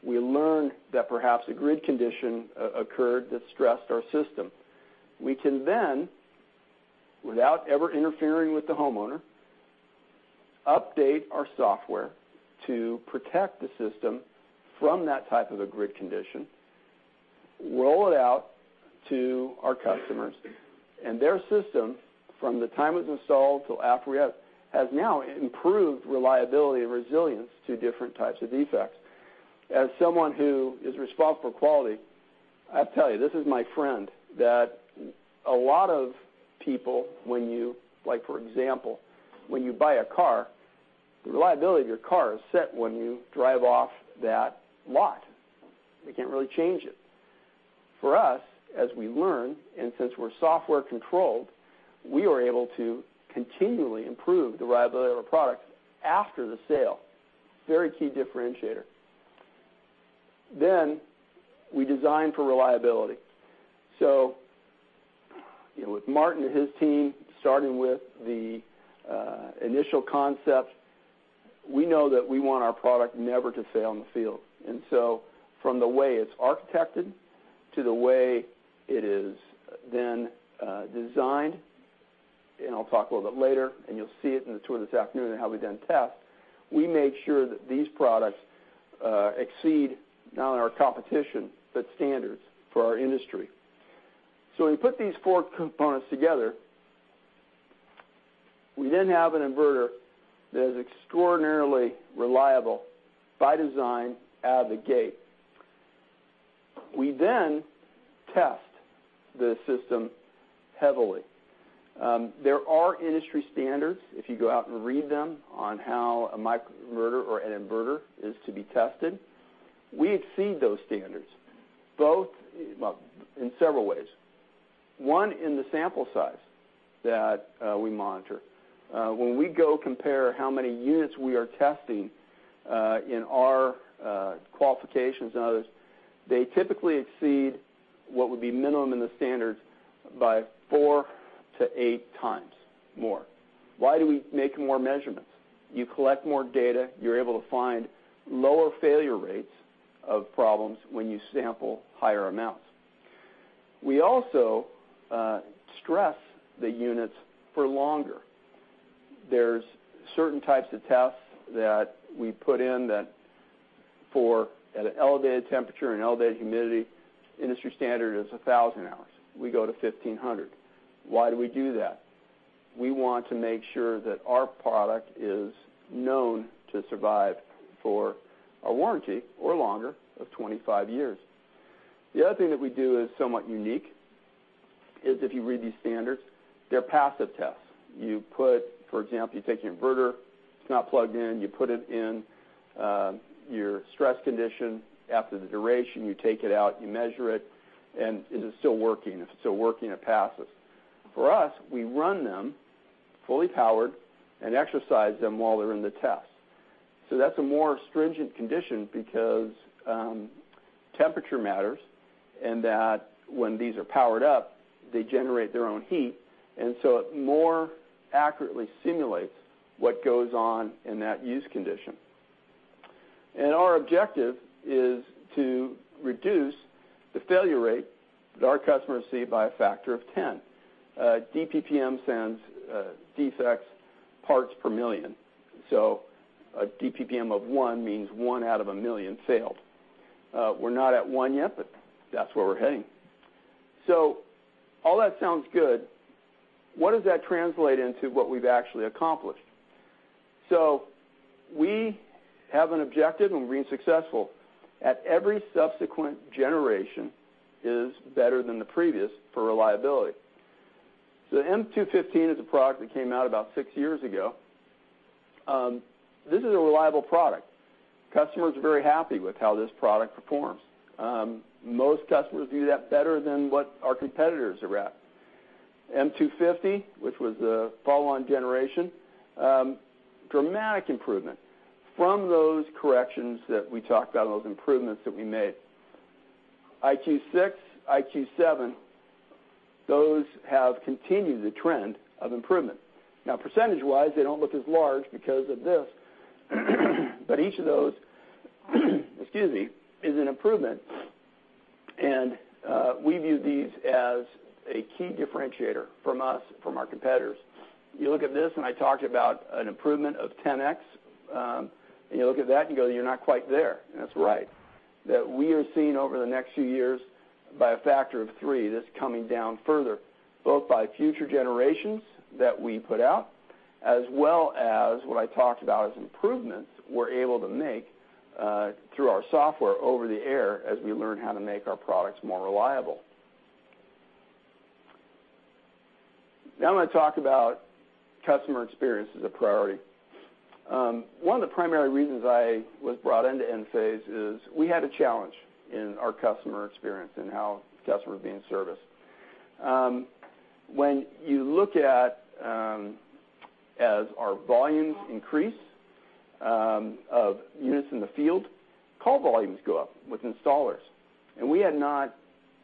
We learn that perhaps a grid condition occurred that stressed our system. We can then, without ever interfering with the homeowner, update our software to protect the system from that type of a grid condition, roll it out to our customers, and their system, from the time it was installed till after we have, has now improved reliability and resilience to different types of defects. As someone who is responsible for quality, I tell you, this is my friend, that a lot of people when you Like for example, when you buy a car, the reliability of your car is set when you drive off that lot. They can't really change it. For us, as we learn, and since we're software-controlled, we are able to continually improve the reliability of our product after the sale. Very key differentiator. We design for reliability. With Martin and his team, starting with the initial concept, we know that we want our product never to fail in the field. From the way it's architected to the way it is then designed, and I'll talk a little bit later, and you'll see it in the tour this afternoon on how we done tests, we make sure that these products exceed not only our competition, but standards for our industry. When you put these four components together, we then have an inverter that is extraordinarily reliable by design out of the gate. We then test the system heavily. There are industry standards, if you go out and read them, on how a microinverter or an inverter is to be tested. We exceed those standards in several ways. One, in the sample size that we monitor. When we go compare how many units we are testing in our qualifications and others, they typically exceed what would be minimum in the standards by four to eight times more. Why do we make more measurements? You collect more data. You're able to find lower failure rates of problems when you sample higher amounts. We also stress the units for longer. There's certain types of tests that we put in that for at an elevated temperature and elevated humidity, industry standard is 1,000 hours. We go to 1,500. Why do we do that? We want to make sure that our product is known to survive for a warranty or longer of 25 years. The other thing that we do is somewhat unique is if you read these standards, they're passive tests. For example, you take your inverter, it's not plugged in, you put it in your stress condition. After the duration, you take it out, you measure it, and is it still working? If it's still working, it passes. For us, we run them fully powered and exercise them while they're in the test. That's a more stringent condition because temperature matters, and that when these are powered up, they generate their own heat. It more accurately simulates what goes on in that use condition. Our objective is to reduce the failure rate that our customers see by a factor of 10. DPPM stands defects parts per million. A DPPM of one means one out of a million failed. We're not at one yet, but that's where we're heading. All that sounds good. What does that translate into what we've actually accomplished? We have an objective, and we're being successful at every subsequent generation is better than the previous for reliability. The M215 is a product that came out about six years ago. This is a reliable product. Customers are very happy with how this product performs. Most customers view that better than what our competitors are at. M250, which was the follow-on generation, dramatic improvement from those corrections that we talked about and those improvements that we made. IQ6, IQ7, those have continued the trend of improvement. Percentage-wise, they don't look as large because of this, but each of those, excuse me, is an improvement. We view these as a key differentiator from us from our competitors. You look at this, and I talked about an improvement of 10x. You look at that and go, "You're not quite there." That's right. That we are seeing over the next few years by a factor of three, this coming down further, both by future generations that we put out, as well as what I talked about as improvements we're able to make through our software over the air as we learn how to make our products more reliable. I'm going to talk about customer experience as a priority. One of the primary reasons I was brought into Enphase is we had a challenge in our customer experience and how customers were being serviced. When you look at as our volumes increase of units in the field, call volumes go up with installers. We had not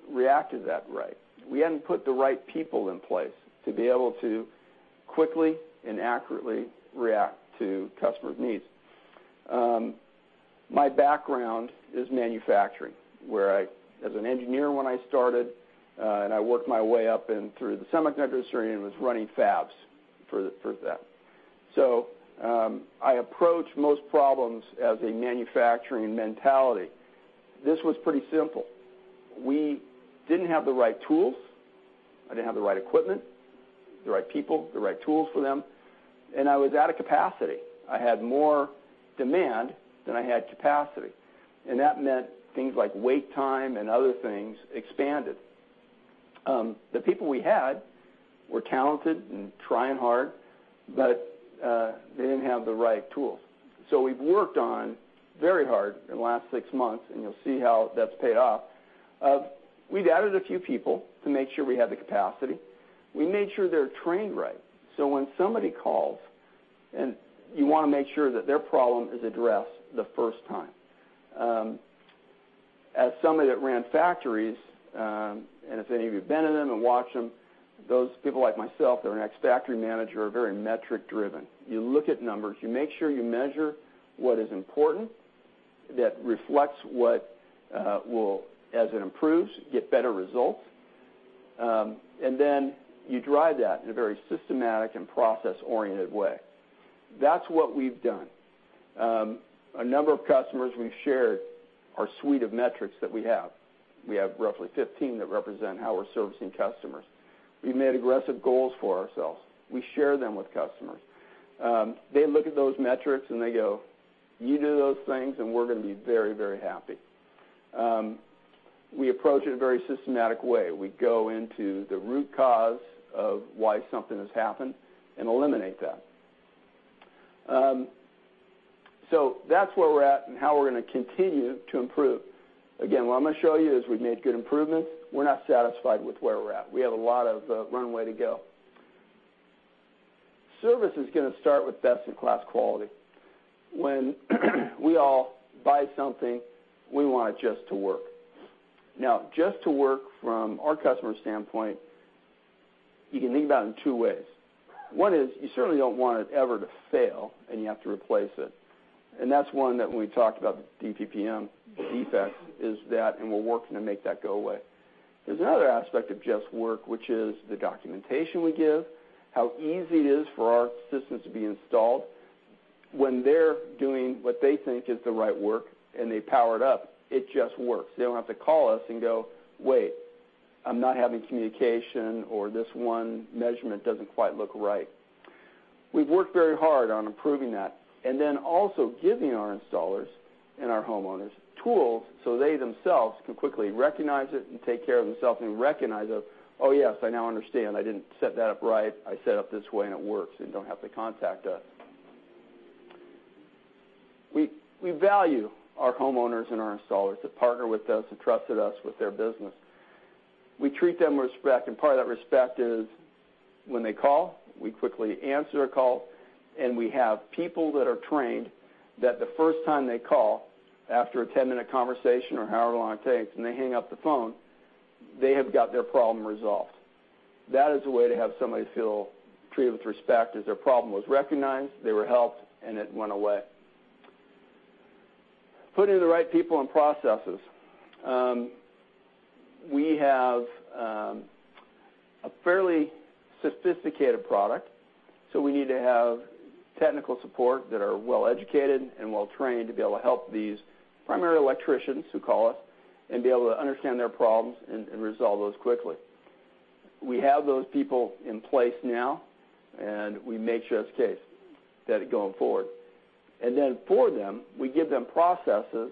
reacted to that right. We hadn't put the right people in place to be able to quickly and accurately react to customers' needs. My background is manufacturing, where I was an engineer when I started, and I worked my way up and through the semiconductor industry and was running fabs for that. I approach most problems as a manufacturing mentality. This was pretty simple. We didn't have the right tools. I didn't have the right equipment, the right people, the right tools for them, and I was out of capacity. I had more demand than I had capacity, and that meant things like wait time and other things expanded. The people we had were talented and trying hard, but they didn't have the right tools. We've worked on very hard in the last six months, and you'll see how that's paid off. We've added a few people to make sure we have the capacity. We made sure they're trained right. When somebody calls and you want to make sure that their problem is addressed the first time. As somebody that ran factories, and if any of you have been in them and watched them, those people like myself that are an ex-factory manager are very metric-driven. You look at numbers. You make sure you measure what is important that reflects what will, as it improves, get better results. You drive that in a very systematic and process-oriented way. That's what we've done. A number of customers we've shared our suite of metrics that we have. We have roughly 15 that represent how we're servicing customers. We've made aggressive goals for ourselves. We share them with customers. They look at those metrics, and they go, "You do those things, and we're going to be very, very happy." We approach it in a very systematic way. We go into the root cause of why something has happened and eliminate that. That's where we're at and how we're going to continue to improve. Again, what I'm going to show you is we've made good improvements. We're not satisfied with where we're at. We have a lot of runway to go. Service is going to start with best-in-class quality. When we all buy something, we want it just to work. Now, just to work from our customer standpoint, you can think about it in two ways. One is you certainly don't want it ever to fail, and you have to replace it. That's one that when we talked about DPPM defects is that, and we're working to make that go away. There's another aspect of just work, which is the documentation we give, how easy it is for our systems to be installed. When they're doing what they think is the right work and they power it up, it just works. They don't have to call us and go, "Wait, I'm not having communication," or, "This one measurement doesn't quite look right." We've worked very hard on improving that, also giving our installers and our homeowners tools so they themselves can quickly recognize it and take care of themselves and recognize that, "Oh, yes, I now understand. I didn't set that up right. I set it up this way and it works," and don't have to contact us. We value our homeowners and our installers that partner with us and trusted us with their business. We treat them with respect, and part of that respect is when they call, we quickly answer a call, and we have people that are trained that the first time they call after a 10-minute conversation or however long it takes, when they hang up the phone, they have got their problem resolved. That is a way to have somebody feel treated with respect, is their problem was recognized, they were helped, and it went away. Putting the right people and processes. We have a fairly sophisticated product, so we need to have technical support that are well-educated and well-trained to be able to help these primary electricians who call us and be able to understand their problems and resolve those quickly. We have those people in place now, and we make sure that's the case that going forward. For them, we give them processes,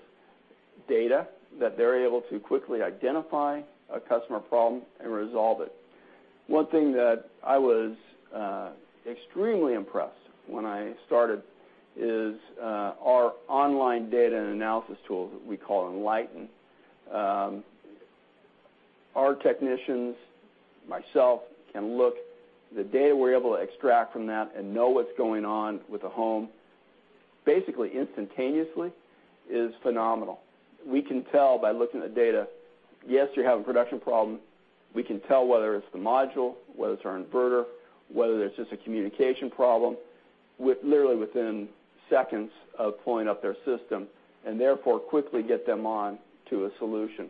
data that they're able to quickly identify a customer problem and resolve it. One thing that I was extremely impressed when I started is our online data and analysis tool that we call Enlighten. Our technicians, myself, can look at the data we're able to extract from that and know what's going on with the home basically instantaneously is phenomenal. We can tell by looking at the data, yes, you're having a production problem. We can tell whether it's the module, whether it's our inverter, whether it's just a communication problem, literally within seconds of pulling up their system, and therefore, quickly get them on to a solution.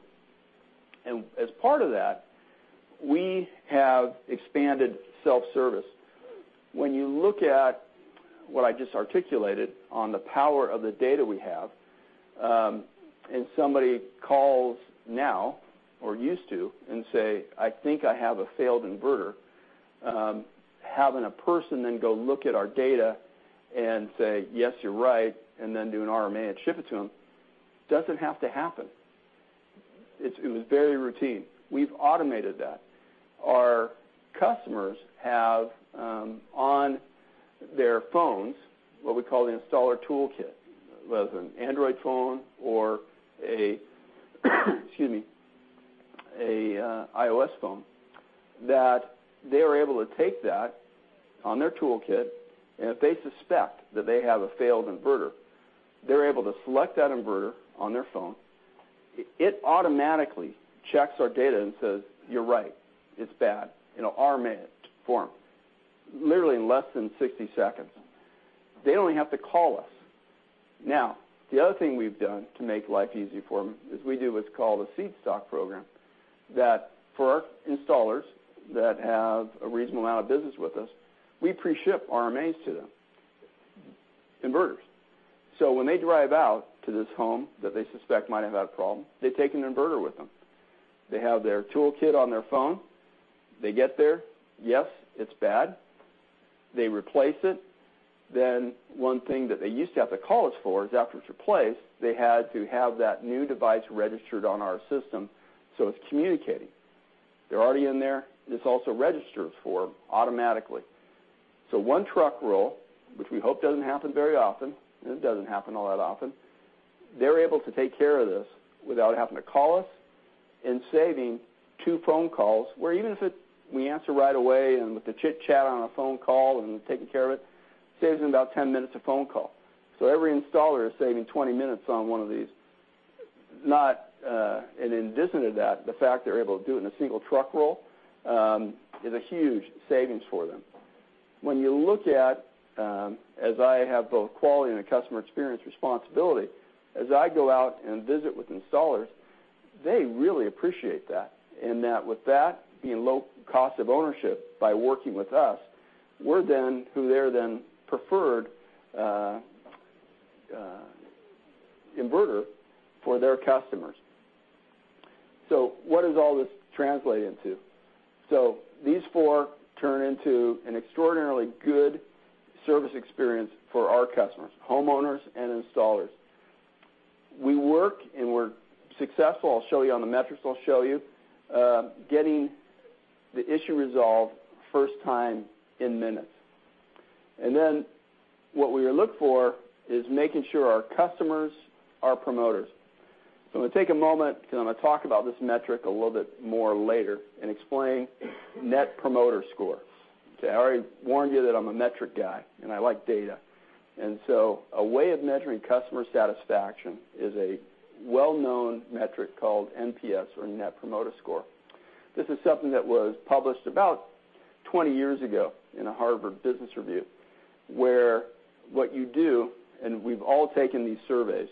As part of that, we have expanded self-service. When you look at what I just articulated on the power of the data we have, and somebody calls now or used to and say, "I think I have a failed inverter." Having a person then go look at our data and say, "Yes, you're right," and then do an RMA and ship it to them doesn't have to happen. It was very routine. We've automated that. Our customers have on their phones what we call the Installer Toolkit, whether it's an Android phone or a excuse me, a iOS phone, that they are able to take that on their toolkit, and if they suspect that they have a failed inverter, they're able to select that inverter on their phone. It automatically checks our data and says, "You're right. It's bad. RMA it," form. Literally in less than 60 seconds. They don't even have to call us. The other thing we've done to make life easy for them is we do what's called a Seedstock program, that for our installers that have a reasonable amount of business with us, we pre-ship RMAs to them. Inverters. When they drive out to this home that they suspect might have had a problem, they take an inverter with them. They have their Installer Toolkit on their phone. They get there. Yes, it's bad. They replace it. One thing that they used to have to call us for is after it's replaced, they had to have that new device registered on our system, so it's communicating. They're already in there. It's also registered for them automatically. One truck roll, which we hope doesn't happen very often, and it doesn't happen all that often. They're able to take care of this without having to call us and saving two phone calls, where even if we answer right away and with the chitchat on a phone call and taking care of it, saves them about 10 minutes a phone call. Every installer is saving 20 minutes on one of these. In addition to that, the fact they're able to do it in a single truck roll, is a huge savings for them. When you look at, as I have both quality and a customer experience responsibility, as I go out and visit with installers, they really appreciate that. That with that being low cost of ownership by working with us, we're then who they're then preferred inverter for their customers. What does all this translate into? These four turn into an extraordinarily good service experience for our customers, homeowners and installers. We work and we're successful. I'll show you on the metrics I'll show you, getting the issue resolved first time in minutes. Then what we look for is making sure our customers are promoters. I'm going to take a moment because I'm going to talk about this metric a little bit more later and explain Net Promoter Scores. I already warned you that I'm a metric guy and I like data. A way of measuring customer satisfaction is a well-known metric called NPS or Net Promoter Score. This is something that was published about 20 years ago in a Harvard Business Review, where what you do, and we've all taken these surveys.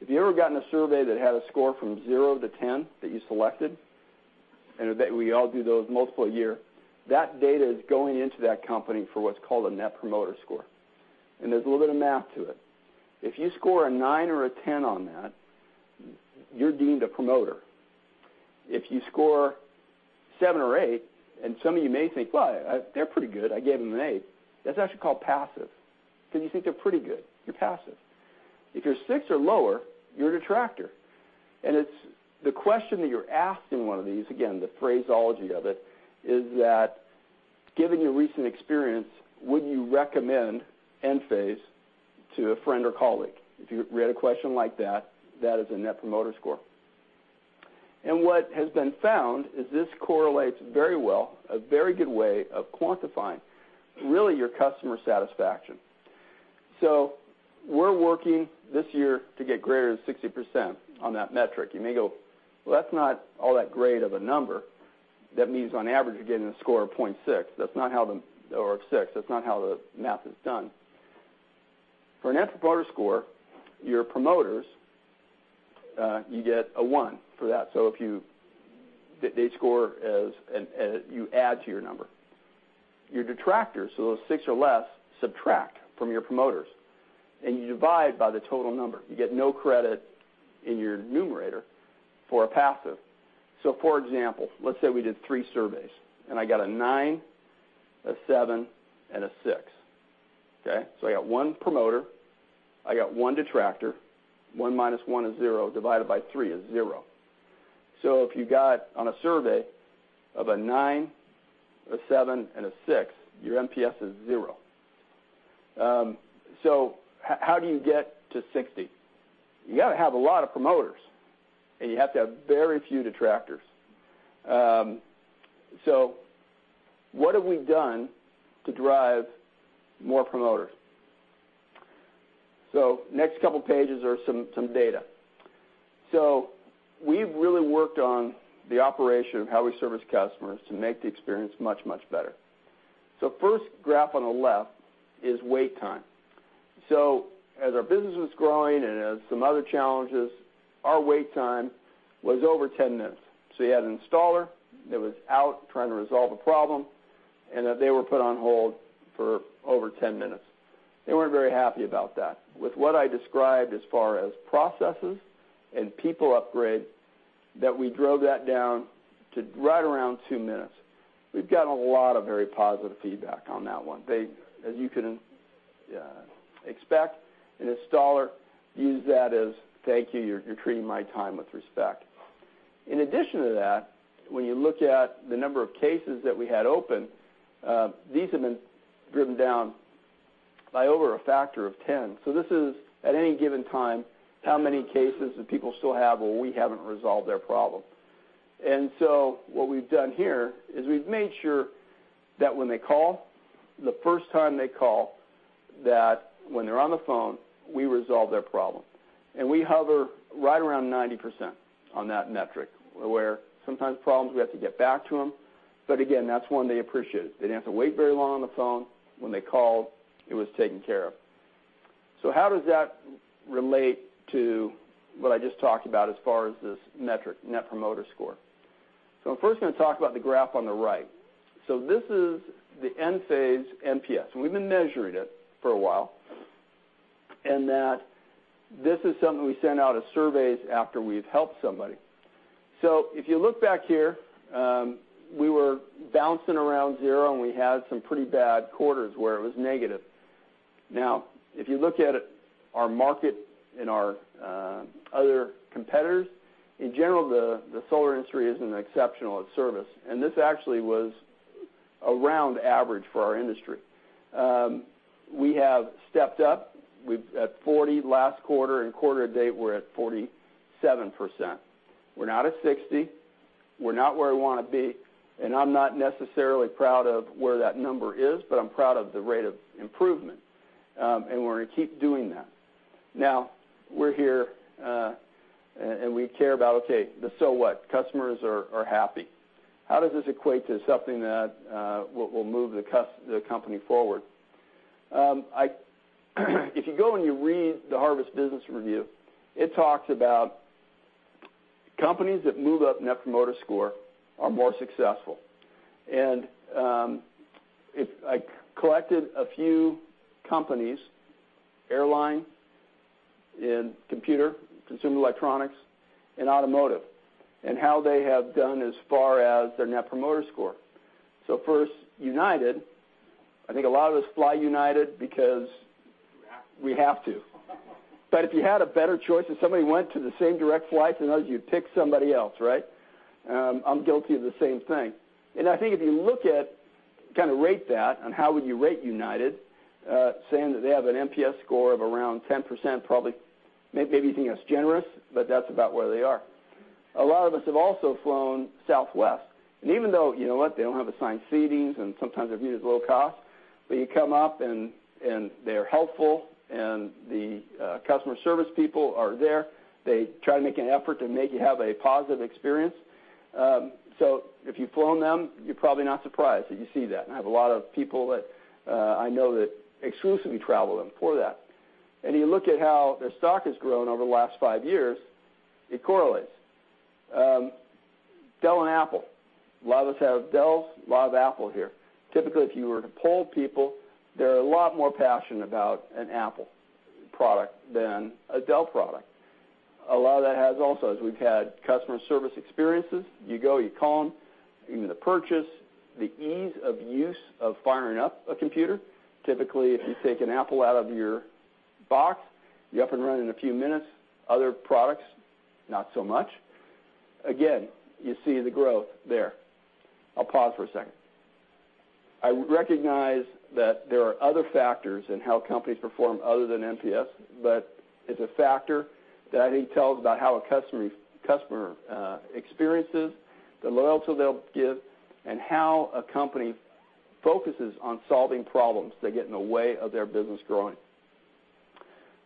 If you've ever gotten a survey that had a score from zero to 10 that you selected, and we all do those multiple a year, that data is going into that company for what's called a Net Promoter Score. There's a little bit of math to it. If you score a nine or a 10 on that, you're deemed a promoter. If you score seven or eight, and some of you may think, "Well, they're pretty good, I gave them an eight," that's actually called passive. Because you think they're pretty good, you're passive. If you're six or lower, you're a detractor. The question that you're asked in one of these, again, the phraseology of it, is that, given your recent experience, would you recommend Enphase to a friend or colleague? If you read a question like that is a Net Promoter Score. What has been found is this correlates very well, a very good way of quantifying, really, your customer satisfaction. We're working this year to get greater than 60% on that metric. You may go, "Well, that's not all that great of a number." That means on average, you're getting a score of 0.6 or 6. That's not how the math is done. For a Net Promoter Score, your promoters, you get a one for that. If they score as you add to your number. Your detractors, so those six or less, subtract from your promoters, and you divide by the total number. You get no credit in your numerator for a passive. For example, let's say we did three surveys, and I got a nine, a seven, and a six. I got one promoter, I got one detractor. One minus one is zero, divided by three is zero. If you got on a survey of a nine, a seven, and a six, your NPS is zero. How do you get to 60? You've got to have a lot of promoters, and you have to have very few detractors. What have we done to drive more promoters? Next couple pages are some data. We've really worked on the operation of how we service customers to make the experience much, much better. First graph on the left is wait time. As our business was growing and it had some other challenges, our wait time was over 10 minutes. You had an installer that was out trying to resolve a problem, and they were put on hold for over 10 minutes. They weren't very happy about that. With what I described as far as processes and people upgrade, that we drove that down to right around two minutes. We've gotten a lot of very positive feedback on that one. As you can expect, an installer used that as, "Thank you. You're treating my time with respect." In addition to that, when you look at the number of cases that we had open, these have been driven down by over a factor of 10. This is, at any given time, how many cases that people still have where we haven't resolved their problem. What we've done here is we've made sure that when they call, the first time they call, that when they're on the phone, we resolve their problem. We hover right around 90% on that metric, where sometimes problems we have to get back to them, but again, that's one they appreciated. They didn't have to wait very long on the phone. When they called, it was taken care of. How does that relate to what I just talked about as far as this metric, Net Promoter Score? I'm first going to talk about the graph on the right. This is the Enphase NPS, and we've been measuring it for a while, in that this is something we send out as surveys after we've helped somebody. If you look back here, we were bouncing around zero, and we had some pretty bad quarters where it was negative. Now, if you look at our market and our other competitors, in general, the solar industry isn't exceptional at service, and this actually was around average for our industry. We have stepped up. We're at 40 last quarter, and quarter to date, we're at 47%. We're not at 60. We're not where we want to be, and I'm not necessarily proud of where that number is, but I'm proud of the rate of improvement, and we're going to keep doing that. Now, we're here, and we care about, okay, so what? Customers are happy. How does this equate to something that will move the company forward? If you go and you read the "Harvard Business Review," it talks about companies that move up Net Promoter Score are more successful. I collected a few companies, airline and computer, consumer electronics, and automotive, and how they have done as far as their Net Promoter Score. First, United. I think a lot of us fly United because- We have to. But if you had a better choice, if somebody went to the same direct flights as you'd pick somebody else, right? I'm guilty of the same thing. I think if you look at, kind of rate that on how would you rate United, saying that they have an NPS score of around 10%, probably maybe you think that's generous, but that's about where they are. A lot of us have also flown Southwest, and even though, you know what? They don't have assigned seatings and sometimes they're viewed as low cost, but you come up and they're helpful and the customer service people are there. They try to make an effort to make you have a positive experience. If you've flown them, you're probably not surprised that you see that, and I have a lot of people that I know that exclusively travel them for that. You look at how their stock has grown over the last five years, it correlates. Dell and Apple. A lot of us have Dells, a lot of Apple here. Typically, if you were to poll people, they're a lot more passionate about an Apple product than a Dell product. A lot of that has also, as we've had customer service experiences, you go, you call them, even the purchase, the ease of use of firing up a computer. Typically, if you take an Apple out of your box, you're up and running in a few minutes. Other products, not so much. Again, you see the growth there. I'll pause for a second. I recognize that there are other factors in how companies perform other than NPS, but it's a factor that I think tells about how a customer experiences the loyalty they'll give and how a company focuses on solving problems that get in the way of their business growing.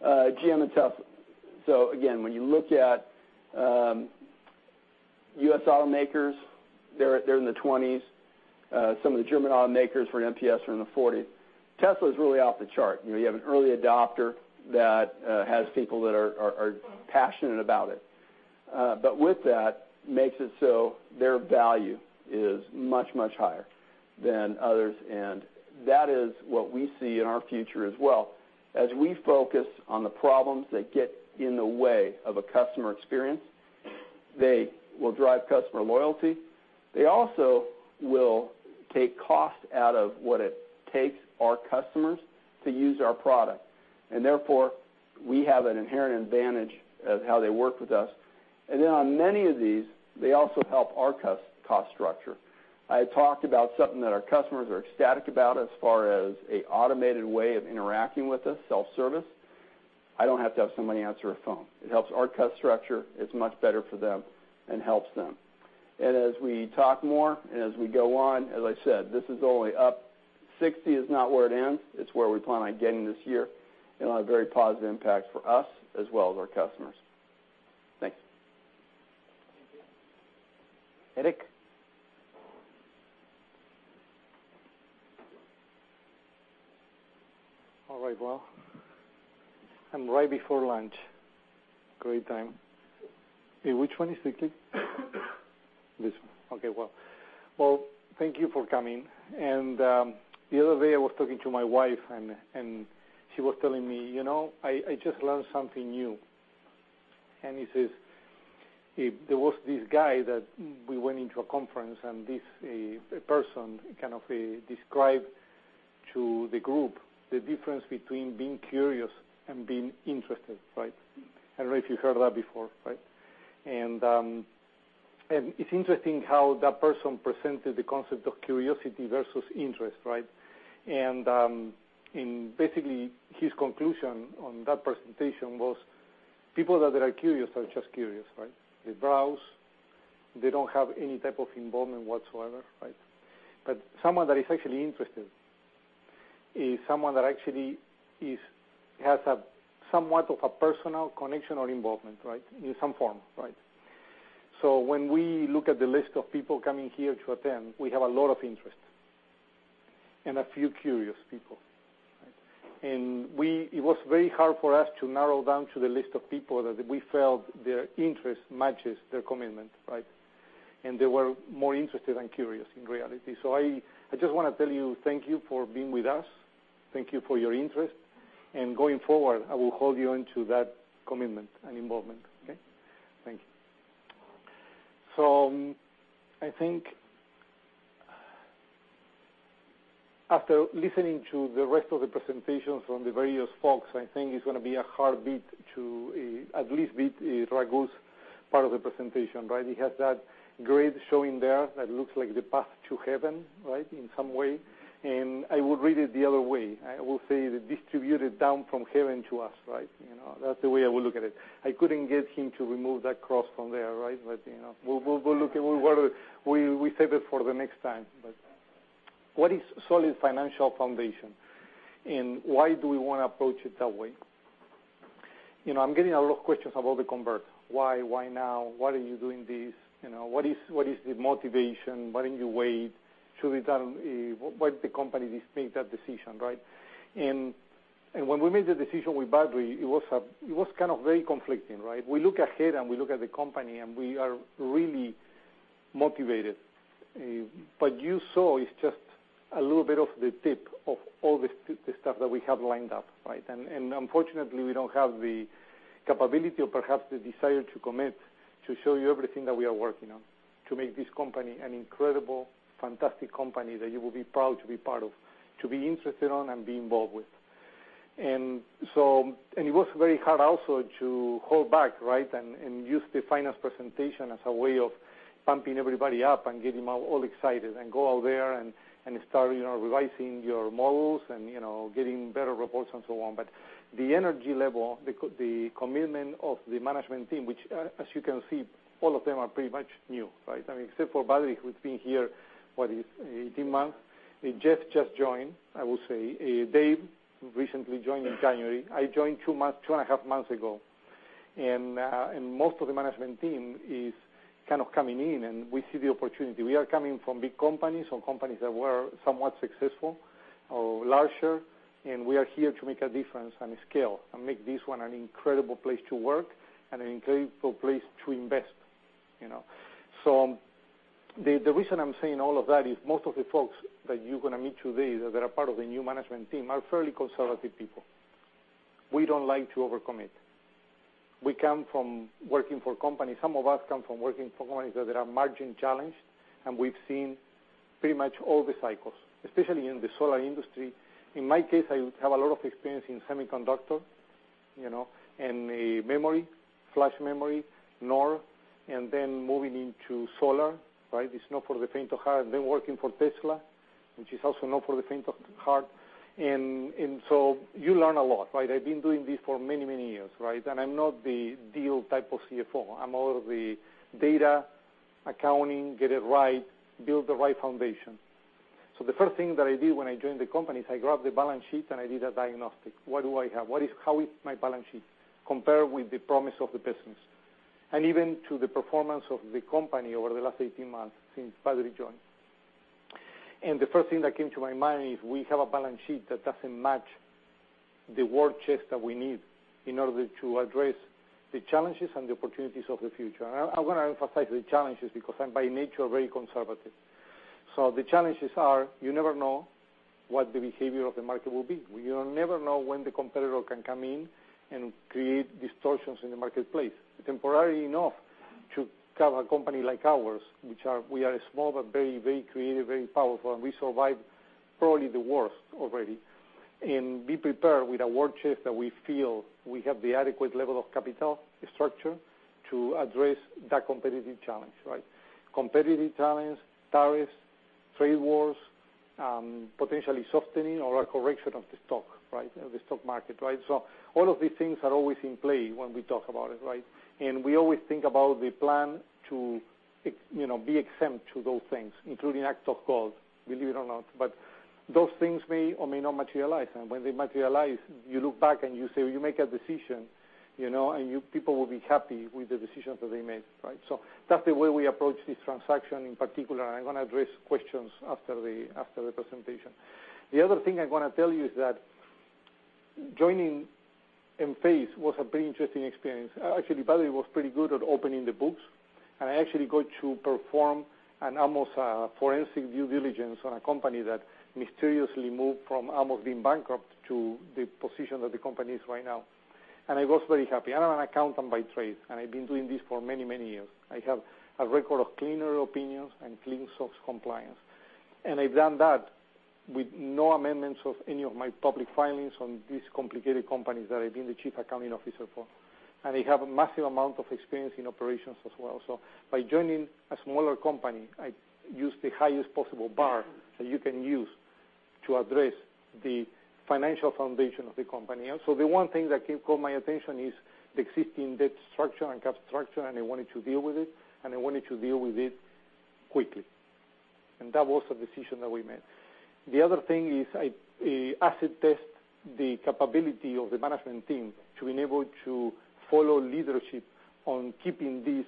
GM and Tesla. Again, when you look at U.S. automakers, they're in the 20s. Some of the German automakers for NPS are in the 40s. Tesla is really off the chart. You have an early adopter that has people that are passionate about it. With that makes it so their value is much, much higher than others, and that is what we see in our future as well. As we focus on the problems that get in the way of a customer experience, they will drive customer loyalty. They also will take cost out of what it takes our customers to use our product. Therefore, we have an inherent advantage of how they work with us. Then on many of these, they also help our cost structure. I talked about something that our customers are ecstatic about as far as a automated way of interacting with us, self-service. I don't have to have somebody answer a phone. It helps our cost structure. It's much better for them and helps them. As we talk more and as we go on, as I said, this is only up, 60 is not where it ends. It's where we plan on getting this year. It'll have a very positive impact for us as well as our customers. Thank you. Thank you. Eric? All right. Well, right before lunch. Great time. Which one is the clicker? This one. Okay. Well, thank you for coming. The other day, I was talking to my wife and she was telling me, "I just learned something new." She says, "There was this guy that we went into a conference, and this person kind of described to the group the difference between being curious and being interested." Right? I don't know if you've heard that before, right? It's interesting how that person presented the concept of curiosity versus interest, right? Basically, his conclusion on that presentation was people that are curious are just curious, right? They browse. They don't have any type of involvement whatsoever, right? Someone that is actually interested is someone that actually has somewhat of a personal connection or involvement, right, in some form. Right? When we look at the list of people coming here to attend, we have a lot of interest and a few curious people. Right? It was very hard for us to narrow down to the list of people that we felt their interest matches their commitment, right? They were more interested than curious in reality. I just want to tell you thank you for being with us. Thank you for your interest. Going forward, I will hold you into that commitment and involvement. Okay? Thank you. I think after listening to the rest of the presentations from the various folks, I think it's going to be a hard beat to at least beat Raghu's part of the presentation, right? He has that great showing there that looks like the path to heaven, right, in some way. I would read it the other way. I will say that distribute it down from heaven to us, right? That's the way I would look at it. I couldn't get him to remove that cross from there, right? We'll save it for the next time. What is solid financial foundation, and why do we want to approach it that way? I'm getting a lot of questions about the convert. Why? Why now? Why are you doing this? What is the motivation? Why didn't you wait? Why did the company make that decision, right? When we made the decision with Badri, it was kind of very conflicting, right? We look ahead and we look at the company and we are really motivated. You saw it's just a little bit of the tip of all the stuff that we have lined up, right? Unfortunately, we don't have the capability or perhaps the desire to commit to show you everything that we are working on to make this company an incredible, fantastic company that you will be proud to be part of, to be interested on and be involved with. It was very hard also to hold back, right, and use the finance presentation as a way of pumping everybody up and getting them all excited and go out there and start revising your models and getting better reports and so on. The energy level, the commitment of the management team, which as you can see, all of them are pretty much new, right? Except for Badri, who's been here for 18 months. Jeff just joined, I will say. Dave recently joined in January. I joined two and a half months ago. Most of the management team is kind of coming in and we see the opportunity. We are coming from big companies or companies that were somewhat successful Or larger. We are here to make a difference on a scale and make this one an incredible place to work and an incredible place to invest. The reason I'm saying all of that is most of the folks that you're going to meet today that are part of the new management team are fairly conservative people. We don't like to over-commit. We come from working for companies. Some of us come from working for companies that are margin-challenged, and we've seen pretty much all the cycles, especially in the solar industry. In my case, I have a lot of experience in semiconductor, and memory, flash memory, NOR, and then moving into solar. It's not for the faint of heart. Working for Tesla, which is also not for the faint of heart. You learn a lot. I've been doing this for many years. I'm not the deal type of CFO. I'm all of the data, accounting, get it right, build the right foundation. The first thing that I did when I joined the company is I grabbed the balance sheet and I did a diagnostic. What do I have? How is my balance sheet compare with the promise of the business? Even to the performance of the company over the last 18 months since Badri joined. The first thing that came to my mind is we have a balance sheet that doesn't match the war chest that we need in order to address the challenges and the opportunities of the future. I'm going to emphasize the challenges because I'm by nature very conservative. The challenges are you never know what the behavior of the market will be. You never know when the competitor can come in and create distortions in the marketplace temporarily enough to cover a company like ours. We are small, but very creative, very powerful, and we survived probably the worst already. Be prepared with a war chest that we feel we have the adequate level of capital structure to address that competitive challenge. Competitive challenge, tariffs, trade wars, potentially softening or a correction of the stock, the stock market. All of these things are always in play when we talk about it. We always think about the plan to be exempt to those things, including act of God, believe it or not. Those things may or may not materialize, and when they materialize, you look back and you say you make a decision, and you people will be happy with the decisions that they made. That's the way we approach this transaction in particular. I'm going to address questions after the presentation. The other thing I'm going to tell you is that joining Enphase was a very interesting experience. Actually, Patrick was pretty good at opening the books, and I actually got to perform an almost forensic due diligence on a company that mysteriously moved from almost being bankrupt to the position that the company is right now. I was very happy. I'm an accountant by trade, and I've been doing this for many years. I have a record of cleaner opinions and clean SOX compliance. I've done that with no amendments of any of my public filings on these complicated companies that I've been the chief accounting officer for. I have a massive amount of experience in operations as well. By joining a smaller company, I use the highest possible bar that you can use to address the financial foundation of the company. The one thing that caught my attention is the existing debt structure and cap structure, and I wanted to deal with it, and I wanted to deal with it quickly. That was a decision that we made. The other thing is I acid test the capability of the management team to enable to follow leadership on keeping this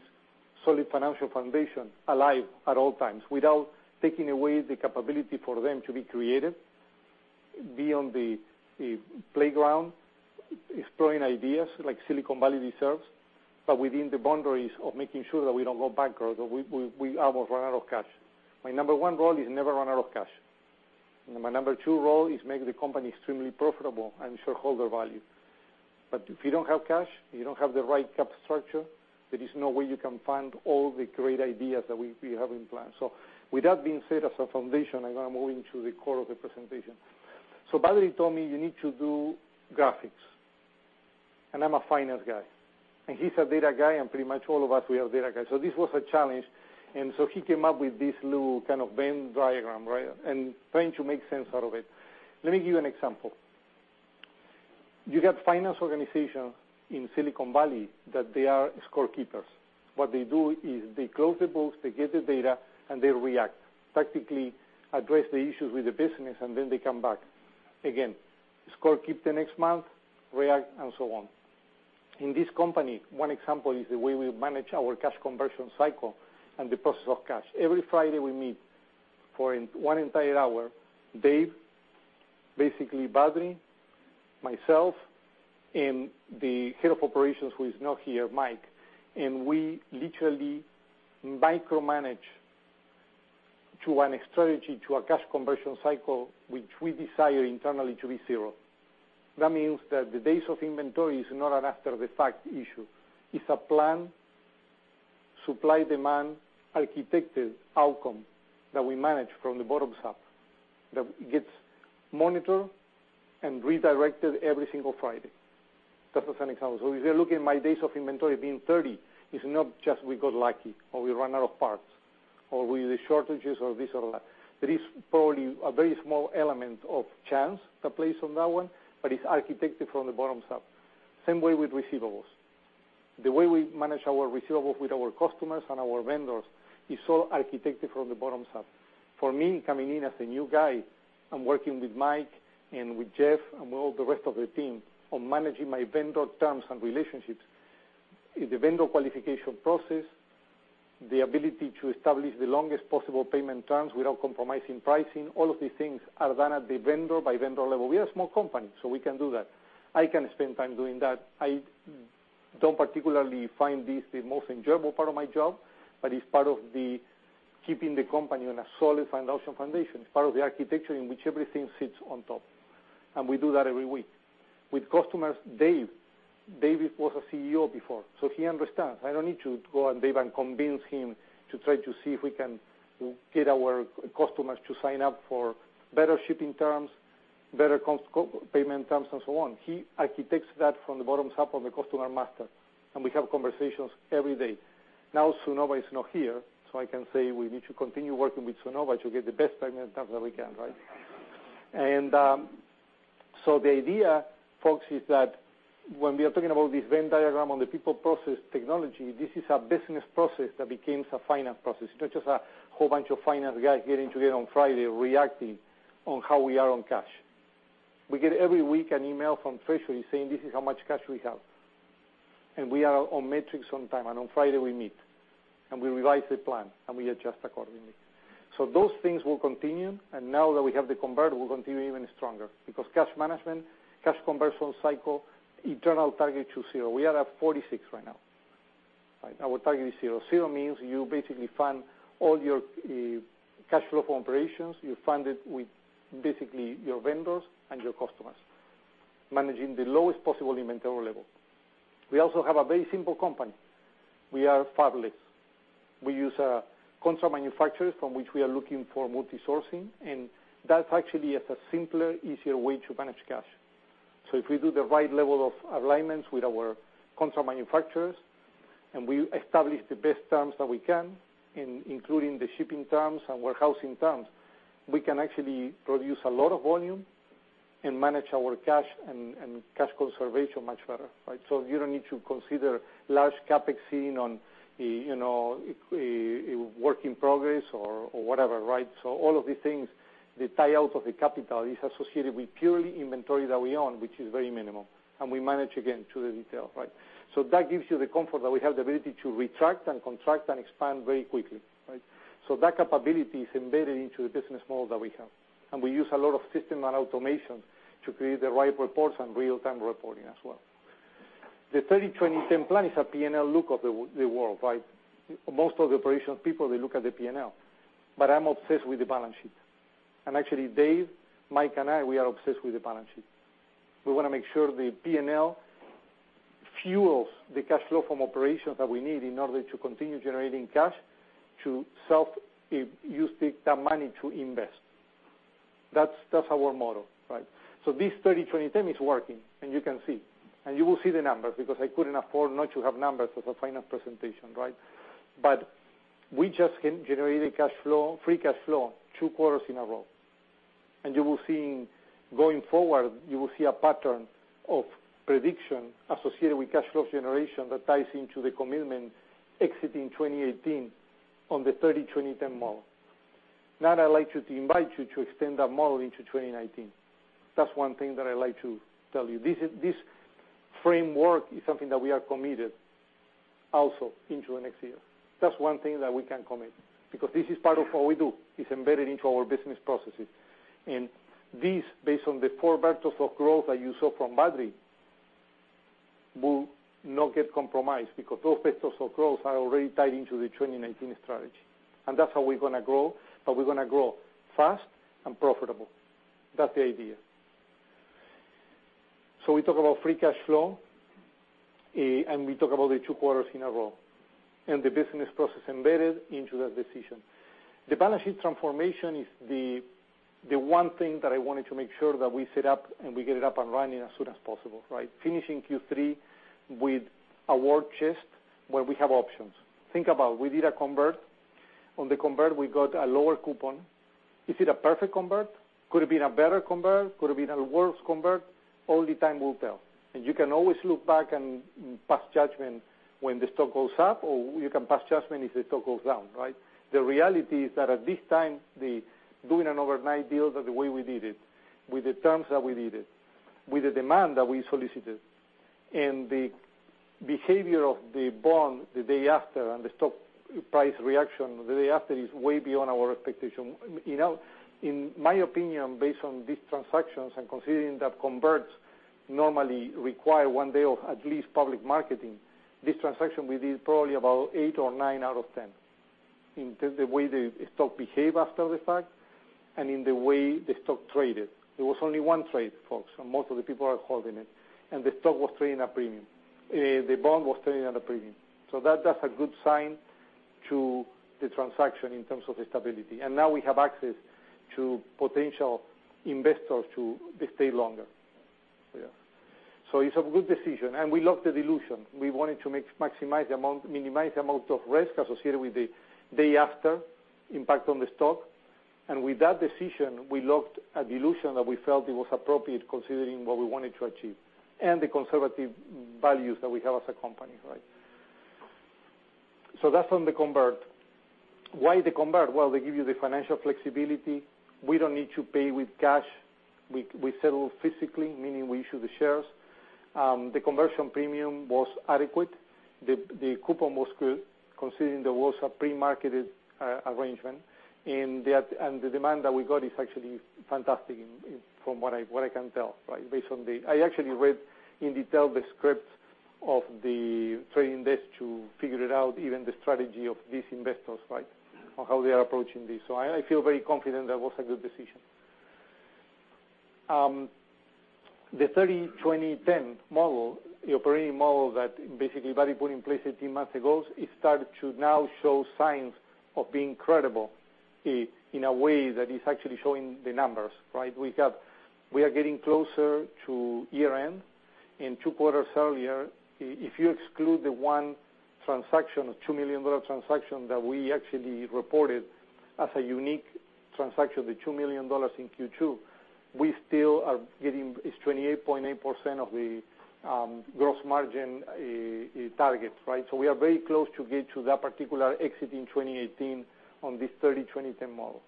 solid financial foundation alive at all times without taking away the capability for them to be creative, be on the playground, exploring ideas like Silicon Valley deserves, but within the boundaries of making sure that we don't go bankrupt, that we almost run out of cash. My number one role is never run out of cash. My number two role is make the company extremely profitable and shareholder value. If you don't have cash, you don't have the right cap structure, there is no way you can fund all the great ideas that we have in plan. With that being said, as a foundation, I'm going to move into the core of the presentation. Patrick told me you need to do graphics. I'm a finance guy. He's a data guy, and pretty much all of us, we are data guys. This was a challenge. He came up with this little kind of Venn diagram. Trying to make sense out of it. Let me give you an example. You got finance organization in Silicon Valley that they are scorekeepers. What they do is they close the books, they get the data, and they react. Technically address the issues with the business, and then they come back again. Scorekeep the next month, react, and so on. In this company, one example is the way we manage our cash conversion cycle and the process of cash. Every Friday we meet for one entire hour, Dave, basically Patrick, myself, and the head of operations, who is not here, Mike. We literally micromanage to a strategy, to a cash conversion cycle, which we desire internally to be zero. That means that the days of inventory is not an after-the-fact issue. It's a planned supply-demand, architected outcome that we manage from the bottom up that gets monitored and redirected every single Friday. That's an example. If you look at my days of inventory being 30, it's not just we got lucky, or we run out of parts, or we have shortages or this or that. There is probably a very small element of chance that plays on that one, but it's architected from the bottom up. Same way with receivables. The way we manage our receivables with our customers and our vendors is all architected from the bottom up. For me, coming in as a new guy and working with Mike and with Jeff and with all the rest of the team on managing my vendor terms and relationships in the vendor qualification process. The ability to establish the longest possible payment terms without compromising pricing. All of these things are done at the vendor by vendor level. We are a small company, we can do that. I can spend time doing that. I don't particularly find this the most enjoyable part of my job, but it's part of the keeping the company on a solid financial foundation. It's part of the architecture in which everything sits on top, we do that every week. With customers, Dave. David was a CEO before, he understands. I don't need to go to Dave and convince him to try to see if we can get our customers to sign up for better shipping terms, better payment terms, so on. He architects that from the bottom up on the customer master, we have conversations every day. Sunnova is not here, I can say we need to continue working with Sunnova to get the best payment terms that we can, right? The idea, folks, is that when we are talking about this Venn diagram on the people process technology, this is a business process that becomes a finance process. It's not just a whole bunch of finance guys getting together on Friday reacting on how we are on cash. We get every week an email from Treasury saying, "This is how much cash we have." We are on metrics on time. On Friday we meet, we revise the plan, we adjust accordingly. Those things will continue. Now that we have the convert, we'll continue even stronger because cash management, cash conversion cycle, internal target to zero. We are at 46 right now. Our target is zero. Zero means you basically fund all your cash flow from operations. You fund it with basically your vendors and your customers, managing the lowest possible inventory level. We also have a very simple company. We are fabless. We use contract manufacturers from which we are looking for multi-sourcing, that actually is a simpler, easier way to manage cash. If we do the right level of alignments with our contract manufacturers and we establish the best terms that we can, including the shipping terms and warehousing terms, we can actually produce a lot of volume and manage our cash and cash conservation much better, right? You don't need to consider large CapEx on a work in progress or whatever, right? All of these things, the tie out of the capital is associated with purely inventory that we own, which is very minimal. We manage again to the detail, right? That gives you the comfort that we have the ability to retract and contract and expand very quickly, right? That capability is embedded into the business model that we have. We use a lot of system and automation to create the right reports and real-time reporting as well. The 30/20/10 plan is a P&L look of the world, right? Most of the operational people, they look at the P&L. I'm obsessed with the balance sheet. Actually Dave, Mike, and I, we are obsessed with the balance sheet. We want to make sure the P&L fuels the cash flow from operations that we need in order to continue generating cash to use that money to invest. That's our model, right? This 30/20/10 is working and you can see. You will see the numbers because I couldn't afford not to have numbers with a finance presentation, right? We just generated free cash flow two quarters in a row. Going forward, you will see a pattern of prediction associated with cash flow generation that ties into the commitment exiting 2018 on the 30/20/10 model. Now I'd like to invite you to extend that model into 2019. That's one thing that I'd like to tell you. This framework is something that we are committed also into the next year. That's one thing that we can commit, because this is part of what we do. It's embedded into our business processes. This, based on the four vectors of growth that you saw from Badri, will not get compromised because those vectors of growth are already tied into the 2019 strategy. That's how we're gonna grow, but we're gonna grow fast and profitable. That's the idea. We talk about free cash flow, we talk about the two quarters in a row, the business process embedded into that decision. The balance sheet transformation is the one thing that I wanted to make sure that we set up and we get it up and running as soon as possible, right? Finishing Q3 with a war chest where we have options. Think about it. We did a convert. On the convert, we got a lower coupon. Is it a perfect convert? Could it have been a better convert? Could it have been a worse convert? Only time will tell. You can always look back and pass judgment when the stock goes up, or you can pass judgment if the stock goes down, right? The reality is that at this time, doing an overnight deal the way we did it, with the terms that we did it, with the demand that we solicited, and the behavior of the bond the day after and the stock price reaction the day after is way beyond our expectation. In my opinion, based on these transactions and considering that converts normally require one day of at least public marketing, this transaction we did probably about eight or nine out of 10 in the way the stock behaved after the fact and in the way the stock traded. There was only one trade, folks, and most of the people are holding it. The bond was trading at a premium. That's a good sign to the transaction in terms of the stability. Now we have access to potential investors to stay longer. It's a good decision, and we locked the dilution. We wanted to minimize the amount of risk associated with the day-after impact on the stock. With that decision, we locked a dilution that we felt it was appropriate considering what we wanted to achieve and the conservative values that we have as a company, right? That's on the convert. Why the convert? Well, they give you the financial flexibility. We don't need to pay with cash. We settle physically, meaning we issue the shares. The conversion premium was adequate. The coupon was good, considering there was a pre-marketed arrangement. The demand that we got is actually fantastic from what I can tell. I actually read in detail the script of the trading desk to figure it out, even the strategy of these investors, on how they are approaching this. I feel very confident that was a good decision. The 30/20/10 operating model that basically Badri put in place 18 months ago, it started to now show signs of being credible in a way that is actually showing the numbers. We are getting closer to year-end. In two quarters earlier, if you exclude the one transaction, the $2 million transaction that we actually reported as a unique transaction, the $2 million in Q2, we still are getting 28.8% of the gross margin target. We are very close to get to that particular exit in 2018 on this 30/20/10 model.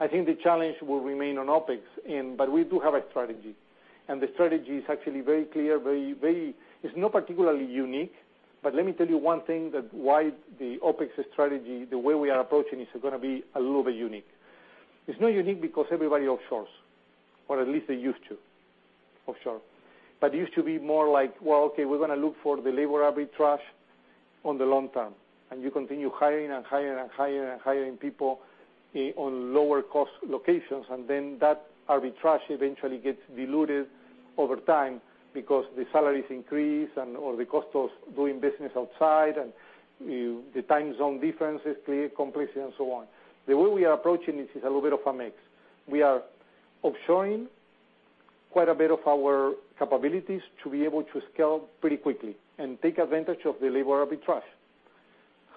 I think the challenge will remain on OpEx, but we do have a strategy. The strategy is actually very clear. It's not particularly unique, but let me tell you one thing that why the OpEx strategy, the way we are approaching this is going to be a little bit unique. It's not unique because everybody offshores, or at least they used to offshore. It used to be more like, well, okay, we're going to look for the labor arbitrage on the long term. You continue hiring and hiring people on lower cost locations, and then that arbitrage eventually gets diluted over time because the salaries increase or the cost of doing business outside and the time zone differences create complexity and so on. The way we are approaching this is a little bit of a mix. We are offshoring quite a bit of our capabilities to be able to scale pretty quickly and take advantage of the labor arbitrage.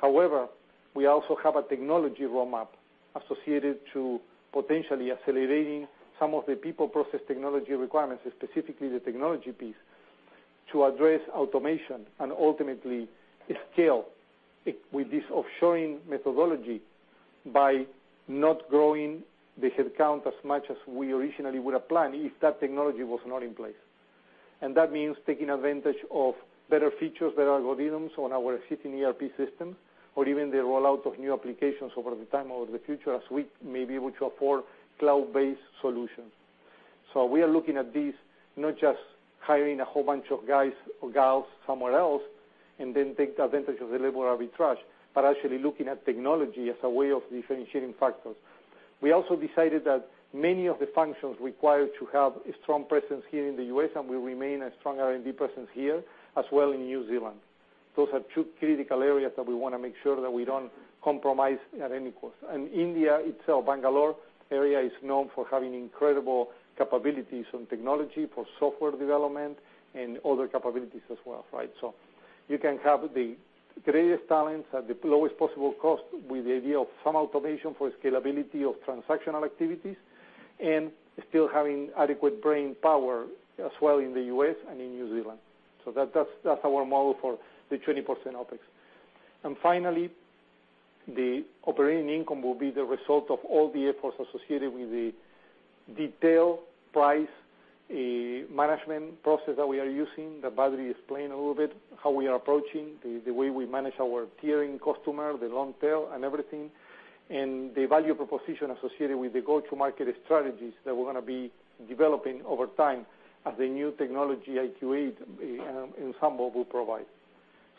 However, we also have a technology roadmap associated to potentially accelerating some of the people process technology requirements, specifically the technology piece, to address automation and ultimately scale with this offshoring methodology by not growing the headcount as much as we originally would have planned if that technology was not in place. That means taking advantage of better features, better algorithms on our existing ERP system or even the rollout of new applications over the time or the future as we may be able to afford cloud-based solutions. We are looking at this, not just hiring a whole bunch of guys or gals somewhere else and then take advantage of the labor arbitrage, but actually looking at technology as a way of differentiating factors. Many of the functions require to have a strong presence here in the U.S., and we remain a strong R&D presence here, as well in New Zealand. Those are two critical areas that we want to make sure that we don't compromise at any cost. India itself, Bangalore area is known for having incredible capabilities on technology for software development and other capabilities as well. You can have the greatest talents at the lowest possible cost with the idea of some automation for scalability of transactional activities and still having adequate brain power as well in the U.S. and in New Zealand. That's our model for the 20% OpEx. Finally, the operating income will be the result of all the efforts associated with the detail price management process that we are using, that Badri explained a little bit how we are approaching the way we manage our tiering customer, the long tail and everything, and the value proposition associated with the go-to-market strategies that we're going to be developing over time as the new technology IQ8 Ensemble will provide.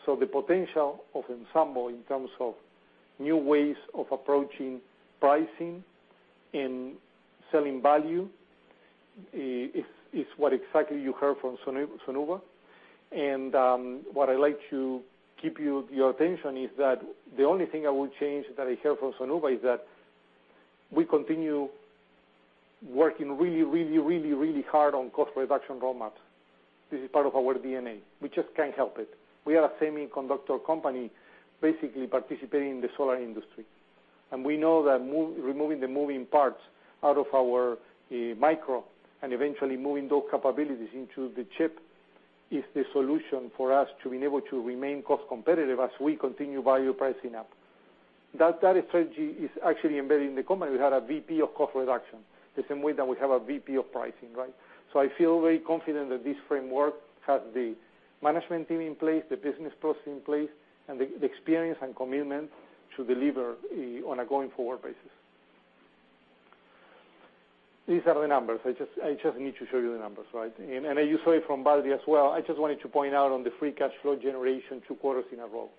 The potential of Ensemble in terms of new ways of approaching pricing and selling value is what exactly you heard from Sunnova. What I like to keep your attention is that the only thing I would change that I heard from Sunnova is that we continue working really hard on cost reduction roadmaps. This is part of our DNA. We just can't help it. We are a semiconductor company basically participating in the solar industry. We know that removing the moving parts out of our micro and eventually moving those capabilities into the chip is the solution for us to be able to remain cost competitive as we continue value pricing up. That strategy is actually embedded in the company. We had a VP of cost reduction, the same way that we have a VP of pricing. I feel very confident that this framework has the management team in place, the business process in place, and the experience and commitment to deliver on a going-forward basis. These are the numbers. I just need to show you the numbers. You saw it from Badri as well. I just wanted to point out on the free cash flow generation two quarters in a row.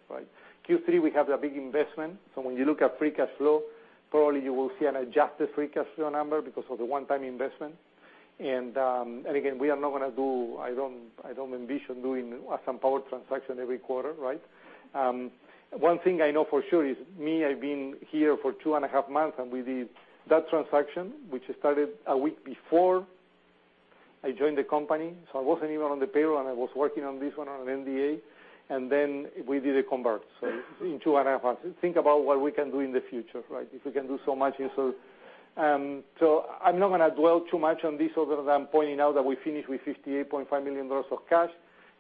Q3, we have a big investment. When you look at free cash flow, probably you will see an adjusted free cash flow number because of the one-time investment. Again, we are not going to do, I don't envision doing some power transaction every quarter. One thing I know for sure is me, I've been here for two and a half months, and we did that transaction, which started a week before I joined the company. I wasn't even on the payroll, and I was working on this one on an NDA, and then we did a convert. In two and a half months. Think about what we can do in the future. If we can do so much in. I'm not going to dwell too much on this other than pointing out that we finished with $58.5 million of cash.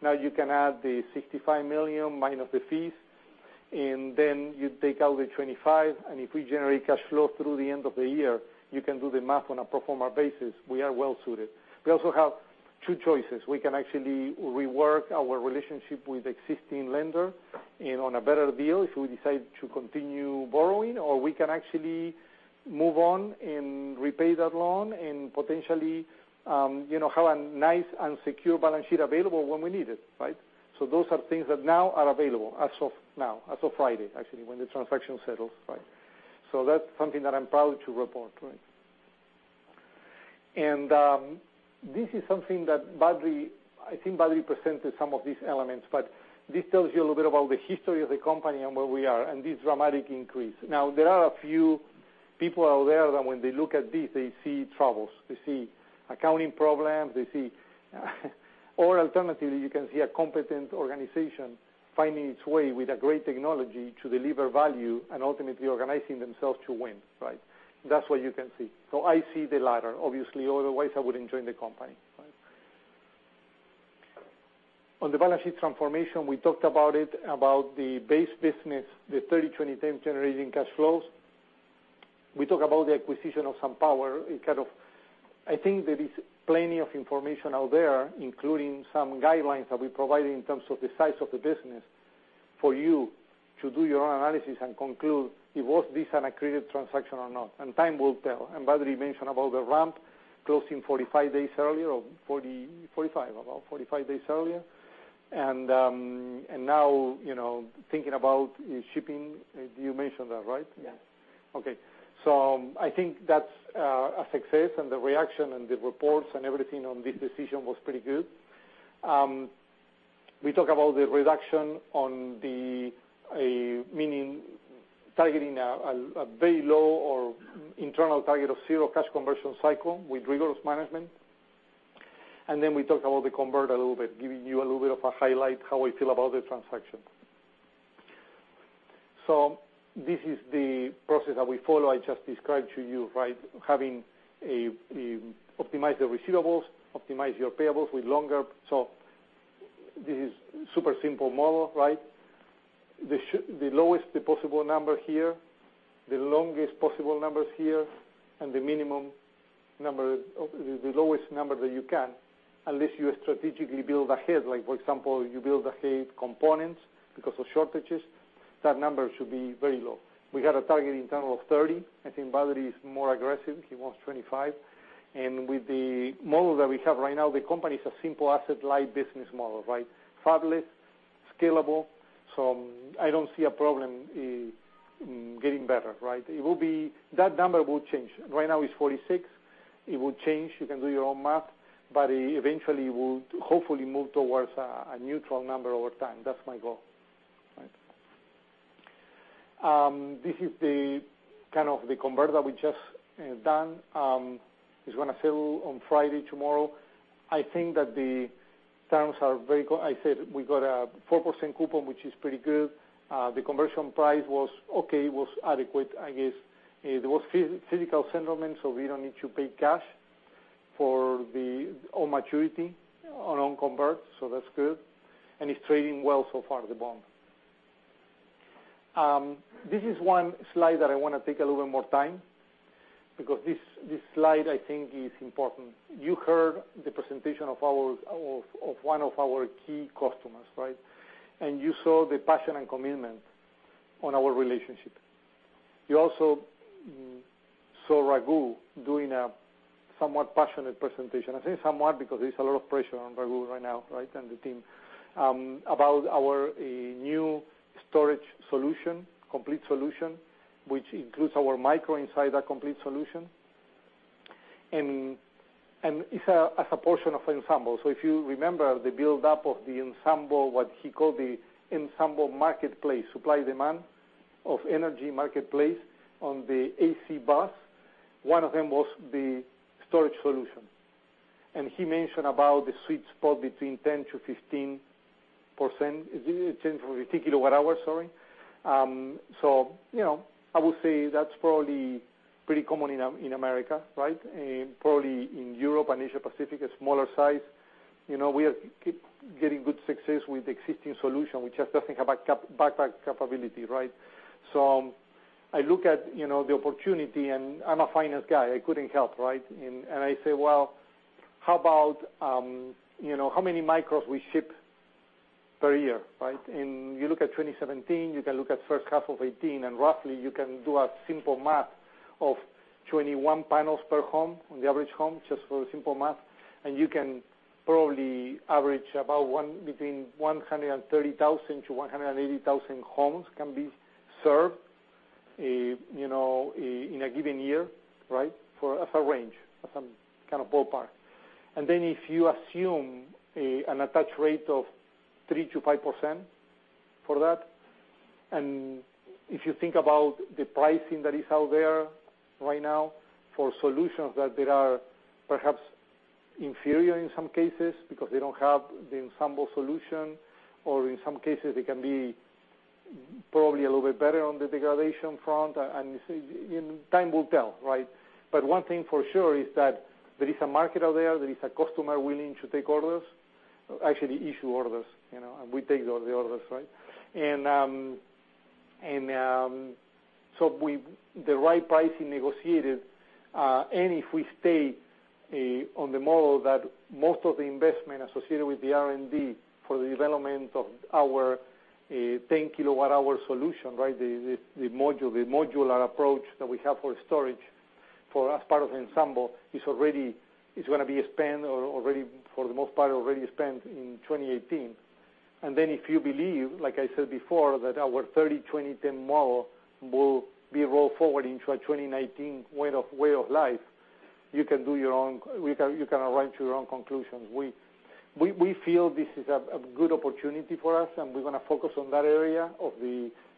You can add the $65 million minus the fees, then you take out the $25, if we generate cash flow through the end of the year, you can do the math on a pro forma basis. We are well-suited. We also have two choices. We can actually rework our relationship with existing lender and on a better deal if we decide to continue borrowing, or we can actually move on and repay that loan and potentially have a nice and secure balance sheet available when we need it. Those are things that now are available as of now, as of Friday, actually, when the transaction settles. That's something that I'm proud to report. This is something that I think Badri presented some of these elements, this tells you a little bit about the history of the company and where we are, and this dramatic increase. There are a few people out there that when they look at this, they see troubles. They see accounting problems. Or alternatively, you can see a competent organization finding its way with a great technology to deliver value and ultimately organizing themselves to win. That's what you can see. I see the latter, obviously, otherwise, I wouldn't join the company. On the balance sheet transformation, we talked about it, about the base business, the 30/20/10 generating cash flows. We talk about the acquisition of SunPower. I think there is plenty of information out there, including some guidelines that we provided in terms of the size of the business for you to do your own analysis and conclude it was this an accretive transaction or not. Time will tell. Badri mentioned about the ramp closing 45 days earlier or 40, 45, about 45 days earlier. Now, thinking about shipping, you mentioned that, right? Yes. I think that's a success, and the reaction and the reports and everything on this decision was pretty good. We talk about the reduction on the, meaning targeting a very low or internal target of zero cash conversion cycle with rigorous management. Then we talk about the convert a little bit, giving you a little bit of a highlight how we feel about the transaction. This is the process that we follow. I just described to you, having a optimize the receivables, optimize your payables with longer. This is super simple model. The lowest possible number here, the longest possible numbers here, and the minimum number, the lowest number that you can, unless you strategically build ahead, like for example, you build ahead components because of shortages, that number should be very low. We had a target internal of 30. I think Badri is more aggressive. He wants 25. With the model that we have right now, the company is a simple asset-light business model. Fabulous, scalable. I don't see a problem getting better. That number will change. Right now it's 46. It will change. You can do your own math, but eventually will hopefully move towards a neutral number over time. That's my goal. This is the convert we just done. It's gonna sell on Friday, tomorrow. I think that the terms are very good. I said we got a 4% coupon, which is pretty good. The conversion price was okay. It was adequate, I guess. There was physical settlement, so we don't need to pay cash for the on maturity on convert, so that's good. It's trading well so far, the bond. This is one slide that I want to take a little bit more time because this slide, I think, is important. You heard the presentation of one of our key customers. You saw the passion and commitment on our relationship. You also saw Raghu doing a somewhat passionate presentation. I say somewhat because there's a lot of pressure on Raghu right now, and the team, about our new storage solution, complete solution, which includes our microinverters, that complete solution. It's as a portion of Ensemble. If you remember the buildup of the Ensemble, what he called the Ensemble marketplace, supply-demand of energy marketplace on the AC bus, one of them was the storage solution. He mentioned about the sweet spot between 10%-15%, 10-15 kilowatt-hour, sorry. I would say that's probably pretty common in America. Probably in Europe and Asia Pacific, a smaller size. We are keep getting good success with the existing solution, which just doesn't have a backpack capability. I look at the opportunity, and I'm a finance guy. I couldn't help. I say, "Well, how about how many micros we ship per year?" You look at 2017, you can look at first half of 2018, and roughly you can do a simple math of 21 panels per home, on the average home, just for a simple math, and you can probably average about between 130,000-180,000 homes can be served in a given year as a range, as a kind of ballpark. If you assume an attach rate of 3%-5% for that, and if you think about the pricing that is out there right now for solutions that there are perhaps inferior in some cases because they don't have the Ensemble solution, or in some cases they can be probably a little bit better on the degradation front, and time will tell. One thing for sure is that there is a market out there is a customer willing to take orders, actually issue orders, and we take the orders. With the right pricing negotiated, and if we stay on the model that most of the investment associated with the R&D for the development of our 10-kilowatt hour solution, the modular approach that we have for storage as part of Ensemble is going to be spent, or for the most part, already spent in 2018. If you believe, like I said before, that our 30/20/10 model will be rolled forward into a 2019 way of life, you can arrive to your own conclusions. We feel this is a good opportunity for us, and we're going to focus on that area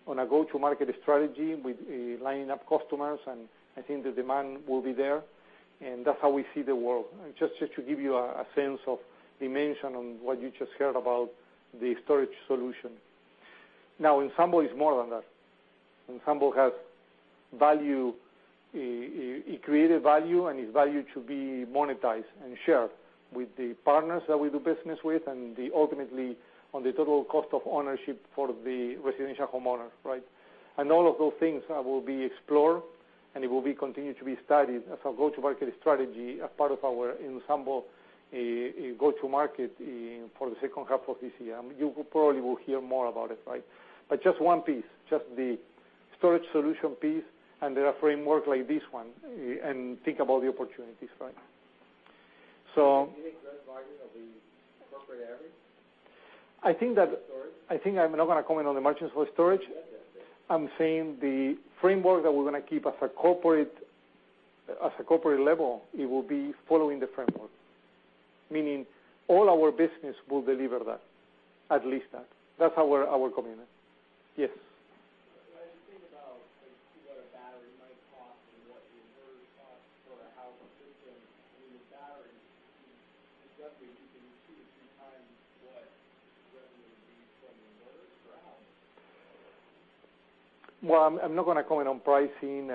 on a go-to-market strategy with lining up customers, and I think the demand will be there. That's how we see the world. Just to give you a sense of dimension on what you just heard about the storage solution. Now, Ensemble is more than that. Ensemble has value. It created value, and its value to be monetized and shared with the partners that we do business with, and ultimately, on the total cost of ownership for the residential homeowner. All of those things will be explored, and it will be continued to be studied as a go-to-market strategy as part of our Ensemble go-to-market for the second half of this year. You probably will hear more about it. Just one piece, just the storage solution piece, and there are framework like this one, and think about the opportunities. Do you think the margin of the corporate average? I think that Storage. I think I'm not going to comment on the margins for storage. Yeah. I'm saying the framework that we're going to keep at a corporate level, it will be following the framework. Meaning all our business will deliver that, at least that. That's our commitment. Yes. When you think about what a battery might cost and what the inverter costs for a house system, the battery, roughly, you can be two to three times what regularly would be from inverters for a house? Well, I'm not going to comment on pricing.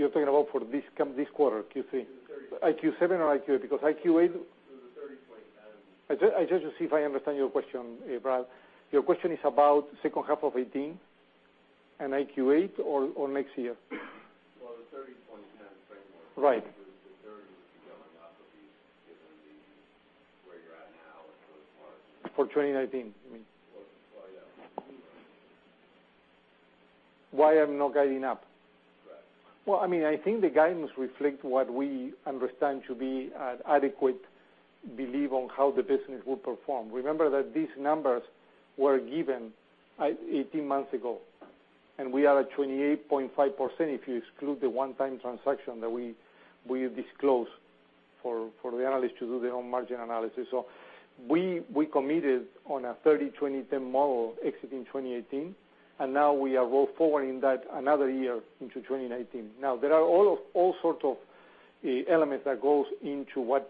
You're talking about for this quarter, Q3? The third. IQ7 or IQ8? It was a 30-point guidance. Just to see if I understand your question, Brad. Your question is about second half of 2018 and IQ8 or next year? Well, the 30/20/10 framework. Right. The 30 would be going up given the where you're at now as far as- For 2019, you mean? Well, yeah. Why I'm not guiding up? Right. Well, I think the guidance reflect what we understand to be an adequate belief on how the business will perform. Remember that these numbers were given 18 months ago, and we are at 28.5% if you exclude the one-time transaction that we disclosed for the analyst to do their own margin analysis. We committed on a 30/20/10 model exiting 2018, and now we are rolling forward in that another year into 2019. There are all sorts of elements that goes into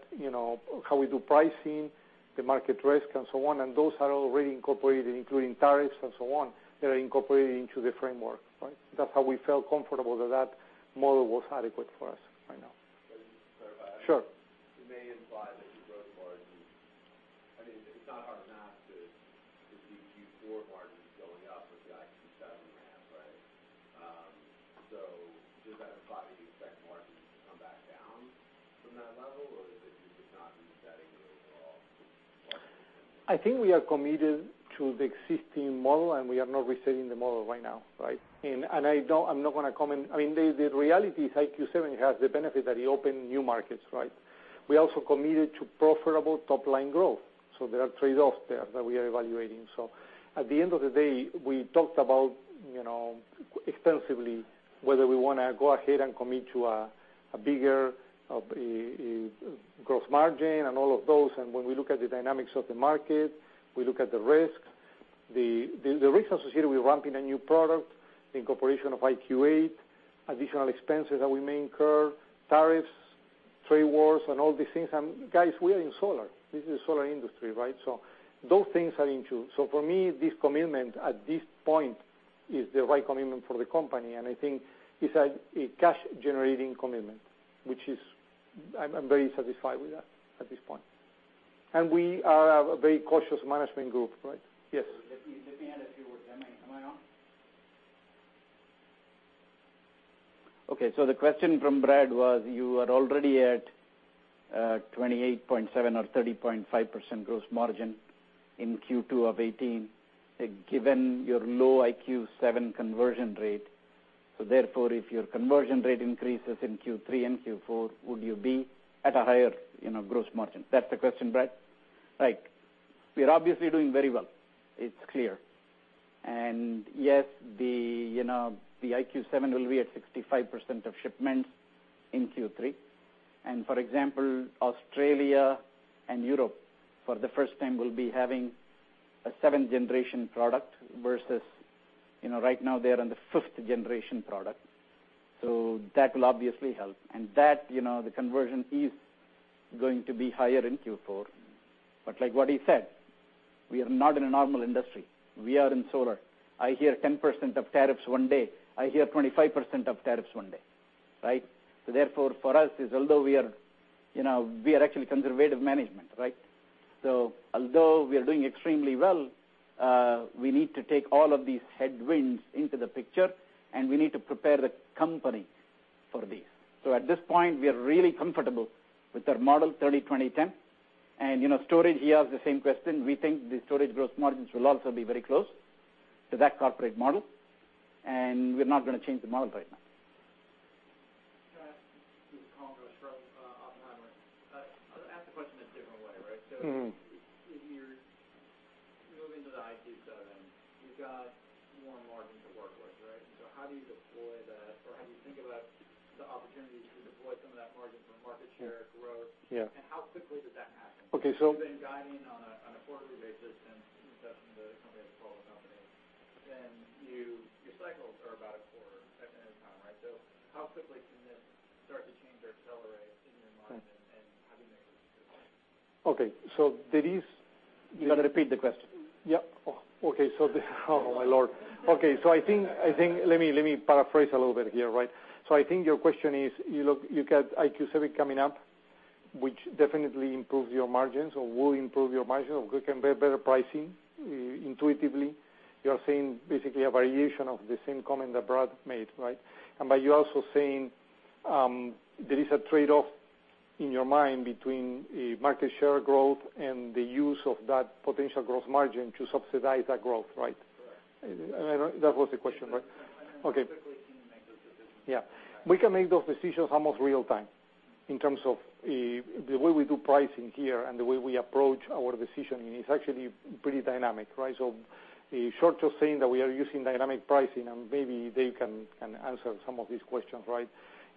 how we do pricing, the market risk, and so on, and those are already incorporated, including tariffs and so on, that are incorporated into the framework. That's how we felt comfortable that that model was adequate for us right now. Can I just clarify? Sure. It may imply that your gross margin, it's not hard math to do Q4 margins going up with the IQ7 ramp. Does that imply that you expect margins to come back down from that level or that you're just not resetting it at all? I think we are committed to the existing model, and we are not resetting the model right now. I'm not going to comment. The reality is IQ7 has the benefit that it open new markets. We also committed to profitable top-line growth. There are trade-offs there that we are evaluating. At the end of the day, we talked about extensively whether we want to go ahead and commit to a bigger gross margin and all of those. When we look at the dynamics of the market, we look at the risks. The risks associated with ramping a new product, the incorporation of IQ8, additional expenses that we may incur, tariffs, trade wars, and all these things. Guys, we are in solar. This is a solar industry. Those things are in tune. For me, this commitment at this point is the right commitment for the company, and I think it's a cash-generating commitment, which I'm very satisfied with that at this point. We are a very cautious management group. Yes. If you had a few words, am I on? Okay. The question from Brad was, you are already at 28.7 or 30.5% gross margin in Q2 of 2018. Given your low IQ7 conversion rate therefore, if your conversion rate increases in Q3 and Q4, would you be at a higher gross margin? That's the question, Brad? Right. We are obviously doing very well. It's clear. Yes, the IQ 7 will be at 65% of shipments in Q3. For example, Australia and Europe for the first time will be having a seventh-generation product versus right now they're on the fifth generation product. That will obviously help. The conversion is going to be higher in Q4. Like what he said, we are not in a normal industry. We are in solar. I hear 10% of tariffs one day, I hear 25% of tariffs one day. Right? therefore, for us, although we are actually conservative management, right? Although we are doing extremely well, we need to take all of these headwinds into the picture, we need to prepare the company for this. At this point, we are really comfortable with our model 30/20/10. Storage, he asked the same question. We think the storage growth margins will also be very close to that corporate model, we're not going to change the model right now. Can I ask you to confirm this, right off the hot one? I'll ask the question a different way, right? If you're moving to the IQ 7, you've got more margin to work with, right? How do you deploy that, or how do you think about the opportunities to deploy some of that margin for market share growth? Yeah. How quickly does that happen? Okay. You've been guiding on a quarterly basis and investing the company as a 12-month company. Your cycles are about a quarter second ahead of time, right? How quickly can this start to change or accelerate in your mind, and how do you make those decisions? You got to repeat the question. Yep. Oh, my Lord. Okay. I think, let me paraphrase a little bit here, right? I think your question is, you look, you get IQ 7 coming up, which definitely improves your margins or will improve your margins or can bear better pricing. Intuitively, you are seeing basically a variation of the same comment that Brad made, right? By you also saying, there is a trade-off in your mind between market share growth and the use of that potential growth margin to subsidize that growth, right? Correct. That was the question, right? Okay. How quickly can you make those decisions? Yeah. We can make those decisions almost real time in terms of the way we do pricing here and the way we approach our decisioning. It's actually pretty dynamic, right? In short, you're saying that we are using dynamic pricing, maybe Dave can answer some of these questions, right?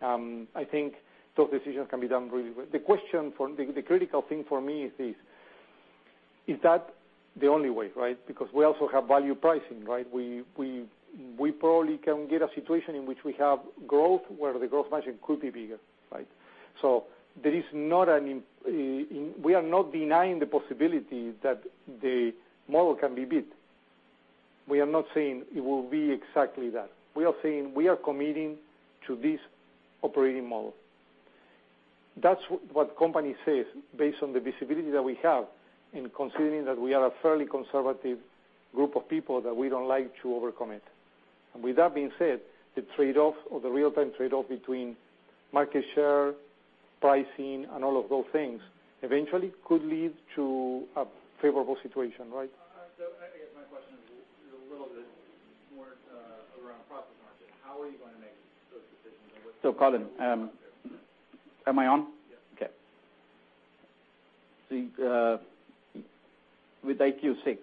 I think those decisions can be done really well. The critical thing for me is this: Is that the only way, right? Because we also have value pricing, right? We probably can get a situation in which we have growth where the growth margin could be bigger, right? We are not denying the possibility that the model can be beat. We are not saying it will be exactly that. We are saying we are committing to this operating model. That's what company says based on the visibility that we have in considering that we are a fairly conservative group of people, that we don't like to over-commit. With that being said, the trade-off or the real-time trade-off between market share, pricing, and all of those things eventually could lead to a favorable situation, right? I guess my question is a little bit more around profit margin. How are you going to make those decisions and what- Colin, am I on? Yes. Okay. See, with IQ6,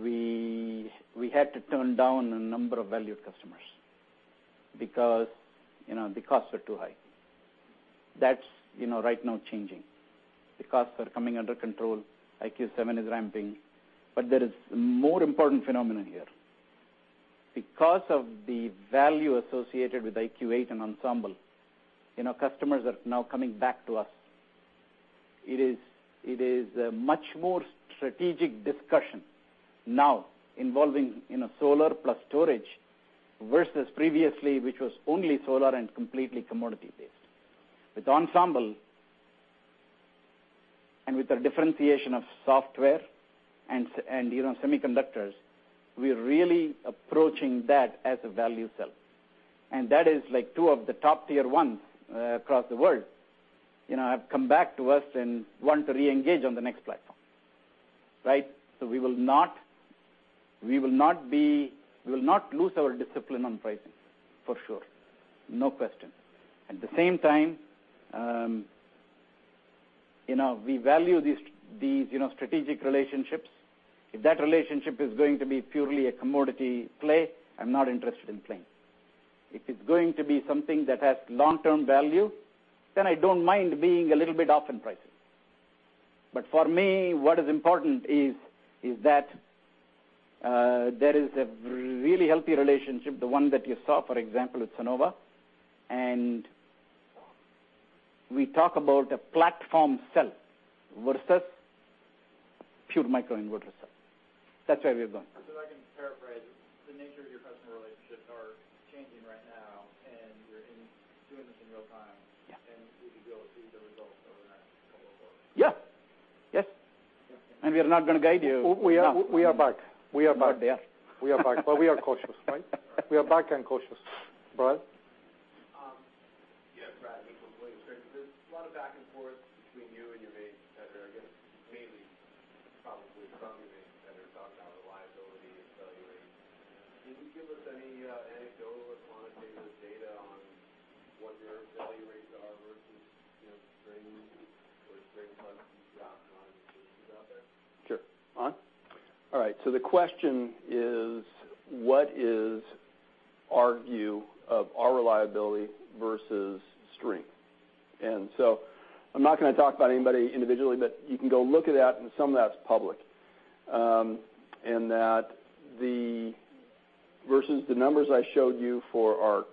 we had to turn down a number of valued customers because the costs were too high. That's right now changing. The costs are coming under control. IQ7 is ramping. There is more important phenomenon here. Because of the value associated with IQ8 and Ensemble, customers are now coming back to us. It is a much more strategic discussion now involving solar plus storage versus previously, which was only solar and completely commodity-based. With Ensemble and with the differentiation of software and semiconductors, we are really approaching that as a value sell. That is like two of the top tier ones across the world have come back to us and want to reengage on the next platform. Right? We will not lose our discipline on pricing for sure. No question. At the same time, we value these strategic relationships. If that relationship is going to be purely a commodity play, I'm not interested in playing. If it's going to be something that has long-term value, then I don't mind being a little bit off in pricing. For me, what is important is that there is a really healthy relationship, the one that you saw, for example, with Sunnova. We talk about a platform sell versus pure microinverter sell. That's where we're going. If I can paraphrase, the nature of your customer relationships are changing right now, you're doing this in real time. Yeah. We should be able to see the results over the next couple of quarters. Yeah. Yes. We are not going to guide you. We are back. Not yet. We are back, but we are cautious, right? We are back and cautious. Brad? A lot of back and forth between you and your main competitor, again, mainly probably from your main competitor talking about reliability and failure rates. Can you give us any anecdotal or quantitative data on what your failure rates are versus strings or string inverters you've got on installations out there? Sure. On? All right. The question is, what is our view of our reliability versus string? I'm not going to talk about anybody individually, but you can go look at that, and some of that's public. That versus the numbers I showed you for our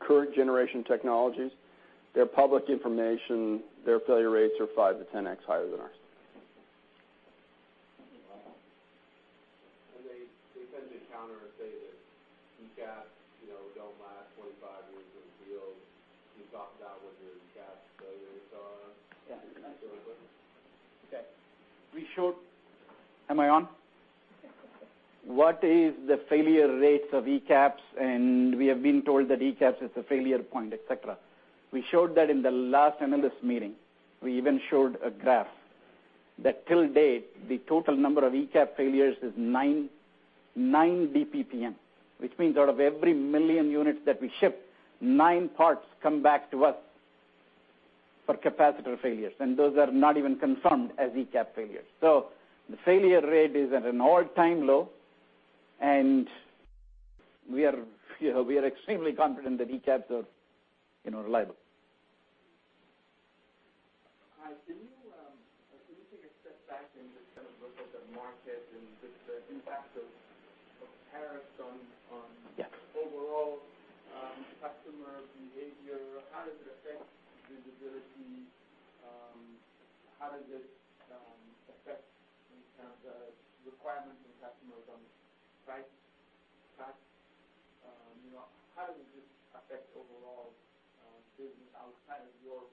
current generation technologies, they're public information. Their failure rates are five to 10x higher than ours. They tend to counter and say that ECAP don't last 25 years in the field. Can you talk about what your ECAP failure rates are on that real quick? Yeah. Okay. Am I on? What is the failure rates of ECAPs, and we have been told that ECAPs is the failure point, et cetera. We showed that in the last analyst meeting. We even showed a graph that till date, the total number of ECAP failures is nine DPPM, which means out of every million units that we ship, nine parts come back to us for capacitor failures, and those are not even confirmed as ECAP failures. The failure rate is at an all-time low, and we are extremely confident that ECAPs are reliable. Hi. Can we take a step back and just kind of look at the market and just the impact of tariffs on. Yes overall customer behavior. How does it affect visibility? How does it affect in terms of requirements on customers on price, et cetera? How does this affect overall business outside of your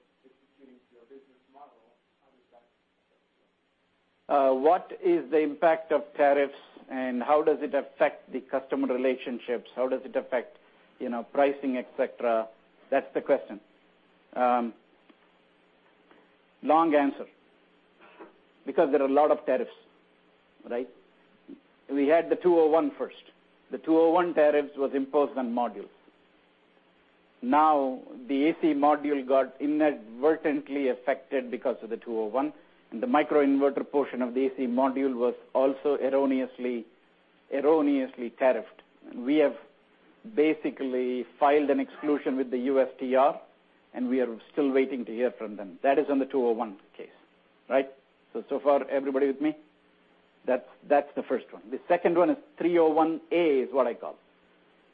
business model? How does that affect you? What is the impact of tariffs, how does it affect the customer relationships? How does it affect pricing, et cetera? That's the question. Long answer, because there are a lot of tariffs, right? We had the 201 first. The 201 tariffs was imposed on modules. The AC module got inadvertently affected because of the 201, and the microinverter portion of the AC module was also erroneously tariffed. We have basically filed an exclusion with the USTR, and we are still waiting to hear from them. That is on the 201 case, right? So far, everybody with me? That's the first one. The second one is 301A, is what I call.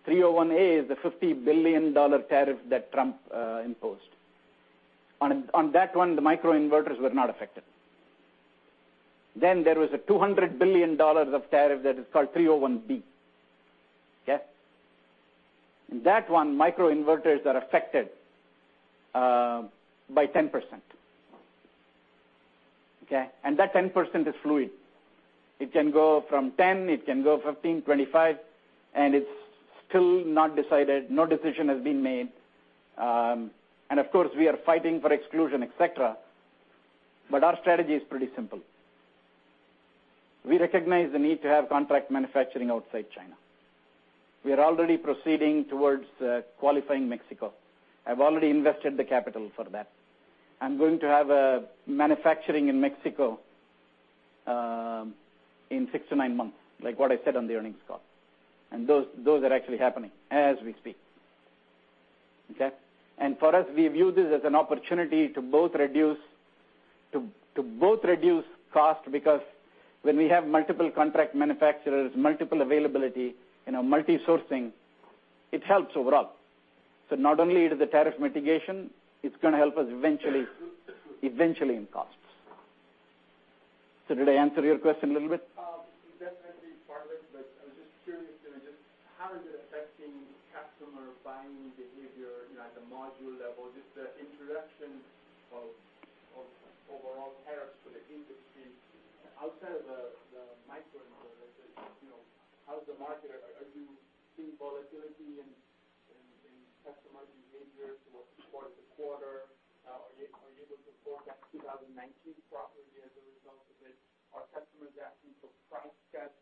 301A is the $50 billion tariff that Trump imposed. On that one, the microinverters were not affected. There was a $200 billion of tariff that is called 301B. Okay. In that one, microinverters are affected by 10%. Okay. That 10% is fluid. It can go from 10, it can go 15, 25, and it's still not decided. No decision has been made. Of course, we are fighting for exclusion, et cetera. Our strategy is pretty simple. We recognize the need to have contract manufacturing outside China. We are already proceeding towards qualifying Mexico. I've already invested the capital for that. I'm going to have a manufacturing in Mexico in six to nine months, like what I said on the earnings call. Those are actually happening as we speak. Okay. For us, we view this as an opportunity to both reduce cost, because when we have multiple contract manufacturers, multiple availability, multi-sourcing, it helps overall. Not only is it the tariff mitigation, it's going to help us eventually in costs. Did I answer your question a little bit? I was just curious, just how is it affecting customer buying behavior at the module level, just the introduction of overall tariffs for the industry outside of the microinverter. How's the market? Are you seeing volatility in customer behaviors towards the quarter? Are you able to forecast 2019 properly as a result of it? Are customers asking for price cuts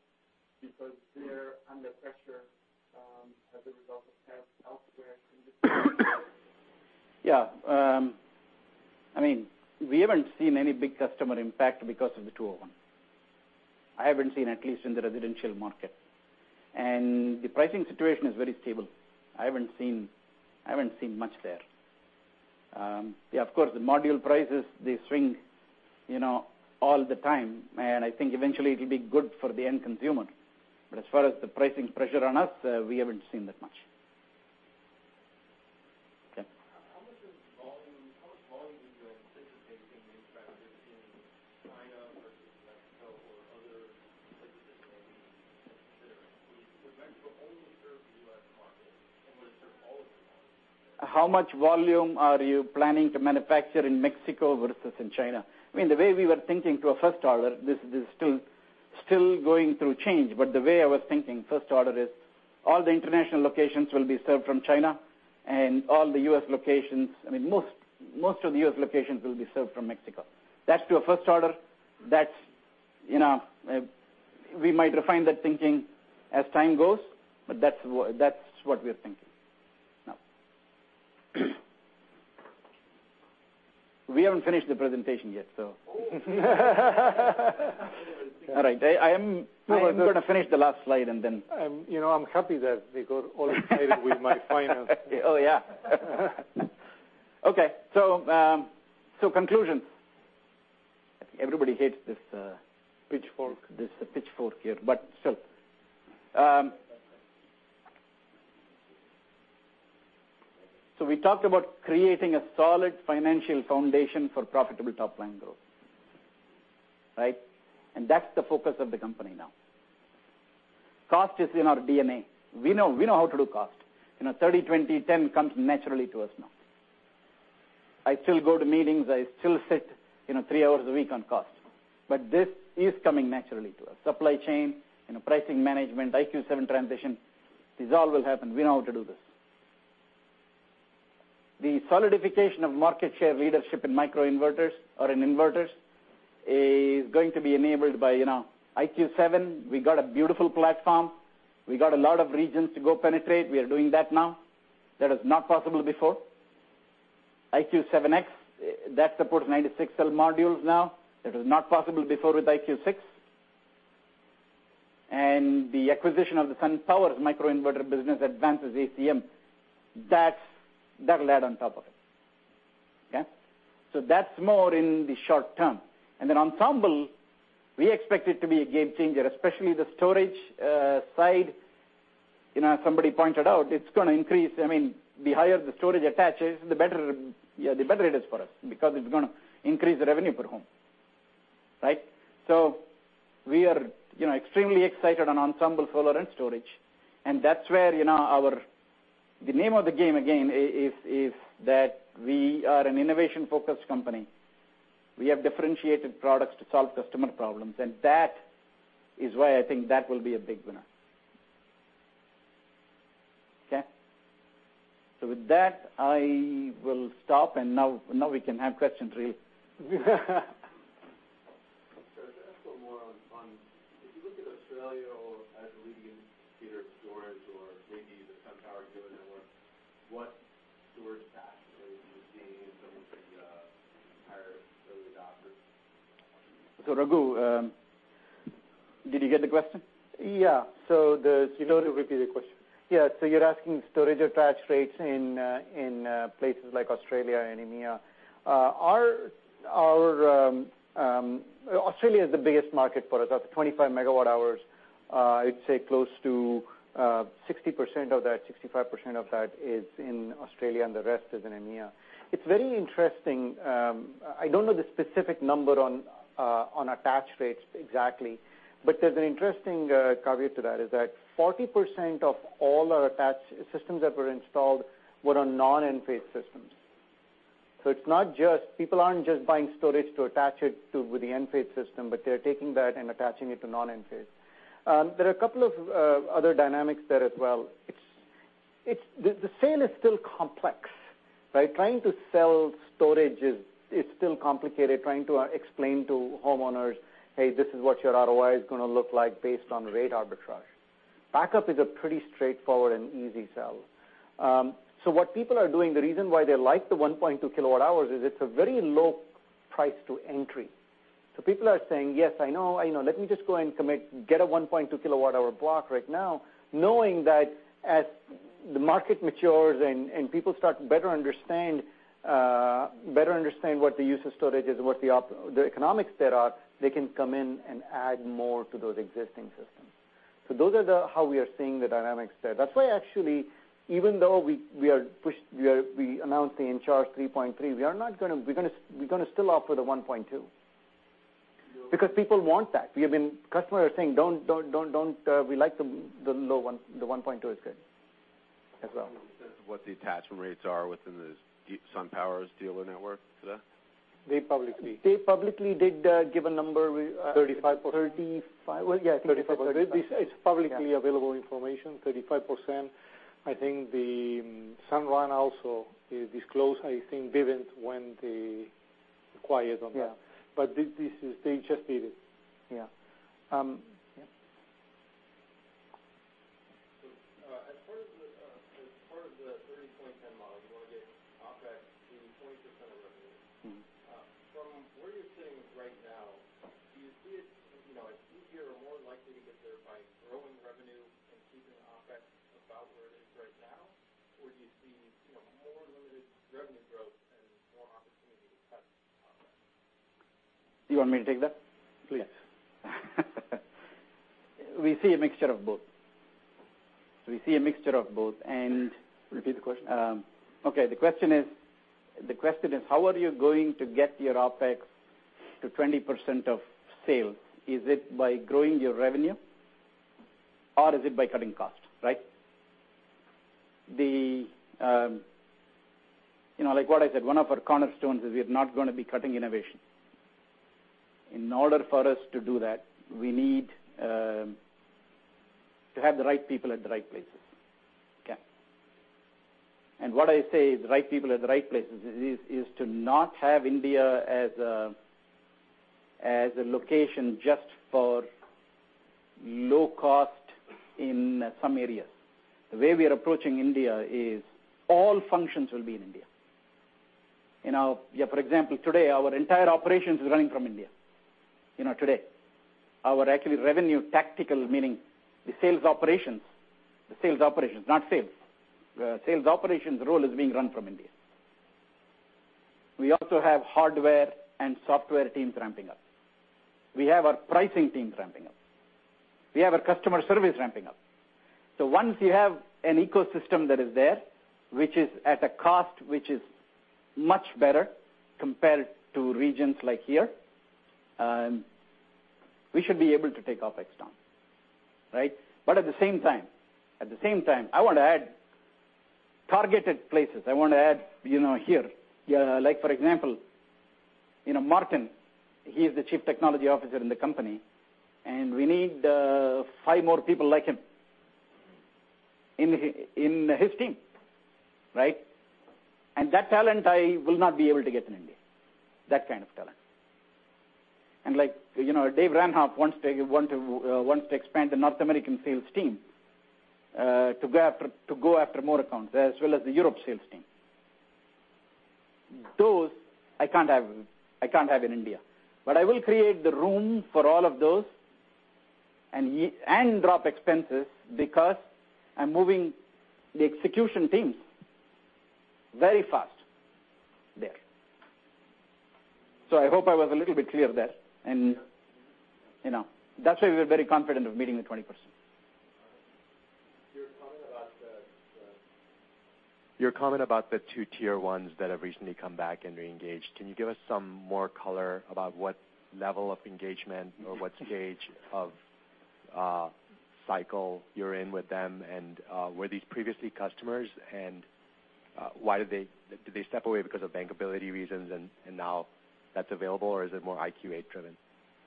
because they're under pressure as a result of tariffs elsewhere in the supply chain? Yeah. We haven't seen any big customer impact because of the Section 201. I haven't seen, at least in the residential market. The pricing situation is very stable. I haven't seen much there. Of course, the module prices, they swing all the time, and I think eventually it'll be good for the end consumer. As far as the pricing pressure on us, we haven't seen that much. Okay. How much volume are you anticipating manufacturing in China versus Mexico or other places that you may be considering? Would Mexico only serve the U.S. market, or would it serve all of your markets? How much volume are you planning to manufacture in Mexico versus in China? The way we were thinking to a first order, this is still going through change, the way I was thinking first order is all the international locations will be served from China, and most of the U.S. locations will be served from Mexico. That's to a first order. We might refine that thinking as time goes, but that's what we're thinking now. We haven't finished the presentation yet. All right. We were going to finish the last slide. I'm happy that we got all excited with my finance. Oh, yeah. Okay. Conclusions. Everybody hates Pitchfork this pitchfork here, but still. We talked about creating a solid financial foundation for profitable top line growth. Right? That's the focus of the company now. Cost is in our DNA. We know how to do cost. 30/20/10 comes naturally to us now. I still go to meetings, I still sit three hours a week on cost. This is coming naturally to us. Supply chain, pricing management, IQ 7 transition, this all will happen. We know how to do this. The solidification of market share leadership in microinverters or in inverters is going to be enabled by IQ 7. We got a beautiful platform. We got a lot of regions to go penetrate. We are doing that now. That was not possible before. IQ 7X, that supports 96 cell modules now. That was not possible before with IQ 6. The acquisition of the SunPower's microinverter business advances ACM. That'll add on top of it. Okay? That's more in the short term. Then Ensemble, we expect it to be a game changer, especially the storage side. Somebody pointed out, it's going to increase. The higher the storage attaches, the better it is for us, because it's going to increase the revenue per home. Right? We are extremely excited on Ensemble Solar and Storage. That's where the name of the game, again, is that we are an innovation-focused company. We have differentiated products to solve customer problems, and that is why I think that will be a big winner. Okay. With that, I will stop, and now we can have questions, really. Sir, can I ask a little more on, if you look at Australia as a leading indicator of storage or maybe the SunPower dealer network, what storage attach rates are you seeing in someone like a (Empire Early Adopters)? Raghu, did you get the question? Yeah. Do you want to repeat the question? Yeah. You're asking storage attach rates in places like Australia and EMEA. Australia is the biggest market for us. Of 25 megawatt hours, I'd say close to 60% of that, 65% of that is in Australia and the rest is in EMEA. It's very interesting. I don't know the specific number on attach rates exactly, but there's an interesting caveat to that, is that 40% of all our systems that were installed were on non-Enphase systems. People aren't just buying storage to attach it to the Enphase system, but they're taking that and attaching it to non-Enphase. There are a couple of other dynamics there as well. The sale is still complex, right? Trying to sell storage is still complicated, trying to explain to homeowners, "Hey, this is what your ROI is going to look like based on rate arbitrage." Backup is a pretty straightforward and easy sell. What people are doing, the reason why they like the 1.2 kilowatt hours is it's a very low price to entry. People are saying, "Yes, I know. Let me just go and commit, get a 1.2 kilowatt hour block right now," knowing that as the market matures and people start to better understand what the use of storage is and what the economics there are, they can come in and add more to those existing systems. Those are how we are seeing the dynamics there. That's why, actually, even though we announced the Encharge 3, we're going to still offer the 1.2. People want that. Customers are saying, "We like the low one. The 1.2 is good as well. Do you know what the attachment rates are within the SunPower's dealer network today? They publicly did give a number. 35% 35. Yeah, I think they said 35. It's publicly available information, 35%. I think the Sunrun also disclosed, I think Vivint went quiet on that. Yeah. They just did it. Yeah. As part of the 30/20/10 model, you want to get OPEX to be 20% of revenue. From where you're sitting right now, do you see it easier or more likely to get there by growing revenue and keeping OpEx about where it is right now? Or do you see more limited revenue growth and more opportunity to cut OpEx? You want me to take that? Please. We see a mixture of both. Okay. We see a mixture of both. Repeat the question. Okay. The question is, how are you going to get your OpEx to 20% of sales? Is it by cutting cost, right? Like what I said, one of our cornerstones is we are not going to be cutting innovation. In order for us to do that, we need to have the right people at the right places. Okay. What I say is right people at the right places is to not have India as a location just for low cost in some areas. The way we are approaching India is all functions will be in India. For example, today, our entire operations is running from India. Today. Our actually revenue tactical, meaning the sales operations. The sales operations, not sales. The sales operations role is being run from India. We also have hardware and software teams ramping up. We have our pricing teams ramping up. We have our customer service ramping up. Once you have an ecosystem that is there, which is at a cost which is much better compared to regions like here, we should be able to take OpEx down. Right? At the same time, I want to add targeted places. I want to add here. Like for example, Martin, he is the Chief Technology Officer in the company, and we need five more people like him in his team. Right? That talent, I will not be able to get in India. That kind of talent. Dave Ranhoff wants to expand the North American sales team, to go after more accounts, as well as the Europe sales team. Those, I can't have in India. I will create the room for all of those, and drop expenses because I'm moving the execution teams very fast there. I hope I was a little bit clear there. That's why we're very confident of meeting the 20%. Your comment about the two tier 1s that have recently come back and reengaged, can you give us some more color about what level of engagement or what stage of cycle you're in with them, and were these previously customers and did they step away because of bankability reasons and now that's available, or is it more IQ8 driven?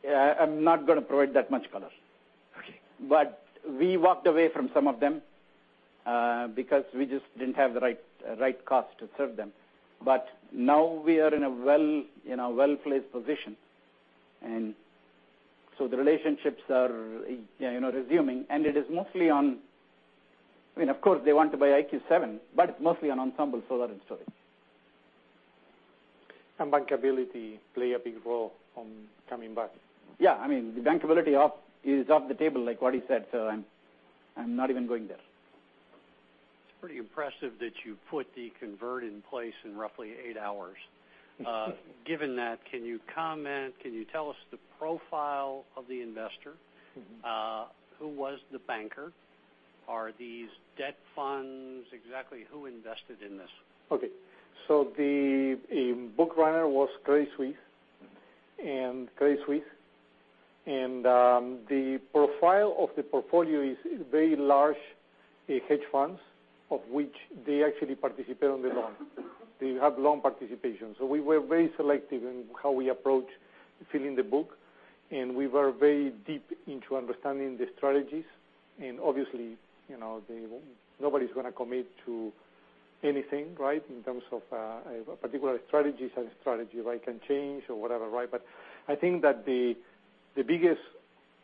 Yeah. I'm not going to provide that much color. Okay. We walked away from some of them, because we just didn't have the right cost to serve them. Now we are in a well-placed position. The relationships are resuming, and it is mostly on. Of course, they want to buy IQ7, but mostly on Ensemble solar and storage. Bankability play a big role on coming back. Yeah. The bankability is off the table, like what he said, I'm not even going there. It's pretty impressive that you put the convert in place in roughly eight hours. Given that, can you tell us the profile of the investor? Who was the banker? Are these debt funds? Exactly who invested in this? Okay. The book runner was Credit Suisse. The profile of the portfolio is very large hedge funds, of which they actually participate on the loan. They have loan participation. We were very selective in how we approach filling the book, we were very deep into understanding the strategies. Obviously, nobody's going to commit to anything, right, in terms of a particular strategy. Strategy can change or whatever, right? I think that the biggest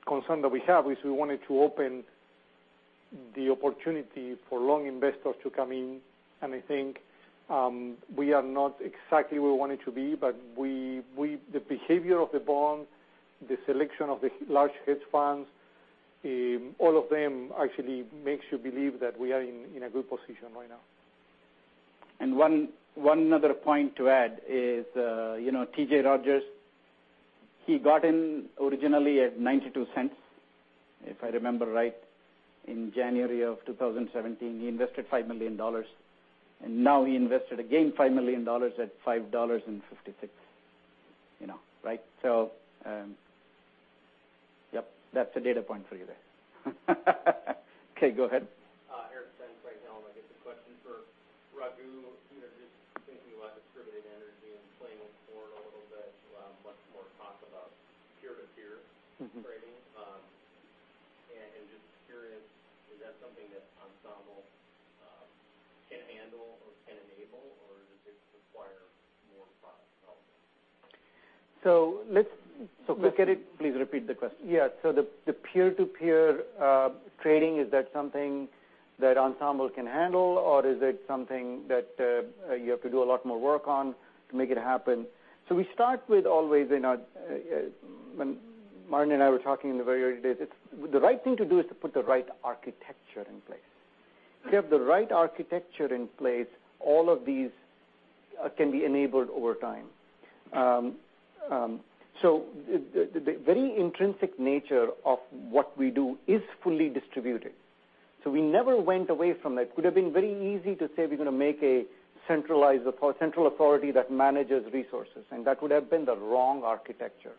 concern that we have is we wanted to open the opportunity for long investors to come in. I think, we are not exactly where we wanted to be, but the behavior of the bond, the selection of the large hedge funds, all of them actually makes you believe that we are in a good position right now. One other point to add is, T.J. Rodgers, he got in originally at $0.92, if I remember right, in January of 2017. He invested $5 million. Now he invested again $5 million at $5.56. Right? Yep, that's a data point for you there. Okay, go ahead. Eric Stine, Craig-Hallum. I guess a question for Raghu. Just thinking about distributed energy and playing it forward a little bit, much more talk about peer-to-peer trading. Just curious, is that something that Ensemble can handle or can enable, or does it require more product development? Let's look at it. Can you please repeat the question? Yeah. The peer-to-peer trading, is that something that Ensemble can handle or is it something that you have to do a lot more work on to make it happen? We start with always. Martin and I were talking in the very early days. The right thing to do is to put the right architecture in place. If you have the right architecture in place, all of these can be enabled over time. The very intrinsic nature of what we do is fully distributed. We never went away from that. It could have been very easy to say we're going to make a central authority that manages resources, and that would have been the wrong architecture.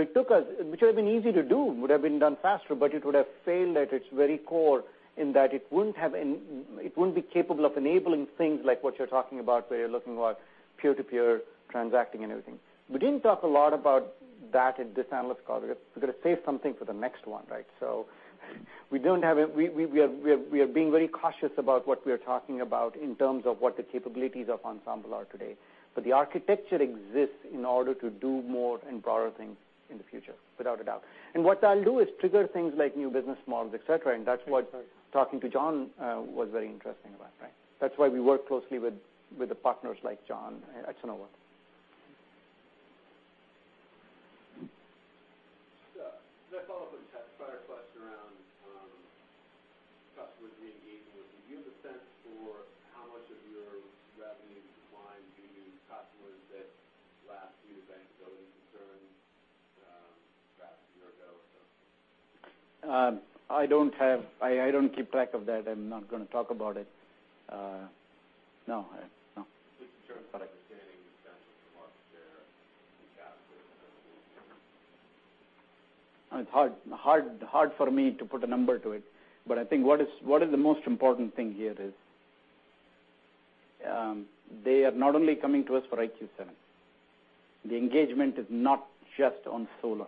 It took us which would have been easy to do, would've been done faster, but it would have failed at its very core in that it wouldn't be capable of enabling things like what you're talking about, where you're looking at peer-to-peer transacting and everything. We didn't talk a lot about that at this analyst call. We're going to save something for the next one. We are being very cautious about what we are talking about in terms of what the capabilities of Ensemble are today. The architecture exists in order to do more and broader things in the future, without a doubt. What that'll do is trigger things like new business models, et cetera. That's what talking to John was very interesting about. That's why we work closely with the partners like John at Sunnova. Can I follow up on Chad's prior question around customers re-engaging with you? Do you have a sense for how much of your revenue decline being customers that last year raised (various concerns) perhaps a year ago or so? I don't keep track of that. I'm not going to talk about it. No. Just in terms of understanding the sense of the market share It's hard for me to put a number to it. I think what is the most important thing here is, they are not only coming to us for IQ 7. The engagement is not just on solar.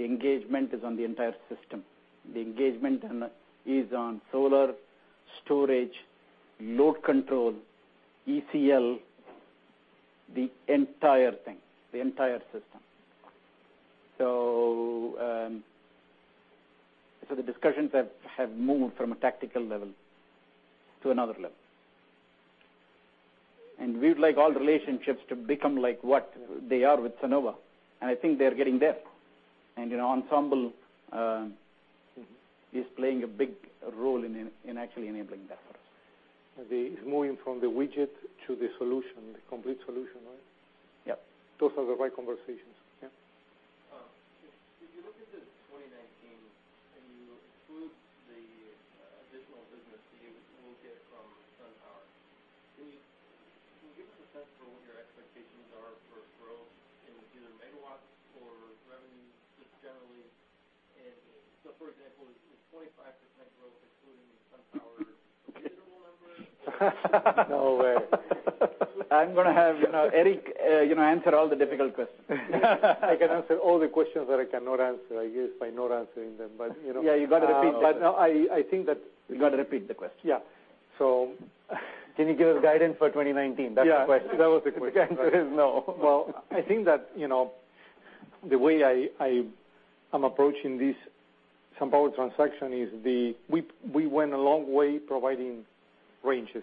The engagement is on the entire system. The engagement is on solar, storage, load control, ECL, the entire thing. The entire system. The discussions have moved from a tactical level to another level. We would like all relationships to become like what they are with Sunnova, and I think they're getting there. Ensemble is playing a big role in actually enabling that for us. It's moving from the widget to the solution, the complete solution, right? Yep. Those are the right conversations. Yeah. If you look into 2019 and you include the additional business that you will get from SunPower, can you give us a sense for what your expectations are for growth in either megawatts or revenue, just generally? For example, is 25% growth including SunPower reasonable number? No way. I'm going to have Eric answer all the difficult questions. I can answer all the questions that I cannot answer, I guess by not answering them. Yeah, you got to repeat the question. No, I think. You got to repeat the question. Yeah. Can you give us guidance for 2019? That is the question. Yeah. That was the question. The answer is no. I think that, the way I'm approaching this SunPower transaction is we went a long way providing ranges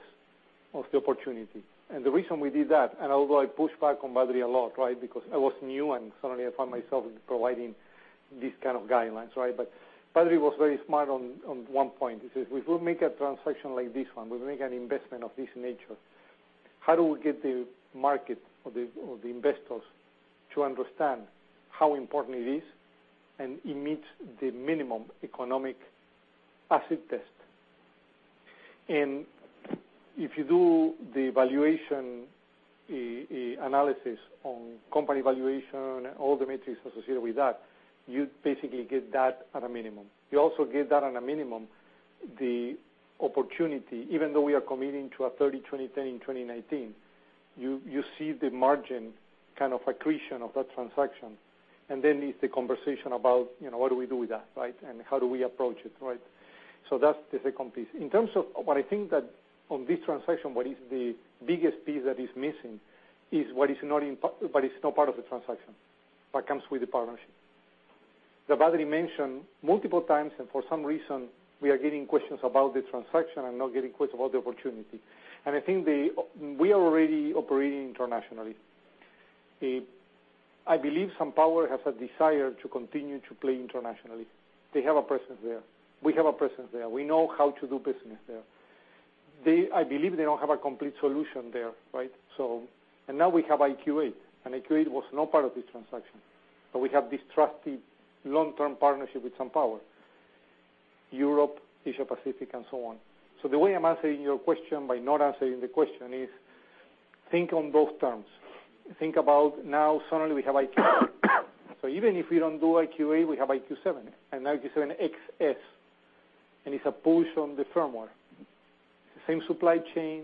of the opportunity. The reason we did that, and although I pushed back on Badri a lot, because I was new and suddenly I find myself providing these kind of guidelines. Badri was very smart on one point. He says, "If we make a transaction like this one, we make an investment of this nature, how do we get the market or the investors to understand how important it is, and it meets the minimum economic asset test?" If you do the valuation analysis on company valuation, all the metrics associated with that, you basically get that at a minimum. You also get that on a minimum, the opportunity, even though we are committing to a 30/20/10 in 2019, you see the margin kind of accretion of that transaction, and then it's the conversation about, what do we do with that, and how do we approach it. That's the second piece. In terms of what I think that on this transaction, what is the biggest piece that is missing is what is not part of the transaction, what comes with the partnership. That Badri mentioned multiple times, and for some reason, we are getting questions about the transaction and not getting questions about the opportunity. I think we are already operating internationally. I believe SunPower has a desire to continue to play internationally. They have a presence there. We have a presence there. We know how to do business there. I believe they don't have a complete solution there. Now we have IQ8 was not part of this transaction. We have this trusted long-term partnership with SunPower, Europe, Asia-Pacific and so on. The way I'm answering your question by not answering the question is, think on both terms. Think about now suddenly we have IQ8. Even if we don't do IQ8, we have IQ7, and now IQ7XS, and it's a push on the firmware. Same supply chain.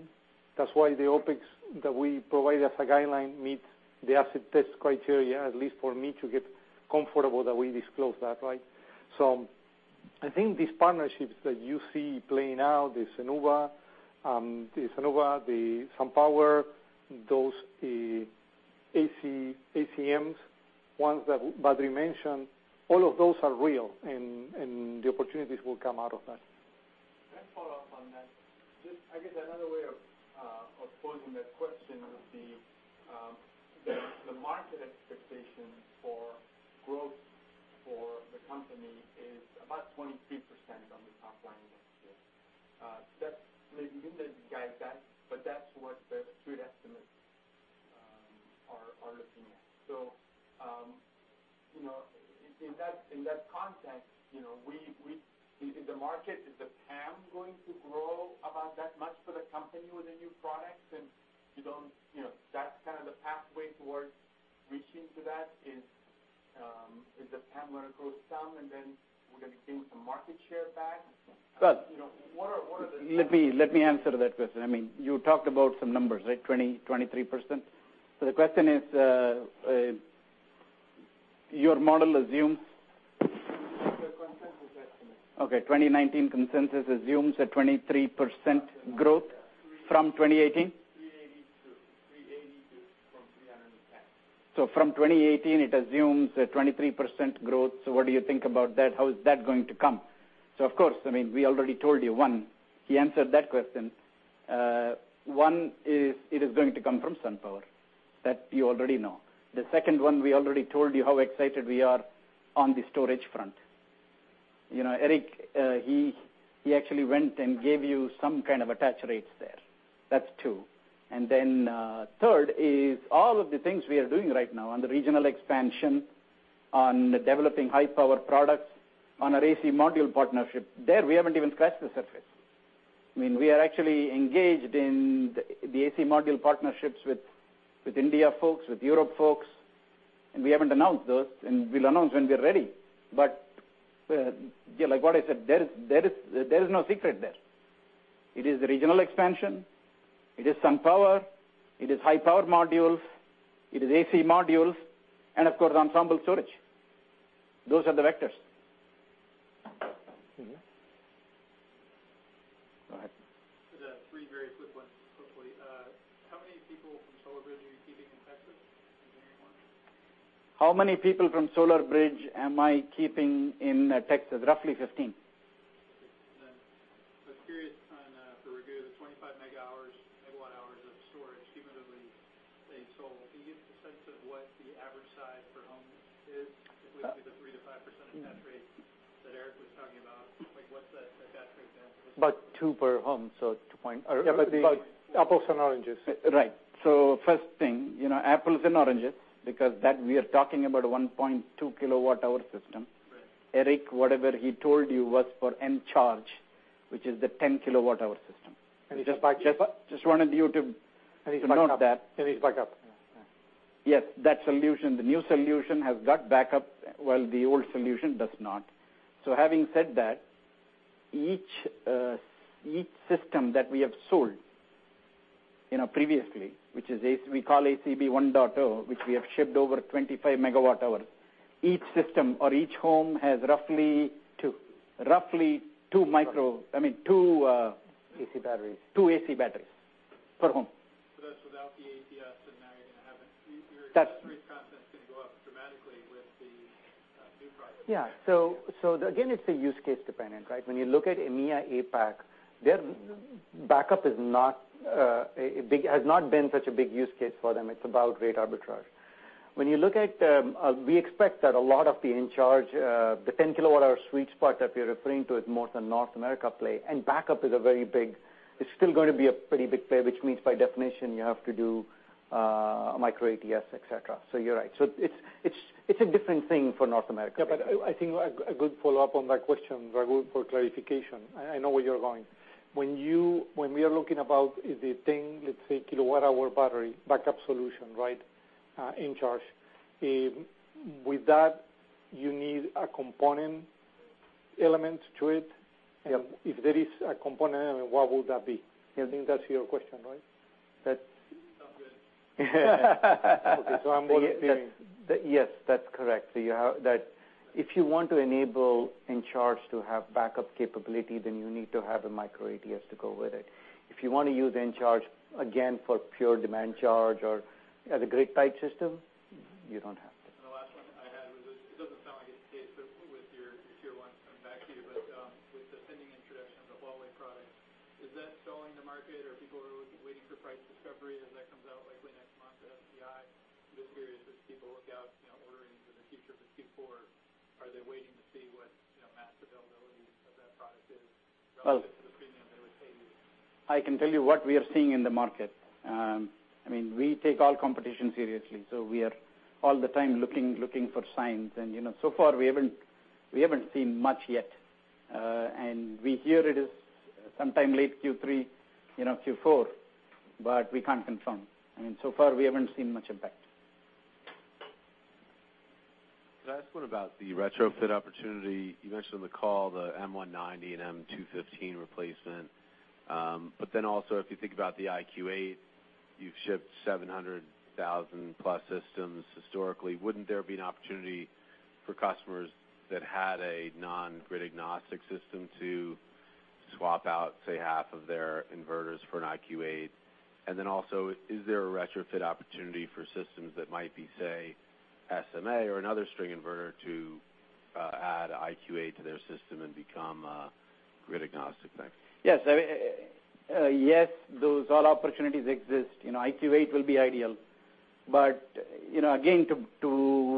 That's why the OpEx that we provide as a guideline meets the asset test criteria, at least for me to get comfortable that we disclose that. I think these partnerships that you see playing out, the Sunnova, the SunPower, those ACMs, ones that Badri mentioned, all of those are real and the opportunities will come out of that. Can I follow up on that? Just, I guess another way of posing that question would be, the market expectation for growth for the company is about 23% on the top line next year. You didn't guide that, but that's what the street estimates are looking at. In that context, is the market, is the TAM going to grow about that much for the company with the new products? And that's kind of the pathway towards reaching to that. Is the TAM going to grow some, and then we're going to gain some market share back? Raghu. What are the- Let me answer that question. You talked about some numbers, right? 20, 23%. The question is, your model assumes- The consensus estimate. 2019 consensus assumes a 23% growth from 2018. 380 to from 310. From 2018, it assumes a 23% growth. What do you think about that? How is that going to come? Of course, we already told you, one, he answered that question. One is it is going to come from SunPower. That you already know. The second one, we already told you how excited we are on the storage front. Eric, he actually went and gave you some kind of attach rates there. That's two. And then third is all of the things we are doing right now on the regional expansion, on developing high-power products, on our AC module partnership. There, we haven't even scratched the surface. We are actually engaged in the AC module partnerships with India folks, with Europe folks, and we haven't announced those, and we'll announce when we are ready. Like what I said, there is no secret there. It is regional expansion, it is SunPower, it is high-power modules, it is AC modules, and of course, Ensemble Storage. Those are the vectors. Senior. Go ahead. Just three very quick ones, hopefully. How many people from SolarBridge are you keeping in Texas from when you acquired them? How many people from SolarBridge am I keeping in Texas? Roughly 15. Okay. Curious on, for Raghu, the 25 megawatt hours of storage cumulatively being sold. Can you give a sense of what the average size per home is, if we do the 3%-5% attach rate that Eric was talking about? What's the attach rate there approximately? About two per home. Yeah, apples and oranges. Right. First thing, apples and oranges, we are talking about a 1.2 kWh system. Right. Eric, whatever he told you was for Encharge, which is the 10 kWh system. It has backup. Just wanted you to note that. It has backup. Yes. That solution, the new solution, has got backup, while the old solution does not. Having said that, each system that we have sold previously, which we call AC Battery, which we have shipped over 25 megawatt hours, each system or each home has roughly Two roughly two AC batteries per home. That's without the ATS. Now you're going to have it. Your accessory content's going to go up dramatically with the new product, right? Yeah. Again, it's use case dependent, right? When you look at EMEA, APAC, their backup has not been such a big use case for them. It's about rate arbitrage. We expect that a lot of the Encharge, the 10 kilowatt hour sweet spot that we are referring to is more of a North America play. Backup is a very big, it's still going to be a pretty big play, which means by definition, you have to do a micro ATS, et cetera. You're right. It's a different thing for North America. Yeah, I think a good follow-up on that question, Raghu, for clarification. I know where you're going. When we are looking about the 10 kilowatt hour battery backup solution, Encharge. With that, you need a component element to it. If there is a component element, what would that be? I think that's your question, right? Sounds good. Okay. I'm only assuming. Yes, that's correct. If you want to enable Encharge to have backup capability, then you need to have a micro ATS to go with it. If you want to use Encharge, again, for pure demand charge or as a grid-tied system, you don't have to. The last one I had was, it doesn't sound like it's the case with your tier 1s coming back to you, but with the pending introduction of the Huawei products, is that stalling the market? Are people waiting for price discovery as that comes out likely next month at SPI? This period as people look out, ordering into the future for Q4, are they waiting to see what mass availability of that product is relative to the premium they would pay you? I can tell you what we are seeing in the market. We take all competition seriously, we are all the time looking for signs, and so far, we haven't seen much yet. We hear it is sometime late Q3, Q4, but we can't confirm. So far, we haven't seen much impact. Can I ask one about the retrofit opportunity? You mentioned on the call the M190 and M215 replacement. If you think about the IQ8, you've shipped 700,000-plus systems historically. Wouldn't there be an opportunity for customers that had a non-grid agnostic system to swap out, say, half of their inverters for an IQ8? Is there a retrofit opportunity for systems that might be, say, SMA or another string inverter to add a IQ8 to their system and become a grid agnostic then? Yes. Those all opportunities exist. IQ8 will be ideal. To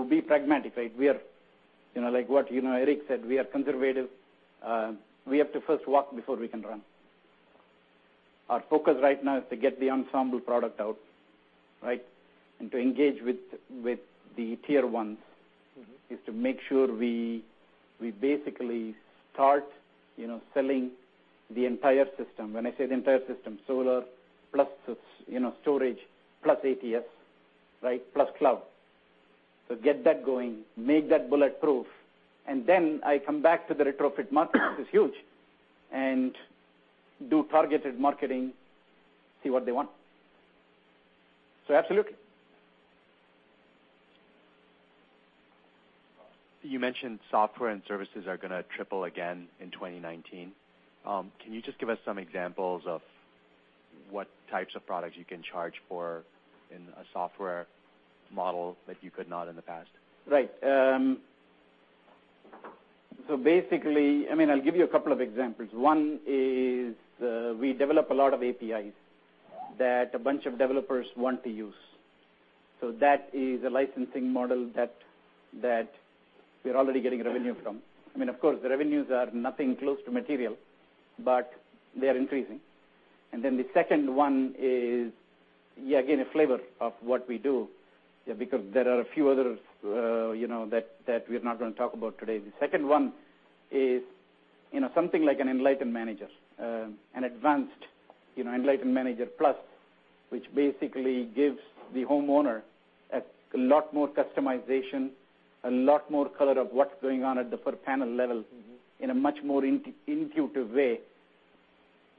be pragmatic, like what Eric said, we are conservative. We have to first walk before we can run. Our focus right now is to get the Ensemble product out, right? Is to make sure we basically start selling the entire system. When I say the entire system, solar plus storage, plus ATS, right? Plus cloud. Get that going, make that bulletproof, I come back to the retrofit market, which is huge, and do targeted marketing, see what they want. Absolutely. You mentioned software and services are going to triple again in 2019. Can you just give us some examples of what types of products you can charge for in a software model that you could not in the past? Right. Basically, I'll give you a couple of examples. One is, we develop a lot of APIs that a bunch of developers want to use. That is a licensing model that we're already getting revenue from. Of course, the revenues are nothing close to material, but they are increasing. The second one is, again, a flavor of what we do, because there are a few others that we're not going to talk about today. The second one is something like an Enlighten Manager, an advanced Enlighten Manager plus, which basically gives the homeowner a lot more customization, a lot more color of what's going on at the per-panel level. In a much more intuitive way.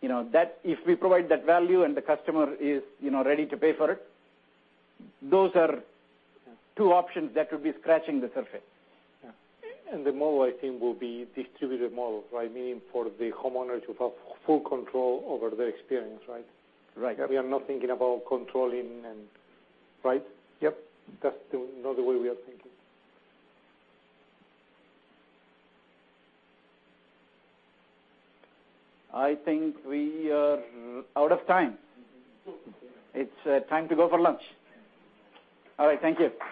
If we provide that value and the customer is ready to pay for it, those are two options that would be scratching the surface. Yeah. The model, I think, will be distributed model. Meaning for the homeowner to have full control over their experience, right? Right. We are not thinking about controlling and Right? Yep. That's not the way we are thinking. I think we are out of time. It's time to go for lunch. All right. Thank you.